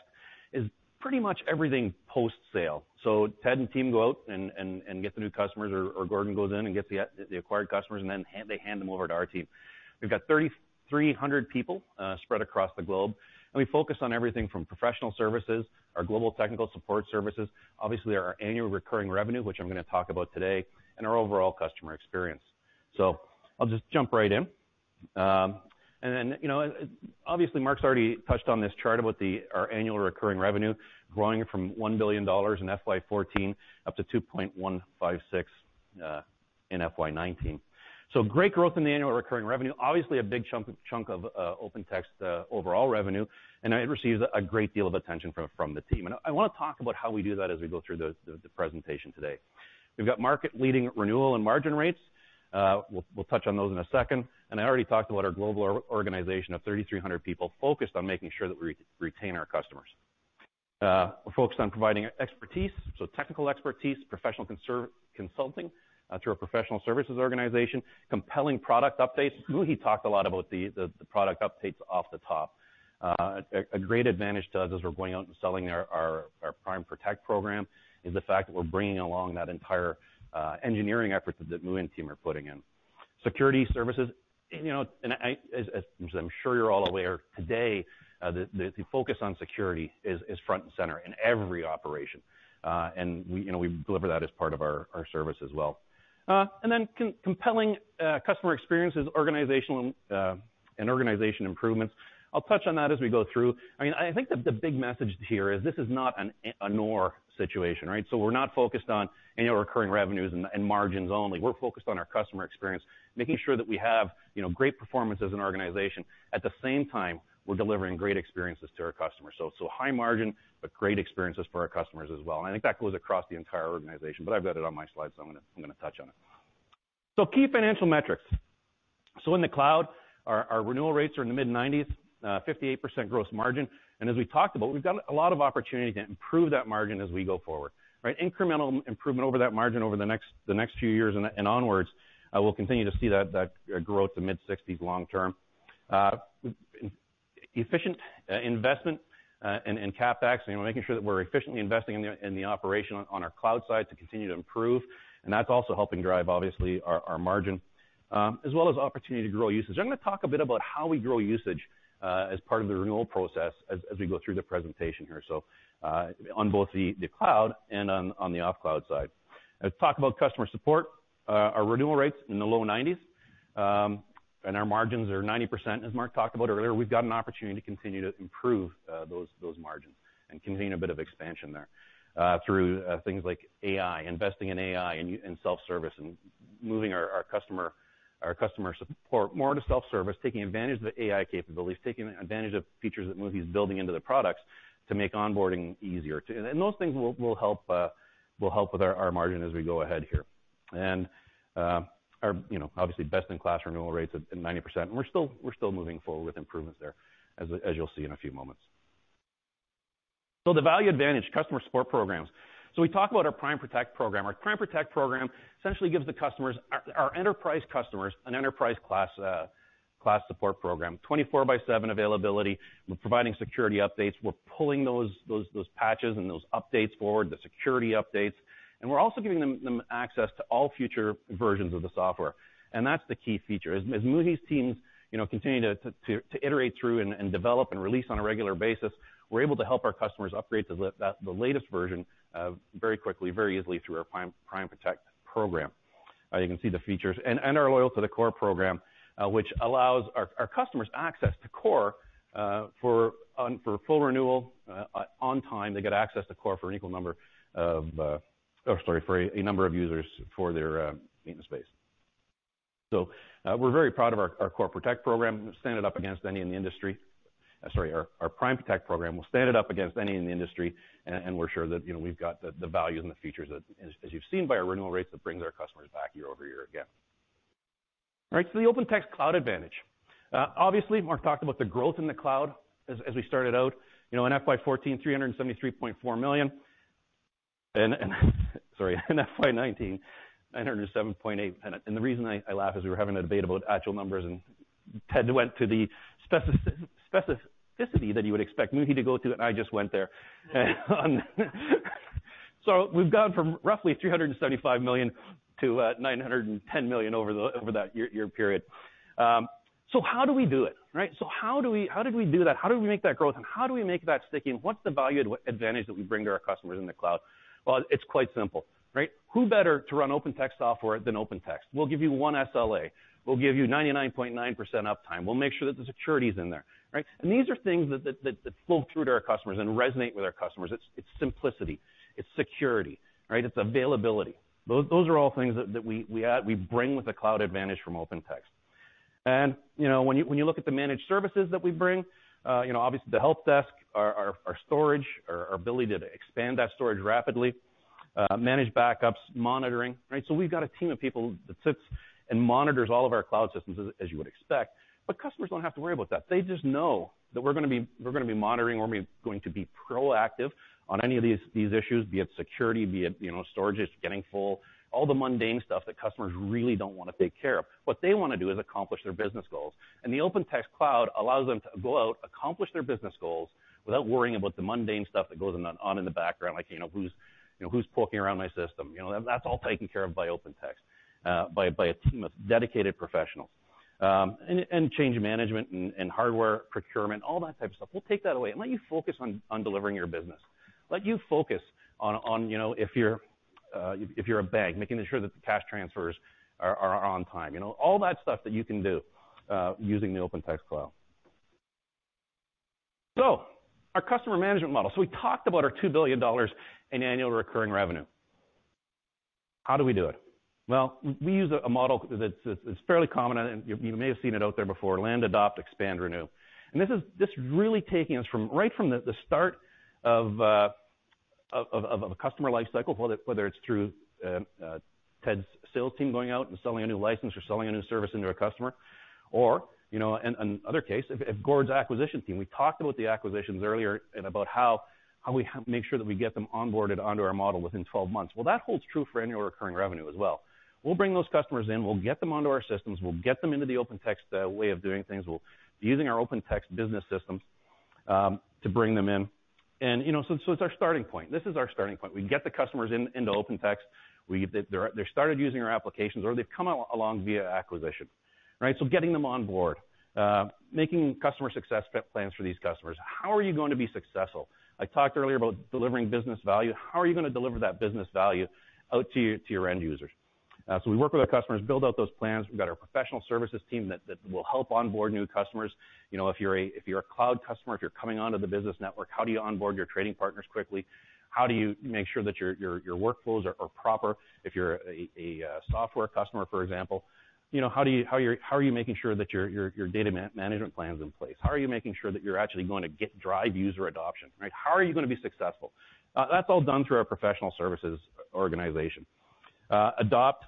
is pretty much everything post-sale. Ted and team go out and get the new customers or Gordon goes in and gets the acquired customers and then they hand them over to our team. We've got 3,300 people spread across the globe, and we focus on everything from professional services, our global technical support services, obviously our annual recurring revenue, which I'm going to talk about today, and our overall customer experience. I'll just jump right in. Obviously Mark's already touched on this chart about our annual recurring revenue growing from $1 billion in FY 2014 up to $2.156 in FY 2019. Great growth in the annual recurring revenue. Obviously a big chunk of OpenText's overall revenue. It receives a great deal of attention from the team. I want to talk about how we do that as we go through the presentation today. We've got market-leading renewal and margin rates. We'll touch on those in a second. I already talked about our global organization of 3,300 people focused on making sure that we retain our customers. We're focused on providing expertise, so technical expertise, professional consulting, through a professional services organization, compelling product updates. Muhi talked a lot about the product updates off the top. A great advantage to us as we're going out and selling our Prime Protect program is the fact that we're bringing along that entire engineering efforts that Muhi and team are putting in. Security services. As I'm sure you're all aware today, the focus on security is front and center in every operation. We deliver that as part of our service as well. Compelling customer experiences and organization improvements. I'll touch on that as we go through. I think the big message here is this is not an or situation, right? We're not focused on annual recurring revenues and margins only. We're focused on our customer experience, making sure that we have great performance as an organization. At the same time, we're delivering great experiences to our customers. High margin, but great experiences for our customers as well. I think that goes across the entire organization, but I've got it on my slide, so I'm going to touch on it. Key financial metrics. In the cloud, our renewal rates are in the mid-90s, 58% gross margin. As we talked about, we've got a lot of opportunity to improve that margin as we go forward. Incremental improvement over that margin over the next few years and onwards, we'll continue to see that growth to mid-60s long term. Efficient investment in CapEx, making sure that we're efficiently investing in the operation on our cloud side to continue to improve. That's also helping drive, obviously, our margin, as well as opportunity to grow usage. I'm going to talk a bit about how we grow usage, as part of the renewal process, as we go through the presentation here, on both the cloud and on the off-cloud side. Let's talk about customer support. Our renewal rates in the low 90s, and our margins are 90%, as Mark talked about earlier. We've got an opportunity to continue to improve those margins and continue a bit of expansion there, through things like AI, investing in AI and self-service, and moving our customer support more to self-service, taking advantage of the AI capabilities, taking advantage of features that Muhi's building into the products to make onboarding easier too. Those things will help with our margin as we go ahead here. Our obviously best-in-class renewal rates of 90%, and we're still moving forward with improvements there, as you'll see in a few moments. The value advantage, customer support programs. We talk about our Prime Protect program. Our Prime Protect program essentially gives our enterprise customers an enterprise class support program, 24 by seven availability. We're providing security updates. We're pulling those patches and those updates forward, the security updates. We're also giving them access to all future versions of the software. That's the key feature. As Muhi's teams continue to iterate through and develop and release on a regular basis, we're able to help our customers upgrade to the latest version very quickly, very easily through our Prime Protect program. You can see the features. Our Loyal to the Core program, which allows our customers access to Core for full renewal on time. They get access to Core for a number of users for their maintenance base. We're very proud of our Prime Protect program. We stand it up against any in the industry. We'll stand it up against any in the industry, and we're sure that we've got the value and the features that, as you've seen by our renewal rates, that brings our customers back year-over-year again. All right. The OpenText Cloud Advantage. Obviously, Mark talked about the growth in the cloud as we started out. In FY 2014, $373.4 million. Sorry, in FY 2019, $907.8 million. The reason I laugh is we were having a debate about actual numbers, and Ted went to the specificity that you would expect Muhi to go to, and I just went there. We've gone from roughly $375 million to $910 million over that year period. How do we do it? Right? How did we do that? How did we make that growth, and how do we make that sticking? What's the value add advantage that we bring to our customers in the cloud? Well, it's quite simple. Right? Who better to run OpenText software than OpenText? We'll give you one SLA. We'll give you 99.9% uptime. We'll make sure that the security's in there. Right? These are things that flow through to our customers and resonate with our customers. It's simplicity, it's security. Right? It's availability. Those are all things that we bring with the cloud advantage from OpenText. When you look at the managed services that we bring, obviously the help desk, our storage, our ability to expand that storage rapidly, manage backups, monitoring. We've got a team of people that sits and monitors all of our cloud systems as you would expect, but customers don't have to worry about that. They just know that we're going to be monitoring, and we're going to be proactive on any of these issues, be it security, be it storage that's getting full. All the mundane stuff that customers really don't want to take care of. What they want to do is accomplish their business goals, and the OpenText Cloud allows them to go out, accomplish their business goals without worrying about the mundane stuff that goes on in the background. Like who's poking around my system. That's all taken care of by OpenText, by a team of dedicated professionals. Change management and hardware procurement, all that type of stuff. We'll take that away and let you focus on delivering your business. Let you focus on if you're a bank, making sure that the cash transfers are on time. All that stuff that you can do using the OpenText Cloud. Our customer management model. We talked about our $2 billion in annual recurring revenue. How do we do it? We use a model that's fairly common, and you may have seen it out there before. Land, adopt, expand, renew. This really taking us right from the start of a customer life cycle, whether it's through Ted's sales team going out and selling a new license or selling a new service into a customer. In other case, if Gord's acquisition team. We talked about the acquisitions earlier and about how we make sure that we get them onboarded onto our model within 12 months. That holds true for annual recurring revenue as well. We'll bring those customers in, we'll get them onto our systems, we'll get them into the OpenText way of doing things. We'll be using our OpenText Business Systems to bring them in. It's our starting point. This is our starting point. We get the customers into OpenText. They started using our applications, or they've come along via acquisition. Getting them on board. Making customer success plans for these customers. How are you going to be successful? I talked earlier about delivering business value. How are you going to deliver that business value out to your end users? We work with our customers, build out those plans. We've got our professional services team that will help onboard new customers. If you're a cloud customer, if you're coming onto the business network, how do you onboard your trading partners quickly? How do you make sure that your workflows are proper? If you're a software customer, for example, how are you making sure that your data management plan's in place? How are you making sure that you're actually going to drive user adoption? How are you going to be successful? That's all done through our professional services organization. Adopt.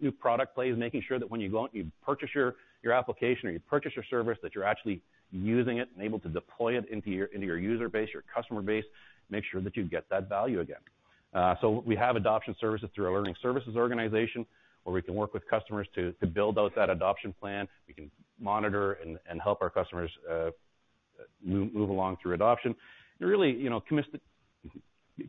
New product plays, making sure that when you go out and you purchase your application or you purchase your service, that you're actually using it and able to deploy it into your user base, your customer base. Make sure that you get that value again. We have adoption services through our learning services organization, where we can work with customers to build out that adoption plan. We can monitor and help our customers move along through adoption. Really,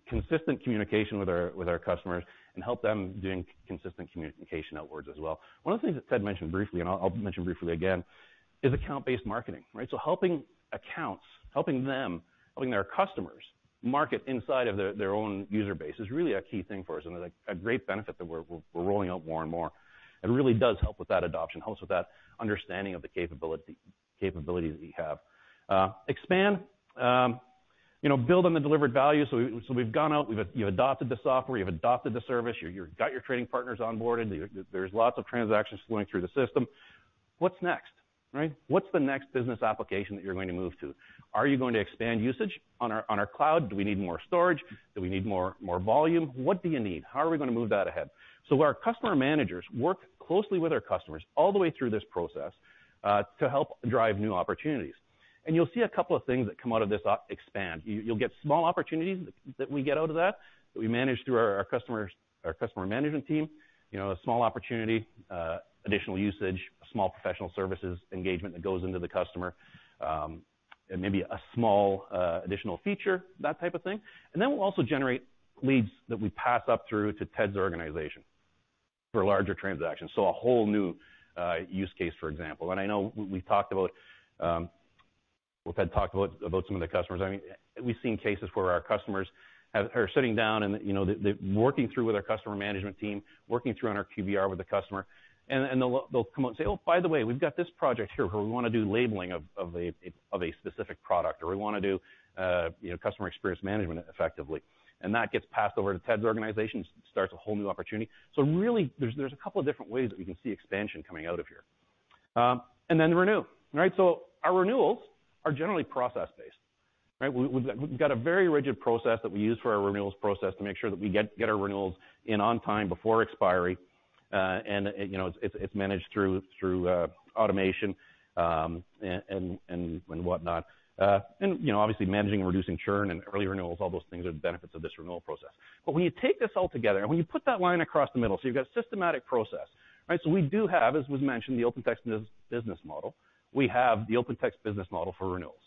consistent communication with our customers and help them doing consistent communication outwards as well. One of the things that Ted mentioned briefly, and I'll mention briefly again, is account-based marketing. Helping accounts, helping them, helping their customers market inside of their own user base is really a key thing for us and a great benefit that we're rolling out more and more. Really does help with that adoption, helps with that understanding of the capabilities we have. Expand. Build on the delivered value. We've gone out, you've adopted the software, you've adopted the service, you got your trading partners onboarded. There's lots of transactions flowing through the system. What's next? What's the next business application that you're going to move to? Are you going to expand usage on our cloud? Do we need more storage? Do we need more volume? What do you need? How are we going to move that ahead? Our customer managers work closely with our customers all the way through this process, to help drive new opportunities. You'll see a couple of things that come out of this expand. You'll get small opportunities that we get out of that we manage through our customer management team. A small opportunity, additional usage, a small professional services engagement that goes into the customer, and maybe a small additional feature, that type of thing. Then we'll also generate leads that we pass up through to Ted's organization for larger transactions. A whole new use case, for example. I know we've talked about, well, Ted talked about some of the customers. We've seen cases where our customers are sitting down and working through with our customer management team, working through on our QBR with the customer, and they'll come out and say, "Oh, by the way, we've got this project here where we want to do labeling of a specific product," or, "We want to do customer experience management effectively." That gets passed over to Ted's organization, starts a whole new opportunity. Really, there's a couple of different ways that we can see expansion coming out of here. Renew. Our renewals are generally process-based. We've got a very rigid process that we use for our renewals process to make sure that we get our renewals in on time before expiry, and it's managed through automation, and whatnot. Obviously managing and reducing churn and early renewals, all those things are the benefits of this renewal process. When you take this all together, and when you put that line across the middle, you've got systematic process. We do have, as was mentioned, the OpenText business model. We have the OpenText business model for renewals.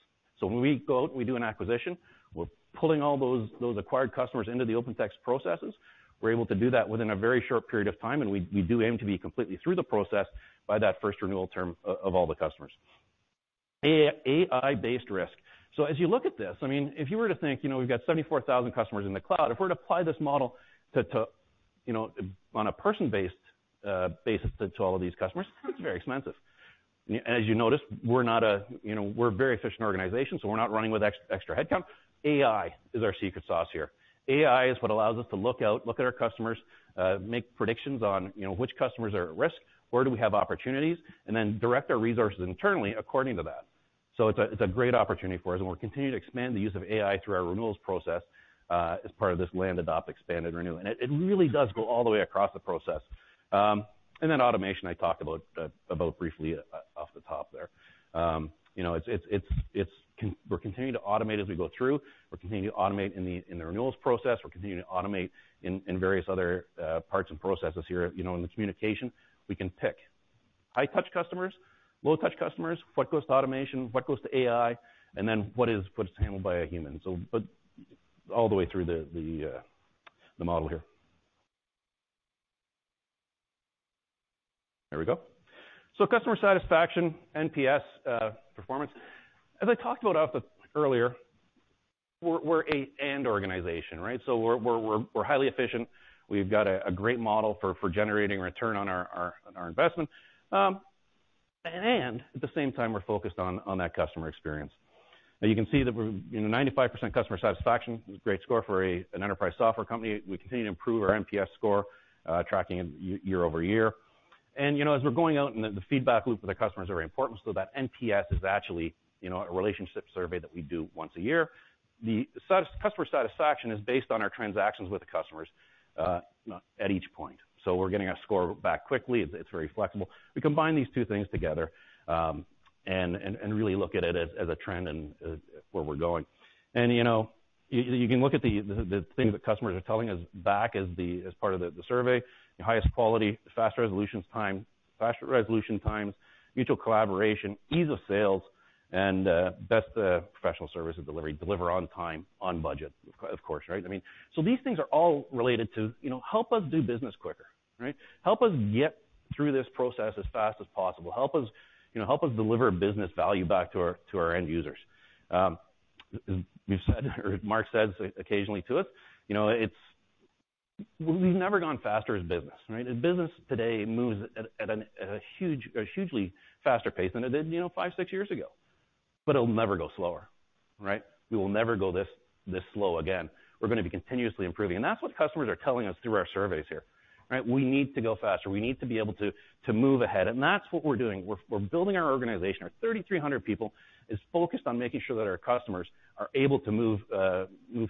When we do an acquisition, we're pulling all those acquired customers into the OpenText processes. We're able to do that within a very short period of time, and we do aim to be completely through the process by that first renewal term of all the customers. AI-based risk. As you look at this, if you were to think, we've got 74,000 customers in the cloud. If we're to apply this model on a person-based basis to all of these customers, it's very expensive. As you notice, we're a very efficient organization, so we're not running with extra headcount. AI is our secret sauce here. AI is what allows us to look out, look at our customers, make predictions on which customers are at risk, where do we have opportunities, and then direct our resources internally according to that. It's a great opportunity for us, and we're continuing to expand the use of AI through our renewals process, as part of this land adopt, expand and renew. It really does go all the way across the process. Automation, I talked about briefly off the top there. We're continuing to automate as we go through. We're continuing to automate in the renewals process. We're continuing to automate in various other parts and processes here. In the communication, we can pick high-touch customers, low-touch customers, what goes to automation, what goes to AI, and then what is handled by a human. All the way through the model here. There we go. Customer satisfaction, NPS performance. As I talked about earlier, we're a lean organization. We're highly efficient. We've got a great model for generating return on our investment. At the same time, we're focused on that customer experience. You can see that 95% customer satisfaction is a great score for an enterprise software company. We continue to improve our NPS score, tracking it year-over-year. As we're going out, and the feedback loop with the customers are very important, that NPS is actually a relationship survey that we do once a year. The customer satisfaction is based on our transactions with the customers at each point. We're getting our score back quickly. It's very flexible. We combine these two things together, and really look at it as a trend and where we're going. You can look at the things that customers are telling us back as part of the survey, highest quality, faster resolution times, mutual collaboration, ease of sales, and best professional service delivery. Deliver on time, on budget, of course. These things are all related to help us do business quicker. Help us get through this process as fast as possible. Help us deliver business value back to our end users. As Mark says occasionally to us, we've never gone faster as business. Business today moves at a hugely faster pace than it did five, six years ago. It'll never go slower. We will never go this slow again. We're going to be continuously improving. That's what customers are telling us through our surveys here. We need to go faster. We need to be able to move ahead. That's what we're doing. We're building our organization. Our 3,300 people is focused on making sure that our customers are able to move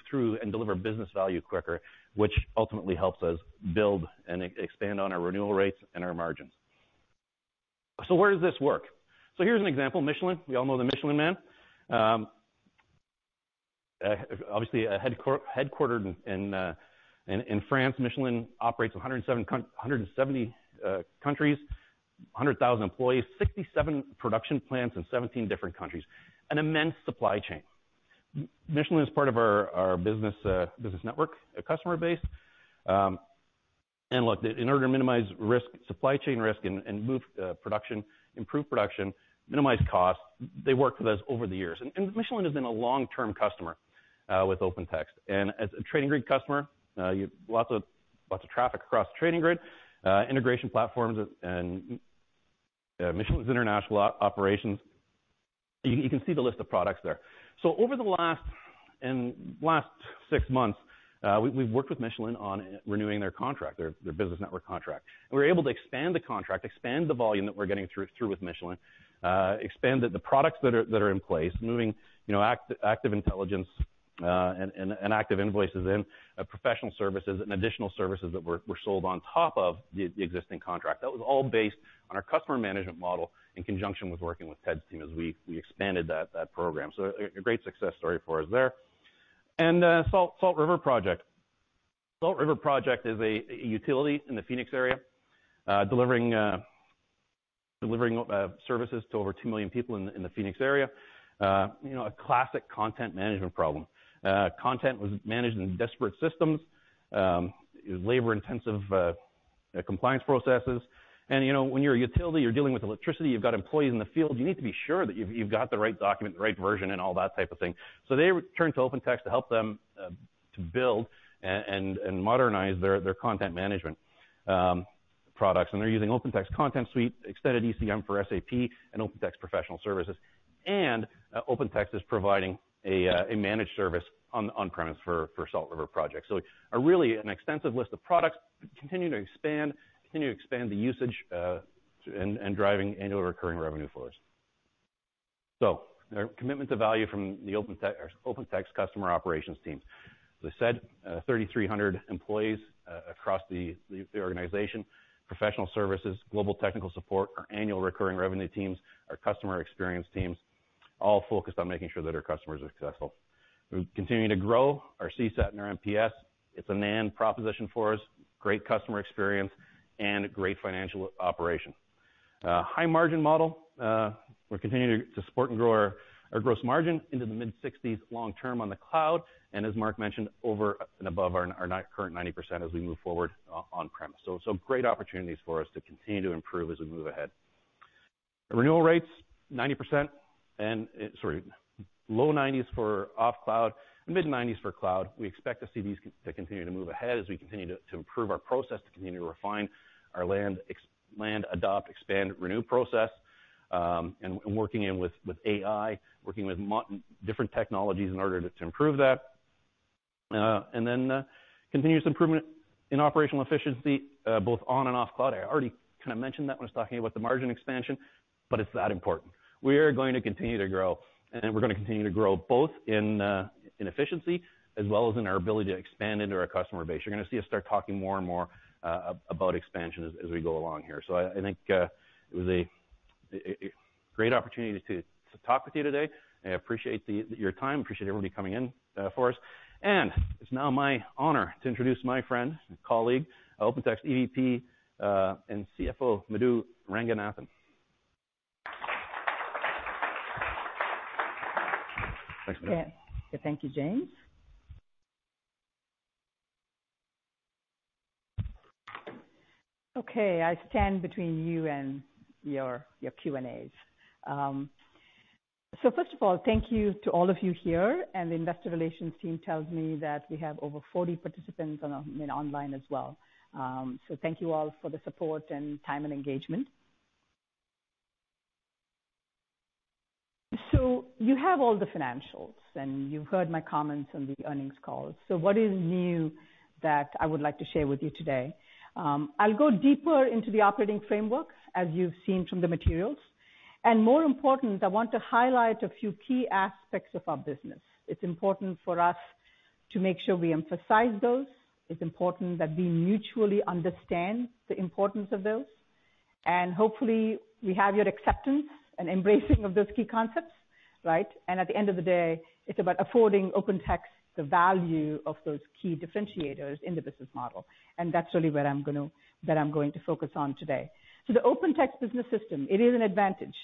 through and deliver business value quicker, which ultimately helps us build and expand on our renewal rates and our margins. Where does this work? Here's an example. Michelin. We all know the Michelin Man. Obviously headquartered in France, Michelin operates in 170 countries, 100,000 employees, 67 production plants in 17 different countries. An immense supply chain. Michelin is part of our business network customer base. Look, in order to minimize supply chain risk and move production, improve production, minimize costs, they've worked with us over the years. Michelin has been a long-term customer with OpenText. As a Trading Grid customer, you have lots of traffic across Trading Grid, integration platforms, and Michelin's international operations. You can see the list of products there. Over the last 6 months, we've worked with Michelin on renewing their contract, their business network contract. We were able to expand the contract, expand the volume that we're getting through with Michelin, expand the products that are in place, moving Active Intelligence and Active Invoices in, professional services and additional services that were sold on top of the existing contract. That was all based on our customer management model in conjunction with working with Ted's team as we expanded that program. A great success story for us there. Salt River Project. Salt River Project is a utility in the Phoenix area, delivering services to over 2 million people in the Phoenix area. A classic content management problem. Content was managed in disparate systems, labor-intensive compliance processes. When you're a utility, you're dealing with electricity, you've got employees in the field, you need to be sure that you've got the right document, the right version and all that type of thing. They turned to OpenText to help them to build and modernize their content management products. They're using OpenText Content Suite, Extended ECM for SAP, and OpenText Professional Services. OpenText is providing a managed service on-premise for Salt River Project. Really an extensive list of products continue to expand the usage, and driving annual recurring revenue for us. Our commitment to value from the OpenText customer operations team. As I said, 3,300 employees across the organization, professional services, global technical support, our annual recurring revenue teams, our customer experience teams, all focused on making sure that our customers are successful. We continue to grow our CSAT and our NPS. It's an and proposition for us, great customer experience and great financial operation. High margin model. We're continuing to support and grow our gross margin into the mid-60s long term on the cloud, and as Mark mentioned, over and above our current 90% as we move forward on-premise. Great opportunities for us to continue to improve as we move ahead. Renewal rates 90%, low 90s for off cloud and mid-90s for cloud. We expect to see these to continue to move ahead as we continue to improve our process, to continue to refine our land, adopt, expand, renew process, and working in with AI, working with different technologies in order to improve that. Continuous improvement in operational efficiency both on and off cloud. I already kind of mentioned that when I was talking about the margin expansion, but it's that important. We are going to continue to grow, and we're going to continue to grow both in efficiency as well as in our ability to expand into our customer base. You're going to see us start talking more and more about expansion as we go along here. I think it was a great opportunity to talk with you today. I appreciate your time, appreciate everybody coming in for us. It's now my honor to introduce my friend and colleague, OpenText EVP and CFO, Madhu Ranganathan. Thanks, Madhu. Yeah. Thank you, James. Okay. I stand between you and your Q&As. First of all, thank you to all of you here, and the Investor Relations team tells me that we have over 40 participants online as well. Thank you all for the support and time and engagement. You have all the financials, and you've heard my comments on the earnings calls. What is new that I would like to share with you today? I'll go deeper into the operating framework, as you've seen from the materials. More important, I want to highlight a few key aspects of our business. It's important for us to make sure we emphasize those. It's important that we mutually understand the importance of those, and hopefully we have your acceptance and embracing of those key concepts, right? At the end of the day, it's about affording OpenText the value of those key differentiators in the business model. That's really what I'm going to focus on today. The OpenText Business System, it is an advantage.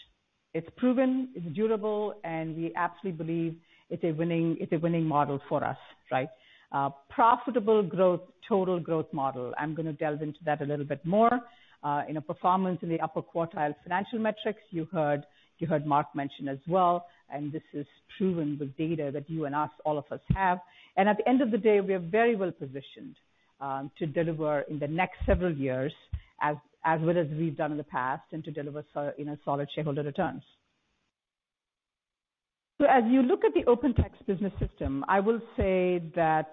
It's proven, it's durable, and we absolutely believe it's a winning model for us, right. Profitable total growth model. I'm going to delve into that a little bit more. In a performance in the upper quartile financial metrics, you heard Mark mention as well, and this is proven with data that you and us, all of us have. At the end of the day, we are very well-positioned to deliver in the next several years as well as we've done in the past, and to deliver solid shareholder returns. As you look at the OpenText Business System, I will say that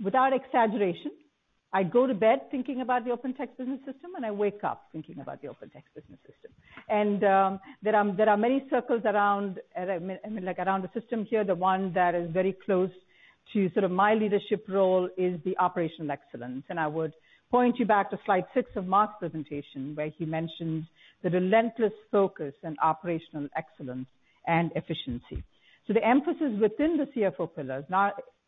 without exaggeration, I go to bed thinking about the OpenText Business System, and I wake up thinking about the OpenText Business System. There are many circles around the system here. The one that is very close to sort of my leadership role is the operational excellence. I would point you back to slide six of Mark's presentation, where he mentioned the relentless focus on operational excellence and efficiency. The emphasis within the CFO pillars,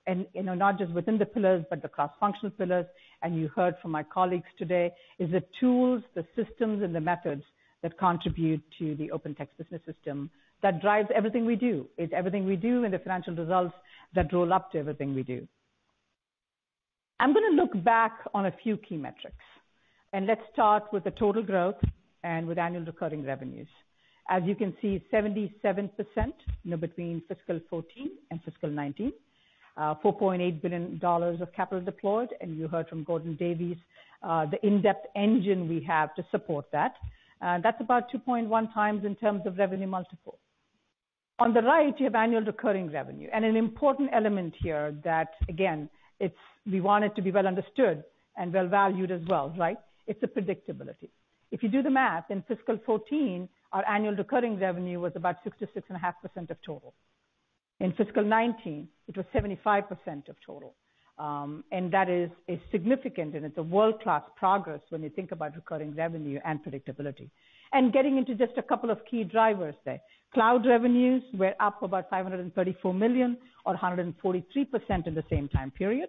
and not just within the pillars, but the cross-functional pillars, and you heard from my colleagues today, is the tools, the systems, and the methods that contribute to the OpenText Business System that drives everything we do. It's everything we do and the financial results that roll up to everything we do. I'm gonna look back on a few key metrics. Let's start with the total growth and with annual recurring revenues. As you can see, 77% between fiscal 2014 and fiscal 2019. $4.8 billion of capital deployed. You heard from Gordon Davies the in-depth engine we have to support that. That's about 2.1x in terms of revenue multiple. On the right, you have annual recurring revenue. An important element here that again, we want it to be well understood and well valued as well, right? It's the predictability. If you do the math, in fiscal 2014, our annual recurring revenue was about 66.5% of total. In fiscal 2019, it was 75% of total. That is significant, and it's a world-class progress when you think about recurring revenue and predictability. Getting into just a couple of key drivers there. Cloud revenues were up about $534 million or 143% in the same time period,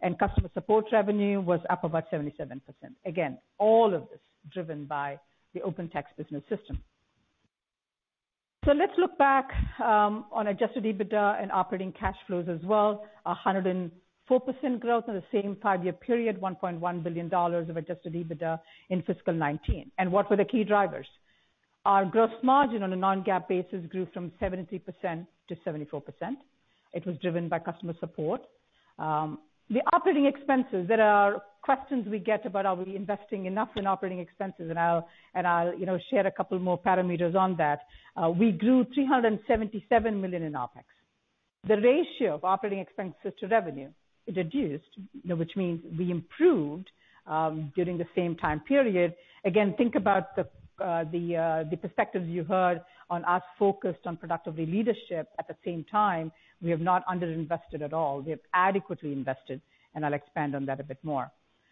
and customer support revenue was up about 77%. Again, all of this driven by the OpenText Business System. Let's look back on adjusted EBITDA and operating cash flows as well. 104% growth in the same five-year period, $1.1 billion of adjusted EBITDA in fiscal 2019. What were the key drivers? Our gross margin on a non-GAAP basis grew from 73% to 74%. It was driven by customer support. The operating expenses, there are questions we get about are we investing enough in operating expenses? I'll share a couple more parameters on that. We grew $377 million in OpEx. The ratio of operating expenses to revenue is reduced, which means we improved during the same time period. Again, think about the perspectives you heard on us focused on productivity leadership. At the same time, we have not under-invested at all. We have adequately invested, and I'll expand on that a bit more.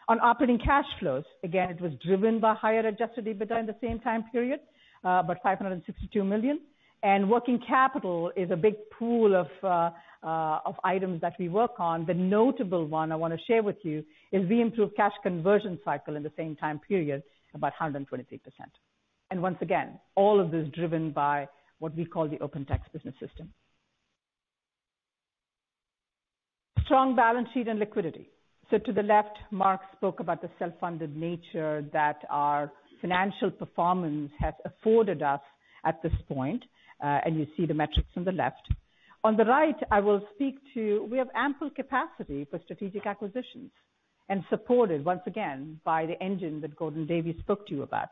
On operating cash flows, again, it was driven by higher adjusted EBITDA in the same time period, about $562 million. Working capital is a big pool of items that we work on. The notable one I want to share with you is we improved cash conversion cycle in the same time period, about 123%. Once again, all of this driven by what we call the OpenText Business System. Strong balance sheet and liquidity. To the left, Mark spoke about the self-funded nature that our financial performance has afforded us at this point, and you see the metrics on the left. On the right, I will speak to, we have ample capacity for strategic acquisitions and supported, once again, by the engine that Gordon Davies spoke to you about.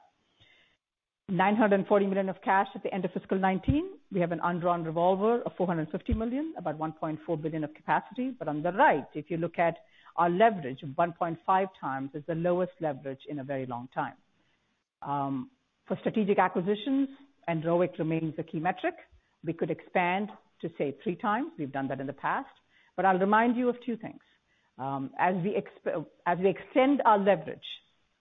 $940 million of cash at the end of fiscal 2019. We have an undrawn revolver of $450 million, about $1.4 billion of capacity. On the right, if you look at our leverage of 1.5 times, is the lowest leverage in a very long time. For strategic acquisitions and ROIC remains a key metric. We could expand to, say, three times. We've done that in the past. I'll remind you of two things. As we extend our leverage,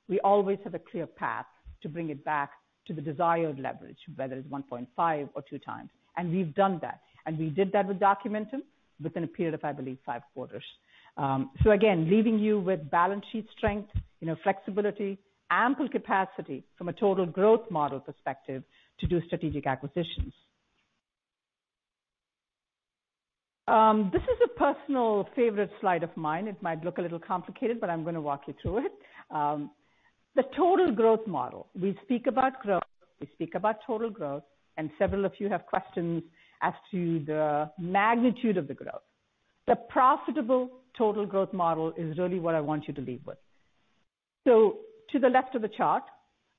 we always have a clear path to bring it back to the desired leverage, whether it's 1.5 or two times. We've done that, and we did that with Documentum within a period of, I believe, five quarters. Again, leaving you with balance sheet strength, flexibility, ample capacity from a total growth model perspective to do strategic acquisitions. This is a personal favorite slide of mine. It might look a little complicated, but I'm going to walk you through it. The total growth model. We speak about growth, we speak about total growth, and several of you have questions as to the magnitude of the growth. The profitable total growth model is really what I want you to leave with. To the left of the chart,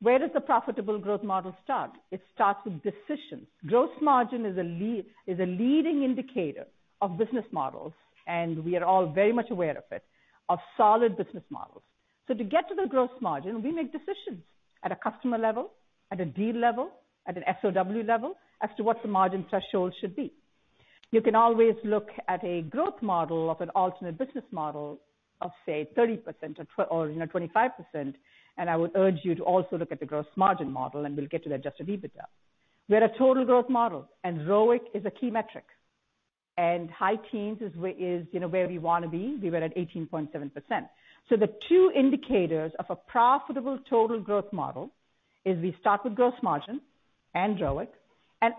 where does the profitable growth model start? It starts with decisions. Gross margin is a leading indicator of business models, and we are all very much aware of it, of solid business models. To get to the gross margin, we make decisions at a customer level, at a deal level, at an SOW level, as to what the margin threshold should be. You can always look at a growth model of an alternate business model of, say, 30% or 25%, and I would urge you to also look at the gross margin model, and we'll get to the adjusted EBITDA. We had a total growth model, and ROIC is a key metric. High teens is where we want to be. We were at 18.7%. The two indicators of a profitable total growth model is we start with gross margin and ROIC, and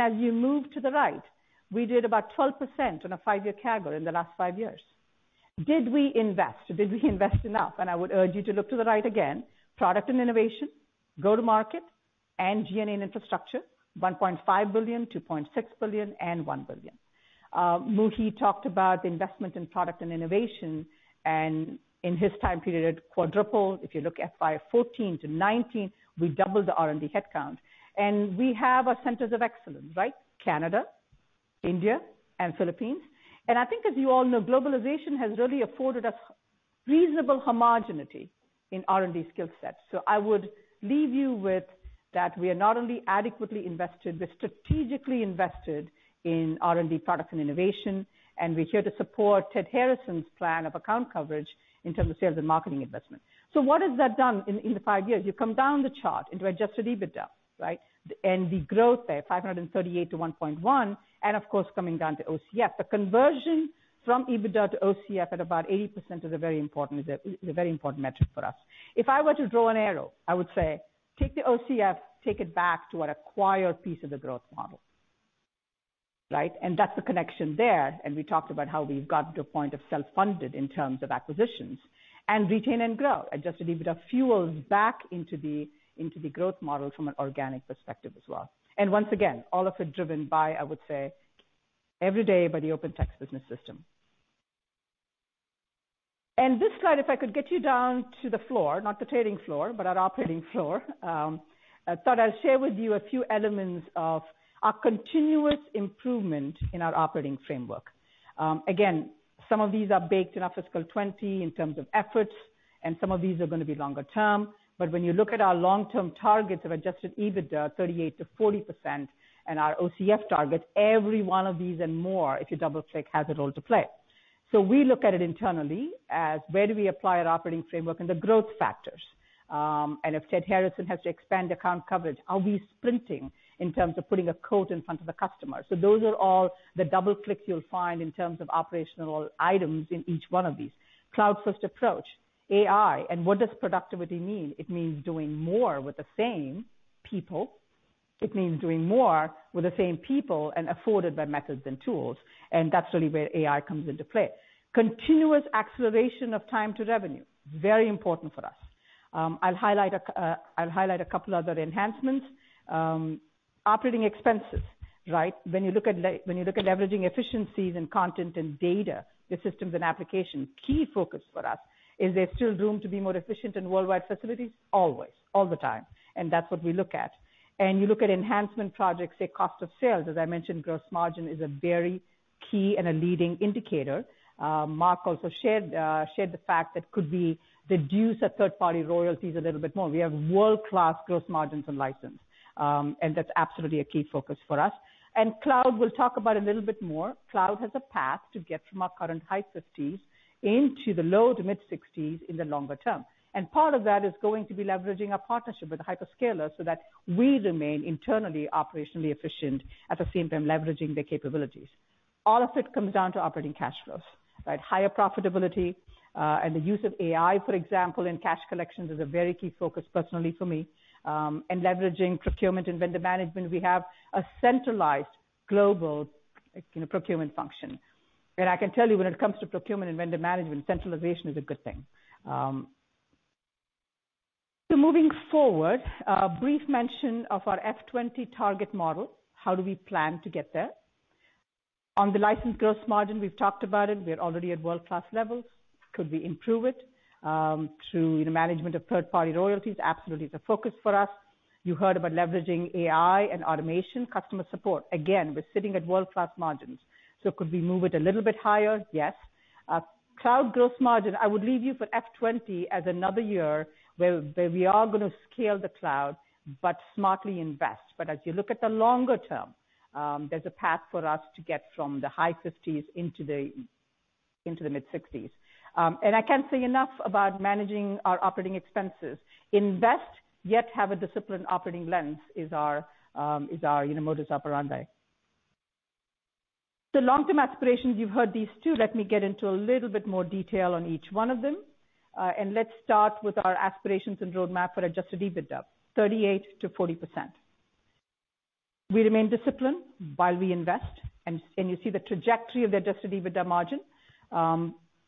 as you move to the right, we did about 12% on a five-year CAGR in the last five years. Did we invest? Did we invest enough? I would urge you to look to the right again. Product and innovation, go-to-market, G&A and infrastructure, $1.5 billion, $2.6 billion and $1 billion. Muhi talked about the investment in product and innovation, in his time period, quadruple. If you look FY 2014 to 2019, we doubled the R&D headcount. We have our centers of excellence, right? Canada, India, and Philippines. I think as you all know, globalization has really afforded us reasonable homogeneity in R&D skill sets. I would leave you with that we are not only adequately invested, we're strategically invested in R&D products and innovation, we're here to support Simon Harrison's plan of account coverage in terms of sales and marketing investment. What has that done in the five years? You come down the chart into adjusted EBITDA, right? The growth there, $538 million-$1.1 billion. Of course, coming down to OCF. The conversion from EBITDA to OCF at about 80% is a very important metric for us. If I were to draw an arrow, I would say take the OCF, take it back to our acquire piece of the growth model. Right? That's the connection there. We talked about how we've got to a point of self-funded in terms of acquisitions. Retain and grow. Adjusted EBITDA fuels back into the growth model from an organic perspective as well. Once again, all of it driven by, I would say, every day by the OpenText Business System. This slide, if I could get you down to the floor, not the trading floor, but our operating floor. I thought I'd share with you a few elements of our continuous improvement in our operating framework. Some of these are baked in our fiscal 2020 in terms of efforts, and some of these are going to be longer term. When you look at our long-term targets of adjusted EBITDA, 38%-40%, and our OCF targets, every one of these and more, if you double-click, has a role to play. We look at it internally as where do we apply our operating framework and the growth factors? If Ted Harrison has to expand account coverage, are we sprinting in terms of putting a quote in front of a customer? Those are all the double clicks you'll find in terms of operational items in each one of these. Cloud-first approach, AI, and what does productivity mean? It means doing more with the same people. It means doing more with the same people and afforded by methods and tools. That's really where AI comes into play. Continuous acceleration of time to revenue, very important for us. I'll highlight a couple other enhancements. Operating expenses, right? When you look at leveraging efficiencies in content and data, the systems and applications, key focus for us is there still room to be more efficient in worldwide facilities? Always. All the time. That's what we look at. You look at enhancement projects, say, cost of sales. As I mentioned, gross margin is a very key and a leading indicator. Mark also shared the fact that could we reduce our third-party royalties a little bit more. We have world-class gross margins and license. Cloud, we'll talk about a little bit more. Cloud has a path to get from our current high 50s into the low to mid-60s in the longer term. Part of that is going to be leveraging our partnership with the hyperscalers so that we remain internally operationally efficient, at the same time leveraging their capabilities. All of it comes down to operating cash flows, right? Higher profitability, the use of AI, for example, in cash collections is a very key focus personally for me. Leveraging procurement and vendor management. We have a centralized global procurement function. I can tell you when it comes to procurement and vendor management, centralization is a good thing. Moving forward, a brief mention of our FY 2020 target model. How do we plan to get there? On the license gross margin, we've talked about it. We're already at world-class levels. Could we improve it through management of third-party royalties? Absolutely. It's a focus for us. You heard about leveraging AI and automation, customer support. We're sitting at world-class margins. Could we move it a little bit higher? Yes. Cloud gross margin, I would leave you for FY 2020 as another year where we are going to scale the cloud, but smartly invest. As you look at the longer term, there's a path for us to get from the high 50s into the mid-60s. I can't say enough about managing our operating expenses. Invest, yet have a disciplined operating lens is our modus operandi. Long-term aspirations, you've heard these, too. Let me get into a little bit more detail on each one of them. Let's start with our aspirations and roadmap for adjusted EBITDA, 38%-40%. We remain disciplined while we invest, you see the trajectory of the adjusted EBITDA margin.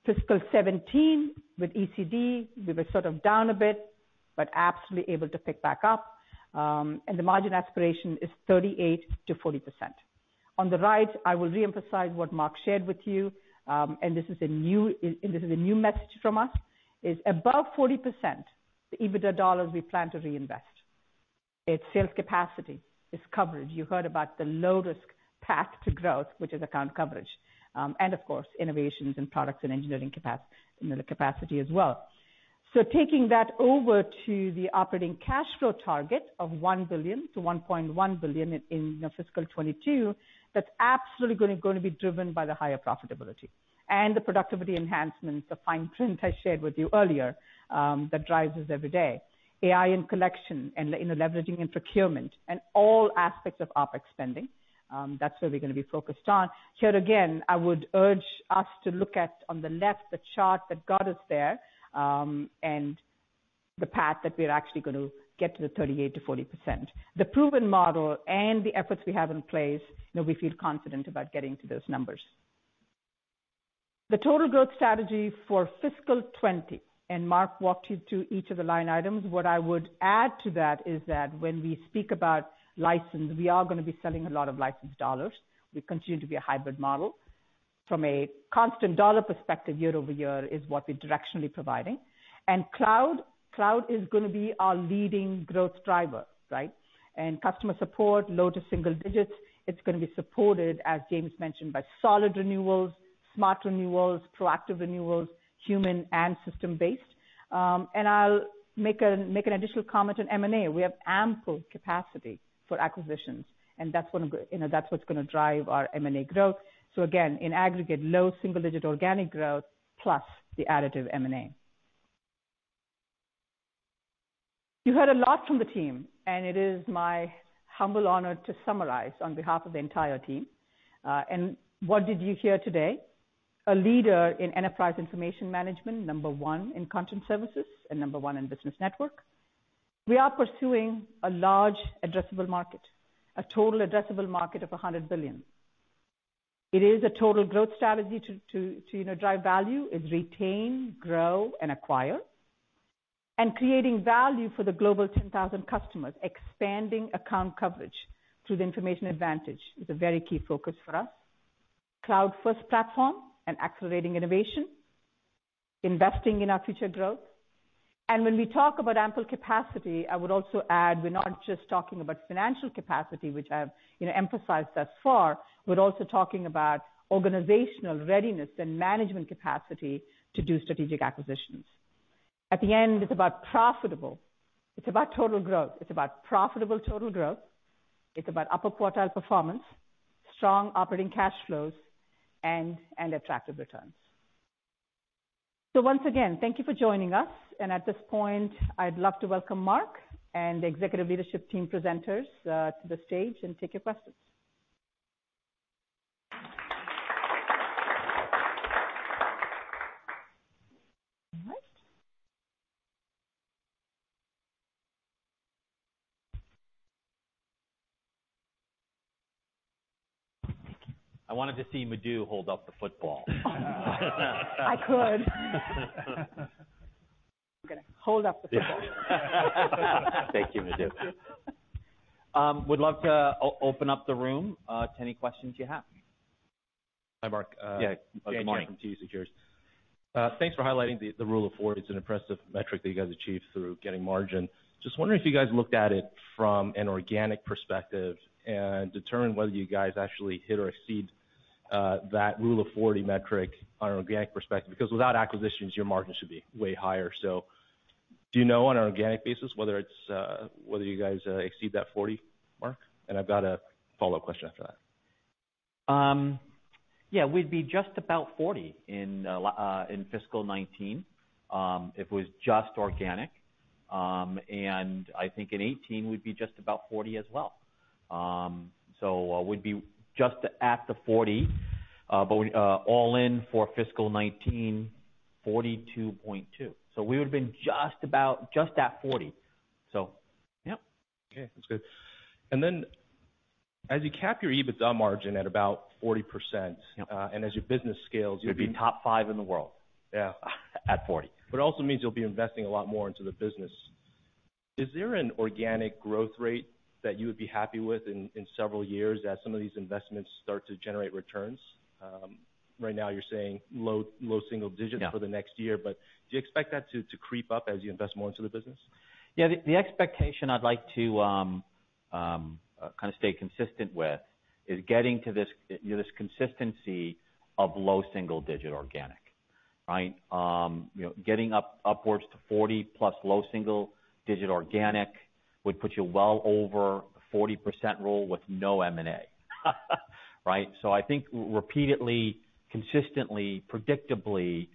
Fiscal 2017 with ECD, we were sort of down a bit, but absolutely able to pick back up. The margin aspiration is 38%-40%. On the right, I will reemphasize what Mark shared with you, and this is a new message from us, is above 40%, the EBITDA dollars we plan to reinvest. It's sales capacity. It's coverage. You heard about the low-risk path to growth, which is account coverage. Of course, innovations and products and engineering capacity as well. Taking that over to the operating cash flow target of $1 billion-$1.1 billion in fiscal 2022, that's absolutely going to be driven by the higher profitability and the productivity enhancements, the fine print I shared with you earlier, that drives us every day. AI in collection and leveraging in procurement and all aspects of OpEx spending. That's where we're going to be focused on. Here again, I would urge us to look at, on the left, the chart that got us there, and the path that we're actually going to get to the 38%-40%. The proven model and the efforts we have in place, we feel confident about getting to those numbers. The total growth strategy for fiscal 2020, Mark walked you through each of the line items. What I would add to that is that when we speak about license, we are going to be selling a lot of license dollars. We continue to be a hybrid model. From a constant dollar perspective, year-over-year is what we're directionally providing. Cloud is going to be our leading growth driver, right? Customer support, low to single digits. It's going to be supported, as James mentioned, by solid renewals, smart renewals, proactive renewals, human and system-based. I'll make an additional comment on M&A. We have ample capacity for acquisitions, and that's what's going to drive our M&A growth. Again, in aggregate, low single-digit organic growth plus the additive M&A. You heard a lot from the team, it is my humble honor to summarize on behalf of the entire team. What did you hear today? A leader in enterprise information management, number one in content services and number one in business network. We are pursuing a large addressable market, a total addressable market of $100 billion. It is a total growth strategy to drive value, is retain, grow, and acquire. Creating value for the global 10,000 customers, expanding account coverage through the information advantage is a very key focus for us. Cloud-first platform and accelerating innovation. Investing in our future growth. When we talk about ample capacity, I would also add, we're not just talking about financial capacity, which I've emphasized thus far. We're also talking about organizational readiness and management capacity to do strategic acquisitions. At the end, it's about profitable. It's about total growth. It's about profitable total growth. It's about upper quartile performance, strong operating cash flows, and attractive returns. Once again, thank you for joining us. At this point, I'd love to welcome Mark and the executive leadership team presenters to the stage and take your questions. All right. Thank you. I wanted to see Madhu hold up the football. I could. I'm gonna hold up the football. Thank you, Madhu. We'd love to open up the room to any questions you have. Hi, Mark. Yeah. Good morning. James from TS Investors. Thanks for highlighting the rule of 40. It's an impressive metric that you guys achieved through getting margin. Just wondering if you guys looked at it from an organic perspective and determined whether you guys actually hit or exceed that rule of 40 metric on an organic perspective, because without acquisitions, your margin should be way higher. Do you know on an organic basis whether you guys exceed that 40 mark? I've got a follow-up question after that. Yeah, we'd be just about 40 in fiscal 2019, if it was just organic. I think in 2018 would be just about 40 as well. We'd be just at the 40, but all in for fiscal 2019, 42.2. We would have been just at 40. Yep. Okay, that's good. As you cap your EBITDA margin at about 40%- Yep. as your business scales We'd be top 5 in the world. Yeah. At 40. It also means you'll be investing a lot more into the business. Is there an organic growth rate that you would be happy with in several years as some of these investments start to generate returns? Right now you're saying low single digits. Yeah for the next year, but do you expect that to creep up as you invest more into the business? Yeah, the expectation I'd like to stay consistent with is getting to this consistency of low single digit organic. Right? Getting upwards to 40-plus low single digit organic would put you well over the 40% rule with no M&A. Right? I think repeatedly, consistently, predictably,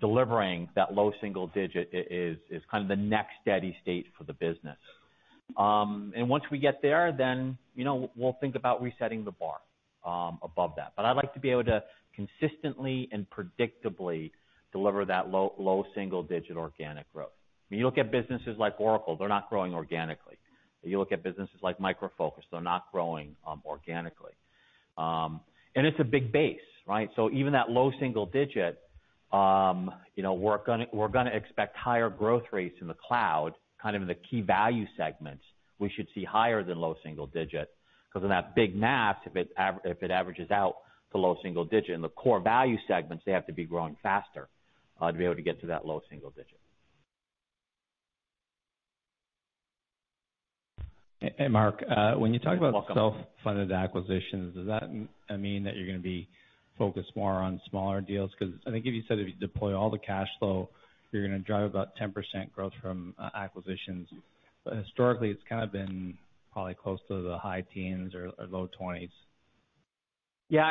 delivering that low single digit is the next steady state for the business. Once we get there, then, we'll think about resetting the bar above that. I'd like to be able to consistently and predictably deliver that low single digit organic growth. When you look at businesses like Oracle, they're not growing organically. You look at businesses like Micro Focus, they're not growing organically. It's a big base, right? Even that low single digit, we're going to expect higher growth rates in the cloud, kind of in the key value segments. We should see higher than low single digit, because in that big math, if it averages out to low single digit in the core value segments, they have to be growing faster, to be able to get to that low single digit. Hey, Mark. Welcome self-funded acquisitions, does that mean that you're going to be focused more on smaller deals? I think if you said if you deploy all the cash flow, you're going to drive about 10% growth from acquisitions. Historically, it's kind of been probably close to the high teens or low twenties. Yeah,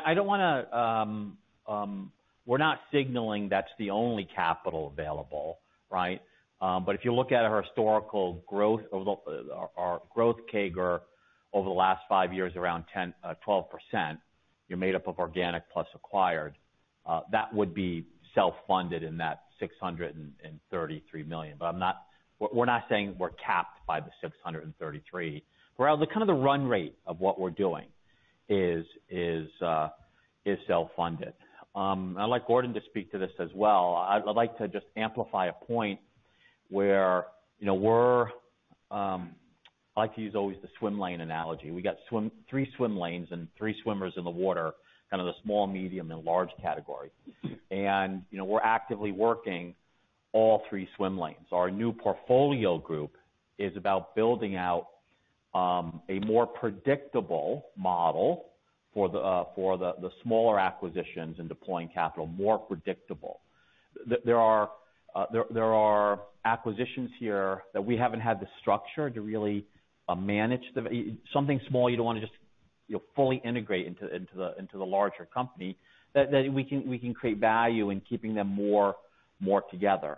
we're not signaling that's the only capital available, right? If you look at our historical growth, our growth CAGR over the last five years, around 12%, you're made up of organic plus acquired. That would be self-funded in that $633 million. We're not saying we're capped by the $633. Kind of the run rate of what we're doing is self-funded. I'd like Gordon to speak to this as well. I'd like to just amplify a point where we're I like to use always the swim lane analogy. We got three swim lanes and three swimmers in the water, kind of the small, medium, and large category. We're actively working all three swim lanes. Our new portfolio group is about building out, a more predictable model for the smaller acquisitions and deploying capital more predictably. There are acquisitions here that we haven't had the structure to really manage them. Something small, you don't want to just fully integrate into the larger company. That we can create value in keeping them more together.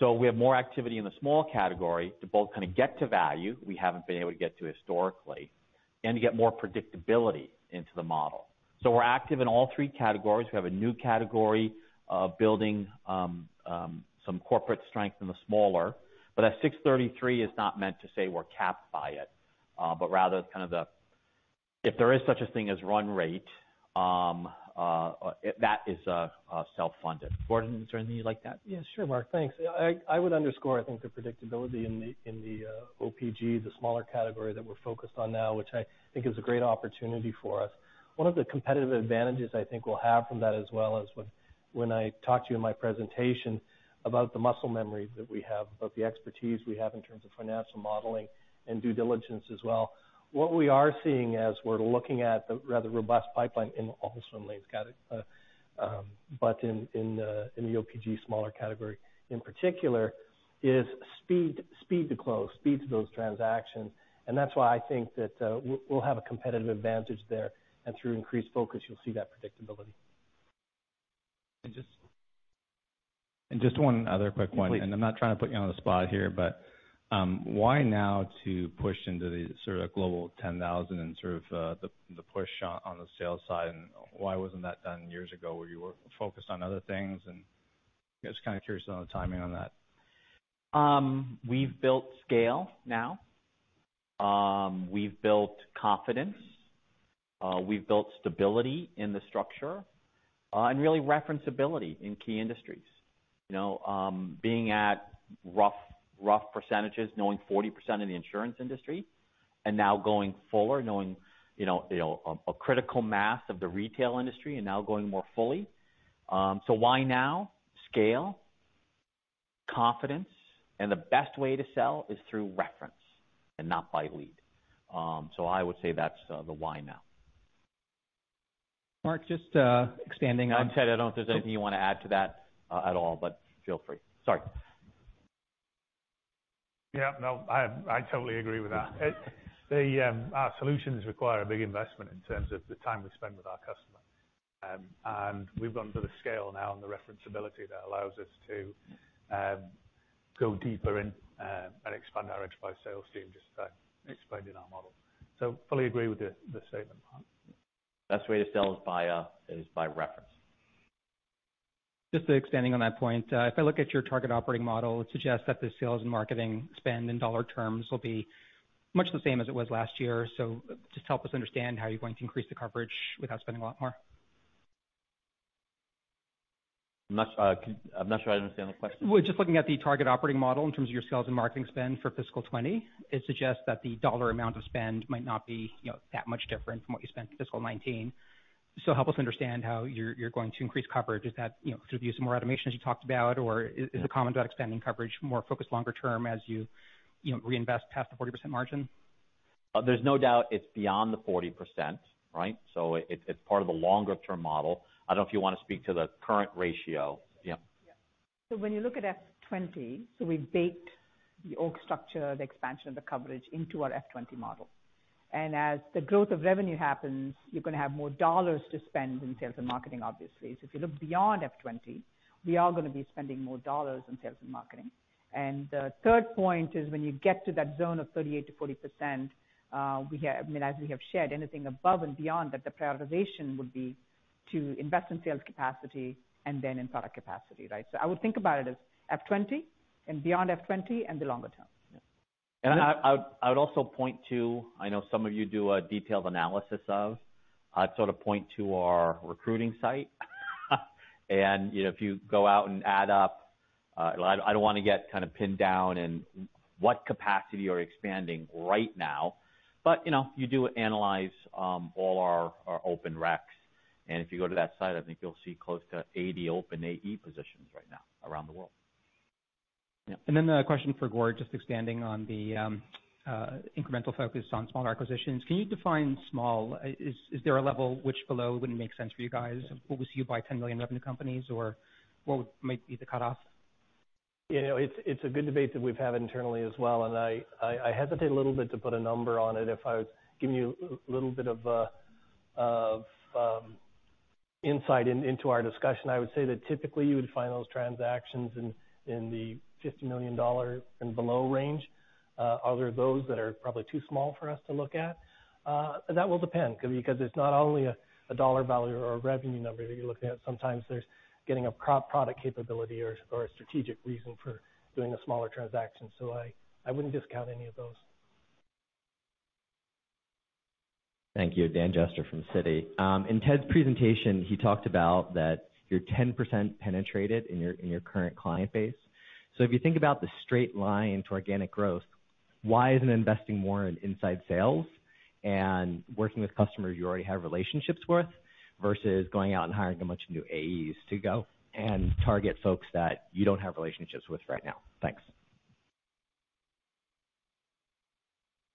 We have more activity in the small category to both kind of get to value we haven't been able to get to historically and to get more predictability into the model. We're active in all 3 categories. We have a new category, building some corporate strength in the smaller. That 633 is not meant to say we're capped by it, but rather kind of if there is such a thing as run rate, that is self-funded. Gordon, is there anything you'd like to add? Yeah, sure. Mark, thanks. I would underscore, I think the predictability in the OPG, the smaller category that we're focused on now, which I think is a great opportunity for us. One of the competitive advantages I think we'll have from that as well is when I talked to you in my presentation about the muscle memory that we have, about the expertise we have in terms of financial modeling and due diligence as well. What we are seeing as we're looking at the rather robust pipeline in all the swim lanes, but in the OPG smaller category in particular, is speed to close. Speed to those transactions. That's why I think that, we'll have a competitive advantage there. Through increased focus, you'll see that predictability. Just one other quick one. Please. I'm not trying to put you on the spot here, but why now to push into the sort of global 10,000 and sort of the push on the sales side, and why wasn't that done years ago where you were focused on other things? I was kind of curious on the timing on that. We've built scale now. We've built confidence. We've built stability in the structure, and really referencability in key industries. Being at rough percentages, knowing 40% of the insurance industry, and now going fuller, knowing a critical mass of the retail industry, and now going more fully. Why now? Scale, confidence, and the best way to sell is through reference and not by lead. I would say that's the why now. Mark, just expanding on- Ted, I don't know if there's anything you want to add to that at all, but feel free. Sorry. Yeah, no, I totally agree with that. Our solutions require a big investment in terms of the time we spend with our customer. We've gone to the scale now and the reference ability that allows us to go deeper in and expand our enterprise sales team, just as Ted explained in our model. Fully agree with the statement, Mark. Best way to sell is by reference. Just expanding on that point. If I look at your target operating model, it suggests that the sales and marketing spend in dollar terms will be much the same as it was last year. Just help us understand how you're going to increase the coverage without spending a lot more. I'm not sure I understand the question. Just looking at the target operating model in terms of your sales and marketing spend for fiscal 2020, it suggests that the dollar amount of spend might not be that much different from what you spent fiscal 2019. Help us understand how you're going to increase coverage. Is that through the use of more automations you talked about, or is the comment about expanding coverage more focused longer term as you reinvest past the 40% margin? There's no doubt it's beyond the 40%, right? It's part of the longer-term model. I don't know if you want to speak to the current ratio. Yeah. Yeah. When you look at FY 2020, we baked the org structure, the expansion of the coverage into our FY 2020 model. As the growth of revenue happens, you're going to have more $ to spend in sales and marketing, obviously. If you look beyond FY 2020, we are going to be spending more $ in sales and marketing. The third point is when you get to that zone of 38%-40%, as we have shared anything above and beyond that, the prioritization would be to invest in sales capacity and then in product capacity. Right? I would think about it as FY 2020, and beyond FY 2020, and the longer term. I would also point to, I know some of you do a detailed analysis of, I'd sort of point to our recruiting site. If you go out and add up, I don't want to get kind of pinned down in what capacity you're expanding right now, but you do analyze all our open recs. If you go to that site, I think you'll see close to 80 open AE positions right now around the world. Yeah. A question for Gord, just expanding on the incremental focus on small acquisitions. Can you define small? Is there a level which below wouldn't make sense for you guys? Would we see you buy $10 million revenue companies, or what might be the cutoff? It's a good debate that we've had internally as well. I hesitate a little bit to put a number on it. If I was giving you a little bit of insight into our discussion, I would say that typically you would find those transactions in the $50 million and below range. Other those that are probably too small for us to look at. That will depend, it's not only a dollar value or a revenue number that you're looking at. Sometimes there's getting a product capability or a strategic reason for doing a smaller transaction. I wouldn't discount any of those. Thank you. Dan Jester from Citi. In Ted's presentation, he talked about that you're 10% penetrated in your current client base. If you think about the straight line to organic growth, why isn't investing more in inside sales and working with customers you already have relationships with versus going out and hiring a bunch of new AEs to go and target folks that you don't have relationships with right now? Thanks.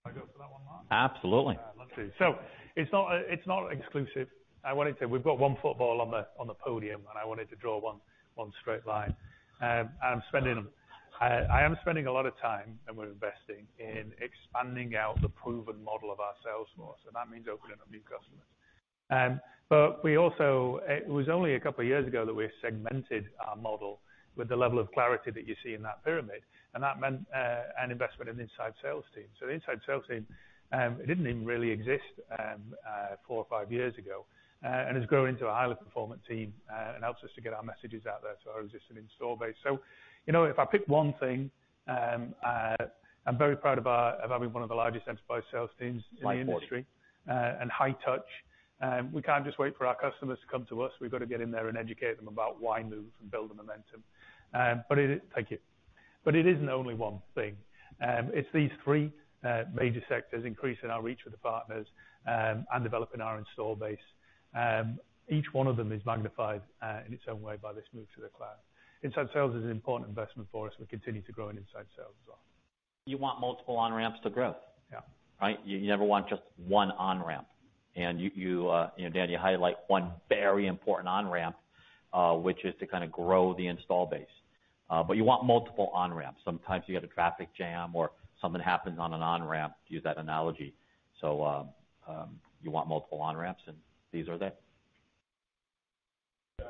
Want to go for that one, Mark? Absolutely. I'd love to. It's not exclusive. We've got one football on the podium, and I wanted to draw one straight line. I am spending a lot of time, and we're investing in expanding out the proven model of our sales force, and that means opening up new customers. It was only a couple of years ago that we segmented our model with the level of clarity that you see in that pyramid, and that meant an investment in inside sales team. The inside sales team, it didn't even really exist four or five years ago, and has grown into a highly performant team, and helps us to get our messages out there to our existing install base. If I pick one thing, I'm very proud of having one of the largest enterprise sales teams in the industry. My 40. High touch. We can't just wait for our customers to come to us. We've got to get in there and educate them about why move and build the momentum. Thank you. It isn't only one thing. It's these three major sectors increasing our reach with the partners, and developing our install base. Each one of them is magnified in its own way by this move to the cloud. Inside sales is an important investment for us. We continue to grow in inside sales as well. You want multiple on-ramps to growth. Yeah. Right? You never want just one on-ramp, and Dan, you highlight one very important on-ramp, which is to kind of grow the install base. You want multiple on-ramps. Sometimes you get a traffic jam or something happens on an on-ramp, to use that analogy. You want multiple on-ramps, and these are there. Yeah.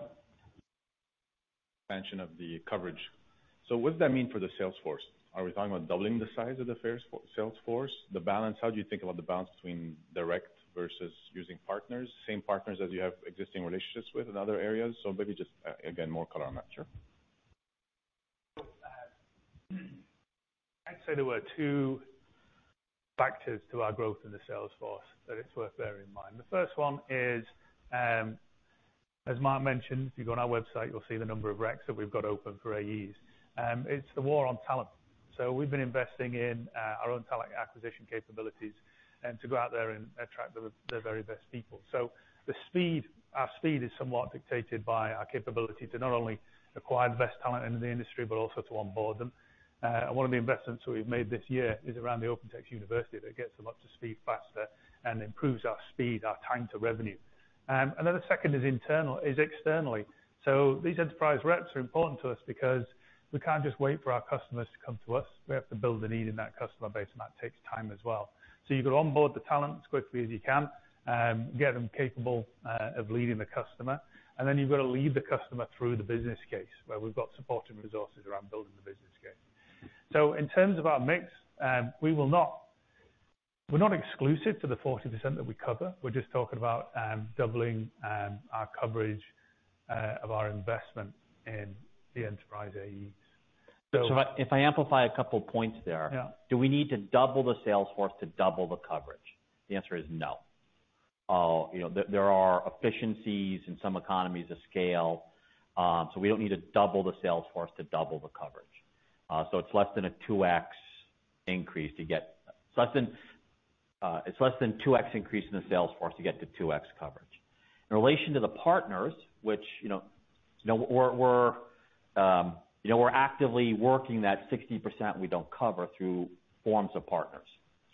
Expansion of the coverage. What does that mean for the sales force? Are we talking about doubling the size of the sales force, the balance? How do you think about the balance between direct versus using partners, same partners as you have existing relationships with in other areas? Maybe just, again, more color on that. Sure. I'd say there were two factors to our growth in the sales force that it's worth bearing in mind. The first one is, as Mark mentioned, if you go on our website, you'll see the number of recs that we've got open for AEs. It's the war on talent. We've been investing in our own talent acquisition capabilities and to go out there and attract the very best people. Our speed is somewhat dictated by our capability to not only acquire the best talent in the industry, but also to onboard them. One of the investments that we've made this year is around the OpenText University that gets them up to speed faster and improves our speed, our time to revenue. The second is externally. These enterprise reps are important to us because we can't just wait for our customers to come to us. We have to build the need in that customer base, and that takes time as well. You've got to onboard the talent as quickly as you can, get them capable of leading the customer, and then you've got to lead the customer through the business case, where we've got support and resources around building the business case. In terms of our mix, we're not exclusive to the 40% that we cover. We're just talking about doubling our coverage of our investment in the enterprise AEs. If I amplify a couple points there. Yeah Do we need to double the sales force to double the coverage? The answer is no. There are efficiencies in some economies of scale. We don't need to double the sales force to double the coverage. It's less than 2X increase in the sales force to get to 2X coverage. In relation to the partners, we're actively working that 60% we don't cover through forms of partners.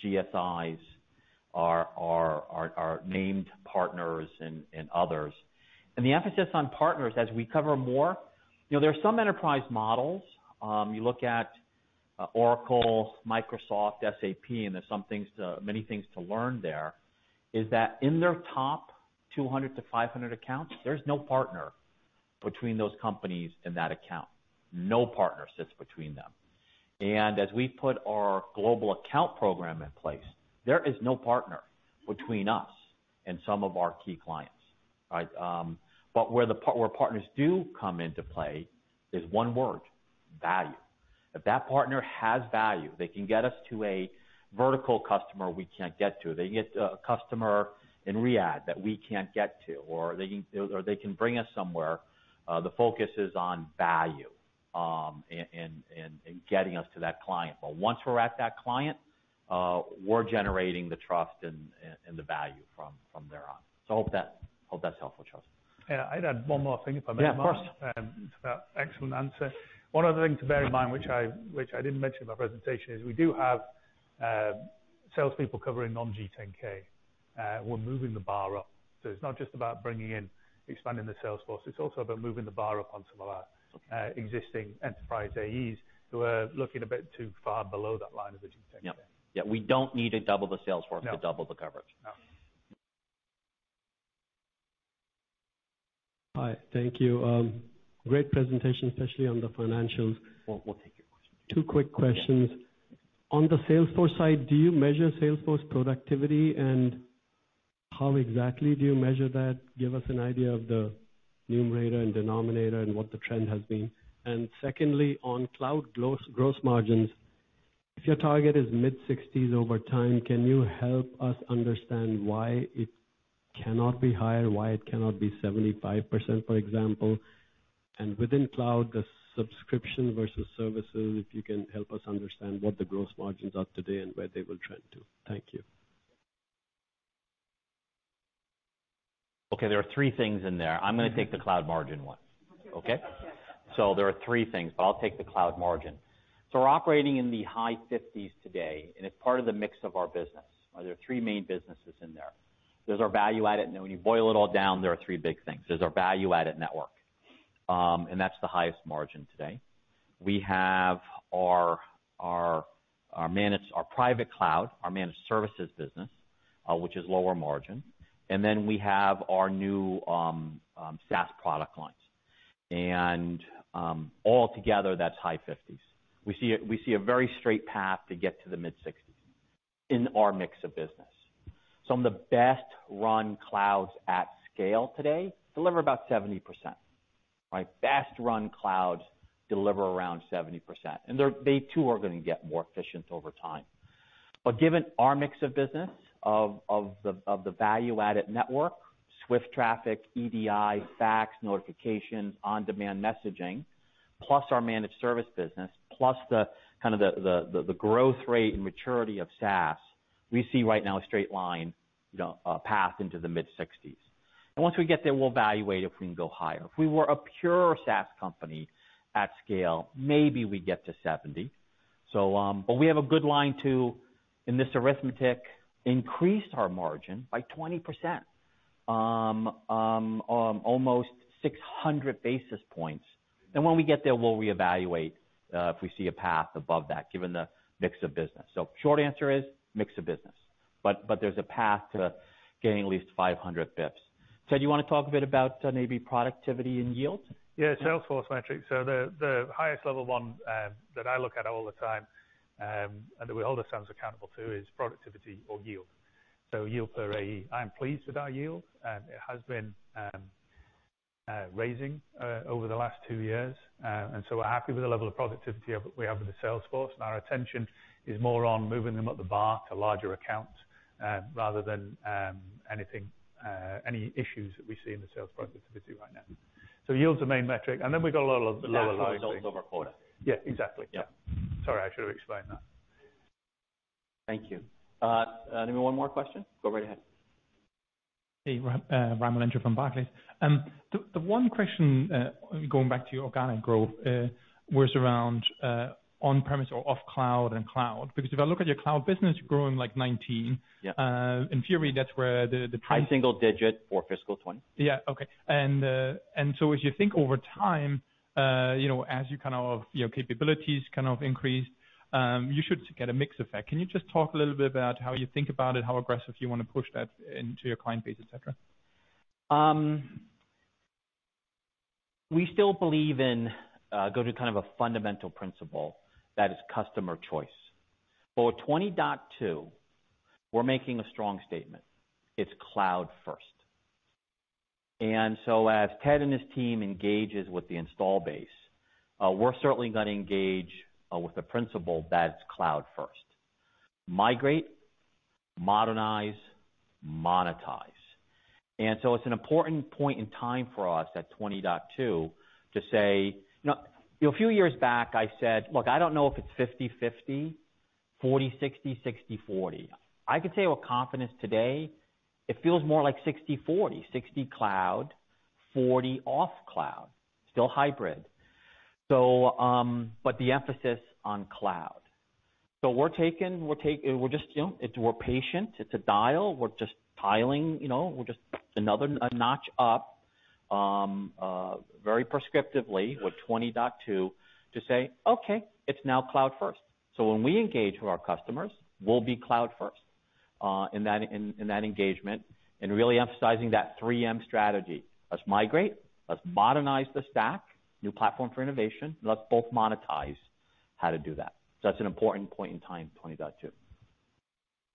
GSIs, our named partners, and others. The emphasis on partners as we cover more, there are some enterprise models. You look at Oracle, Microsoft, SAP, and there's many things to learn there, is that in their top 200 to 500 accounts, there's no partner between those companies and that account. No partner sits between them. As we put our global account program in place, there is no partner between us and some of our key clients, right? Where partners do come into play is one word, value. If that partner has value, they can get us to a vertical customer we can't get to. They can get a customer in Riyadh that we can't get to, or they can bring us somewhere. The focus is on value, and getting us to that client. Once we're at that client, we're generating the trust and the value from there on. I hope that's helpful, Charles. Yeah. I'd add one more thing, if I may, Mark. Yeah, of course. It's about excellent answer. One other thing to bear in mind, which I didn't mention in my presentation, is we do have salespeople covering non-G10K. We're moving the bar up. It's not just about bringing in, expanding the sales force, it's also about moving the bar up on some of our existing enterprise AEs who are looking a bit too far below that line of the G10K. Yeah. We don't need to double the sales force- No to double the coverage. No. Hi. Thank you. Great presentation, especially on the financials. We'll take your question. Two quick questions. On the sales force side, do you measure sales force productivity, and how exactly do you measure that? Give us an idea of the numerator and denominator and what the trend has been. Secondly, on cloud gross margins, if your target is mid-60s over time, can you help us understand why it cannot be higher, why it cannot be 75%, for example? Within cloud, the subscription versus services, if you can help us understand what the gross margins are today and where they will trend to. Thank you. Okay, there are three things in there. I'm going to take the cloud margin one. Okay? Okay. There are three things, but I'll take the cloud margin. We're operating in the high 50s today, and it's part of the mix of our business. There are three main businesses in there. When you boil it all down, there are three big things. There's our value-added network, and that's the highest margin today. We have our private cloud, our managed services business, which is lower margin, and then we have our new SaaS product lines. Altogether, that's high 50s. We see a very straight path to get to the mid-60s in our mix of business. Some of the best-run clouds at scale today deliver about 70%. Best-run clouds deliver around 70%, and they too are going to get more efficient over time. Given our mix of business of the value-added network, swift traffic, EDI, fax, notification, on-demand messaging, plus our managed service business, plus the growth rate and maturity of SaaS, we see right now a straight line path into the mid-60s. Once we get there, we'll evaluate if we can go higher. If we were a pure SaaS company at scale, maybe we'd get to 70. We have a good line to, in this arithmetic, increased our margin by 20%, almost 600 basis points. When we get there, we'll reevaluate if we see a path above that given the mix of business. Short answer is mix of business. There's a path to getting at least 500 basis points. Ted, you want to talk a bit about maybe productivity and yield? Yeah, Salesforce metrics. The highest level 1 that I look at all the time, and that we hold ourselves accountable to is productivity or yield. Yield per AE. I am pleased with our yield. It has been raising over the last two years. We're happy with the level of productivity we have with the sales force, and our attention is more on moving them up the bar to larger accounts rather than any issues that we see in the sales productivity right now. Yield's the main metric. Yeah, results over quota. Yeah, exactly. Yeah. Sorry, I should have explained that. Thank you. Maybe one more question. Go right ahead. Hey. Raimo Lenschow from Barclays. The one question, going back to your organic growth, was around on-premise or off cloud and cloud. Because if I look at your cloud business, you're growing like 19. Yeah. In theory, that's where the- High single digit for fiscal 2020. Yeah. Okay. As you think over time, as your capabilities increase, you should get a mix effect. Can you just talk a little bit about how you think about it, how aggressive you want to push that into your client base, et cetera? We still believe go to kind of a fundamental principle, that is customer choice. For 20.2, we're making a strong statement. It's cloud first. As Ted and his team engages with the install base, we're certainly going to engage with the principle that it's cloud first. Migrate, Modernize, Monetize. It's an important point in time for us at 20.2 to say A few years back, I said, "Look, I don't know if it's 50/50, 40/60/40." I can tell you with confidence today, it feels more like 60/40. 60 cloud, 40 off cloud. Still hybrid, but the emphasis on cloud. We're patient. It's a dial. We're just dialing another notch up, very prescriptively with 20.2 to say, "Okay. It's now cloud first." When we engage with our customers, we'll be cloud first in that engagement and really emphasizing that 3M strategy. Let's migrate, let's modernize the stack, new platform for innovation. Let's both monetize how to do that. That's an important point in time, 20.2.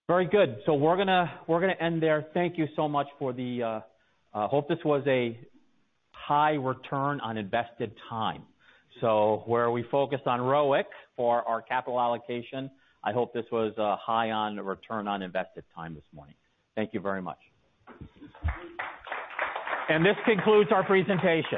Very good. We're going to end there. Thank you so much. Hope this was a high return on invested time. Where we focused on ROIC for our capital allocation, I hope this was high on return on invested time this morning. Thank you very much. This concludes our presentation.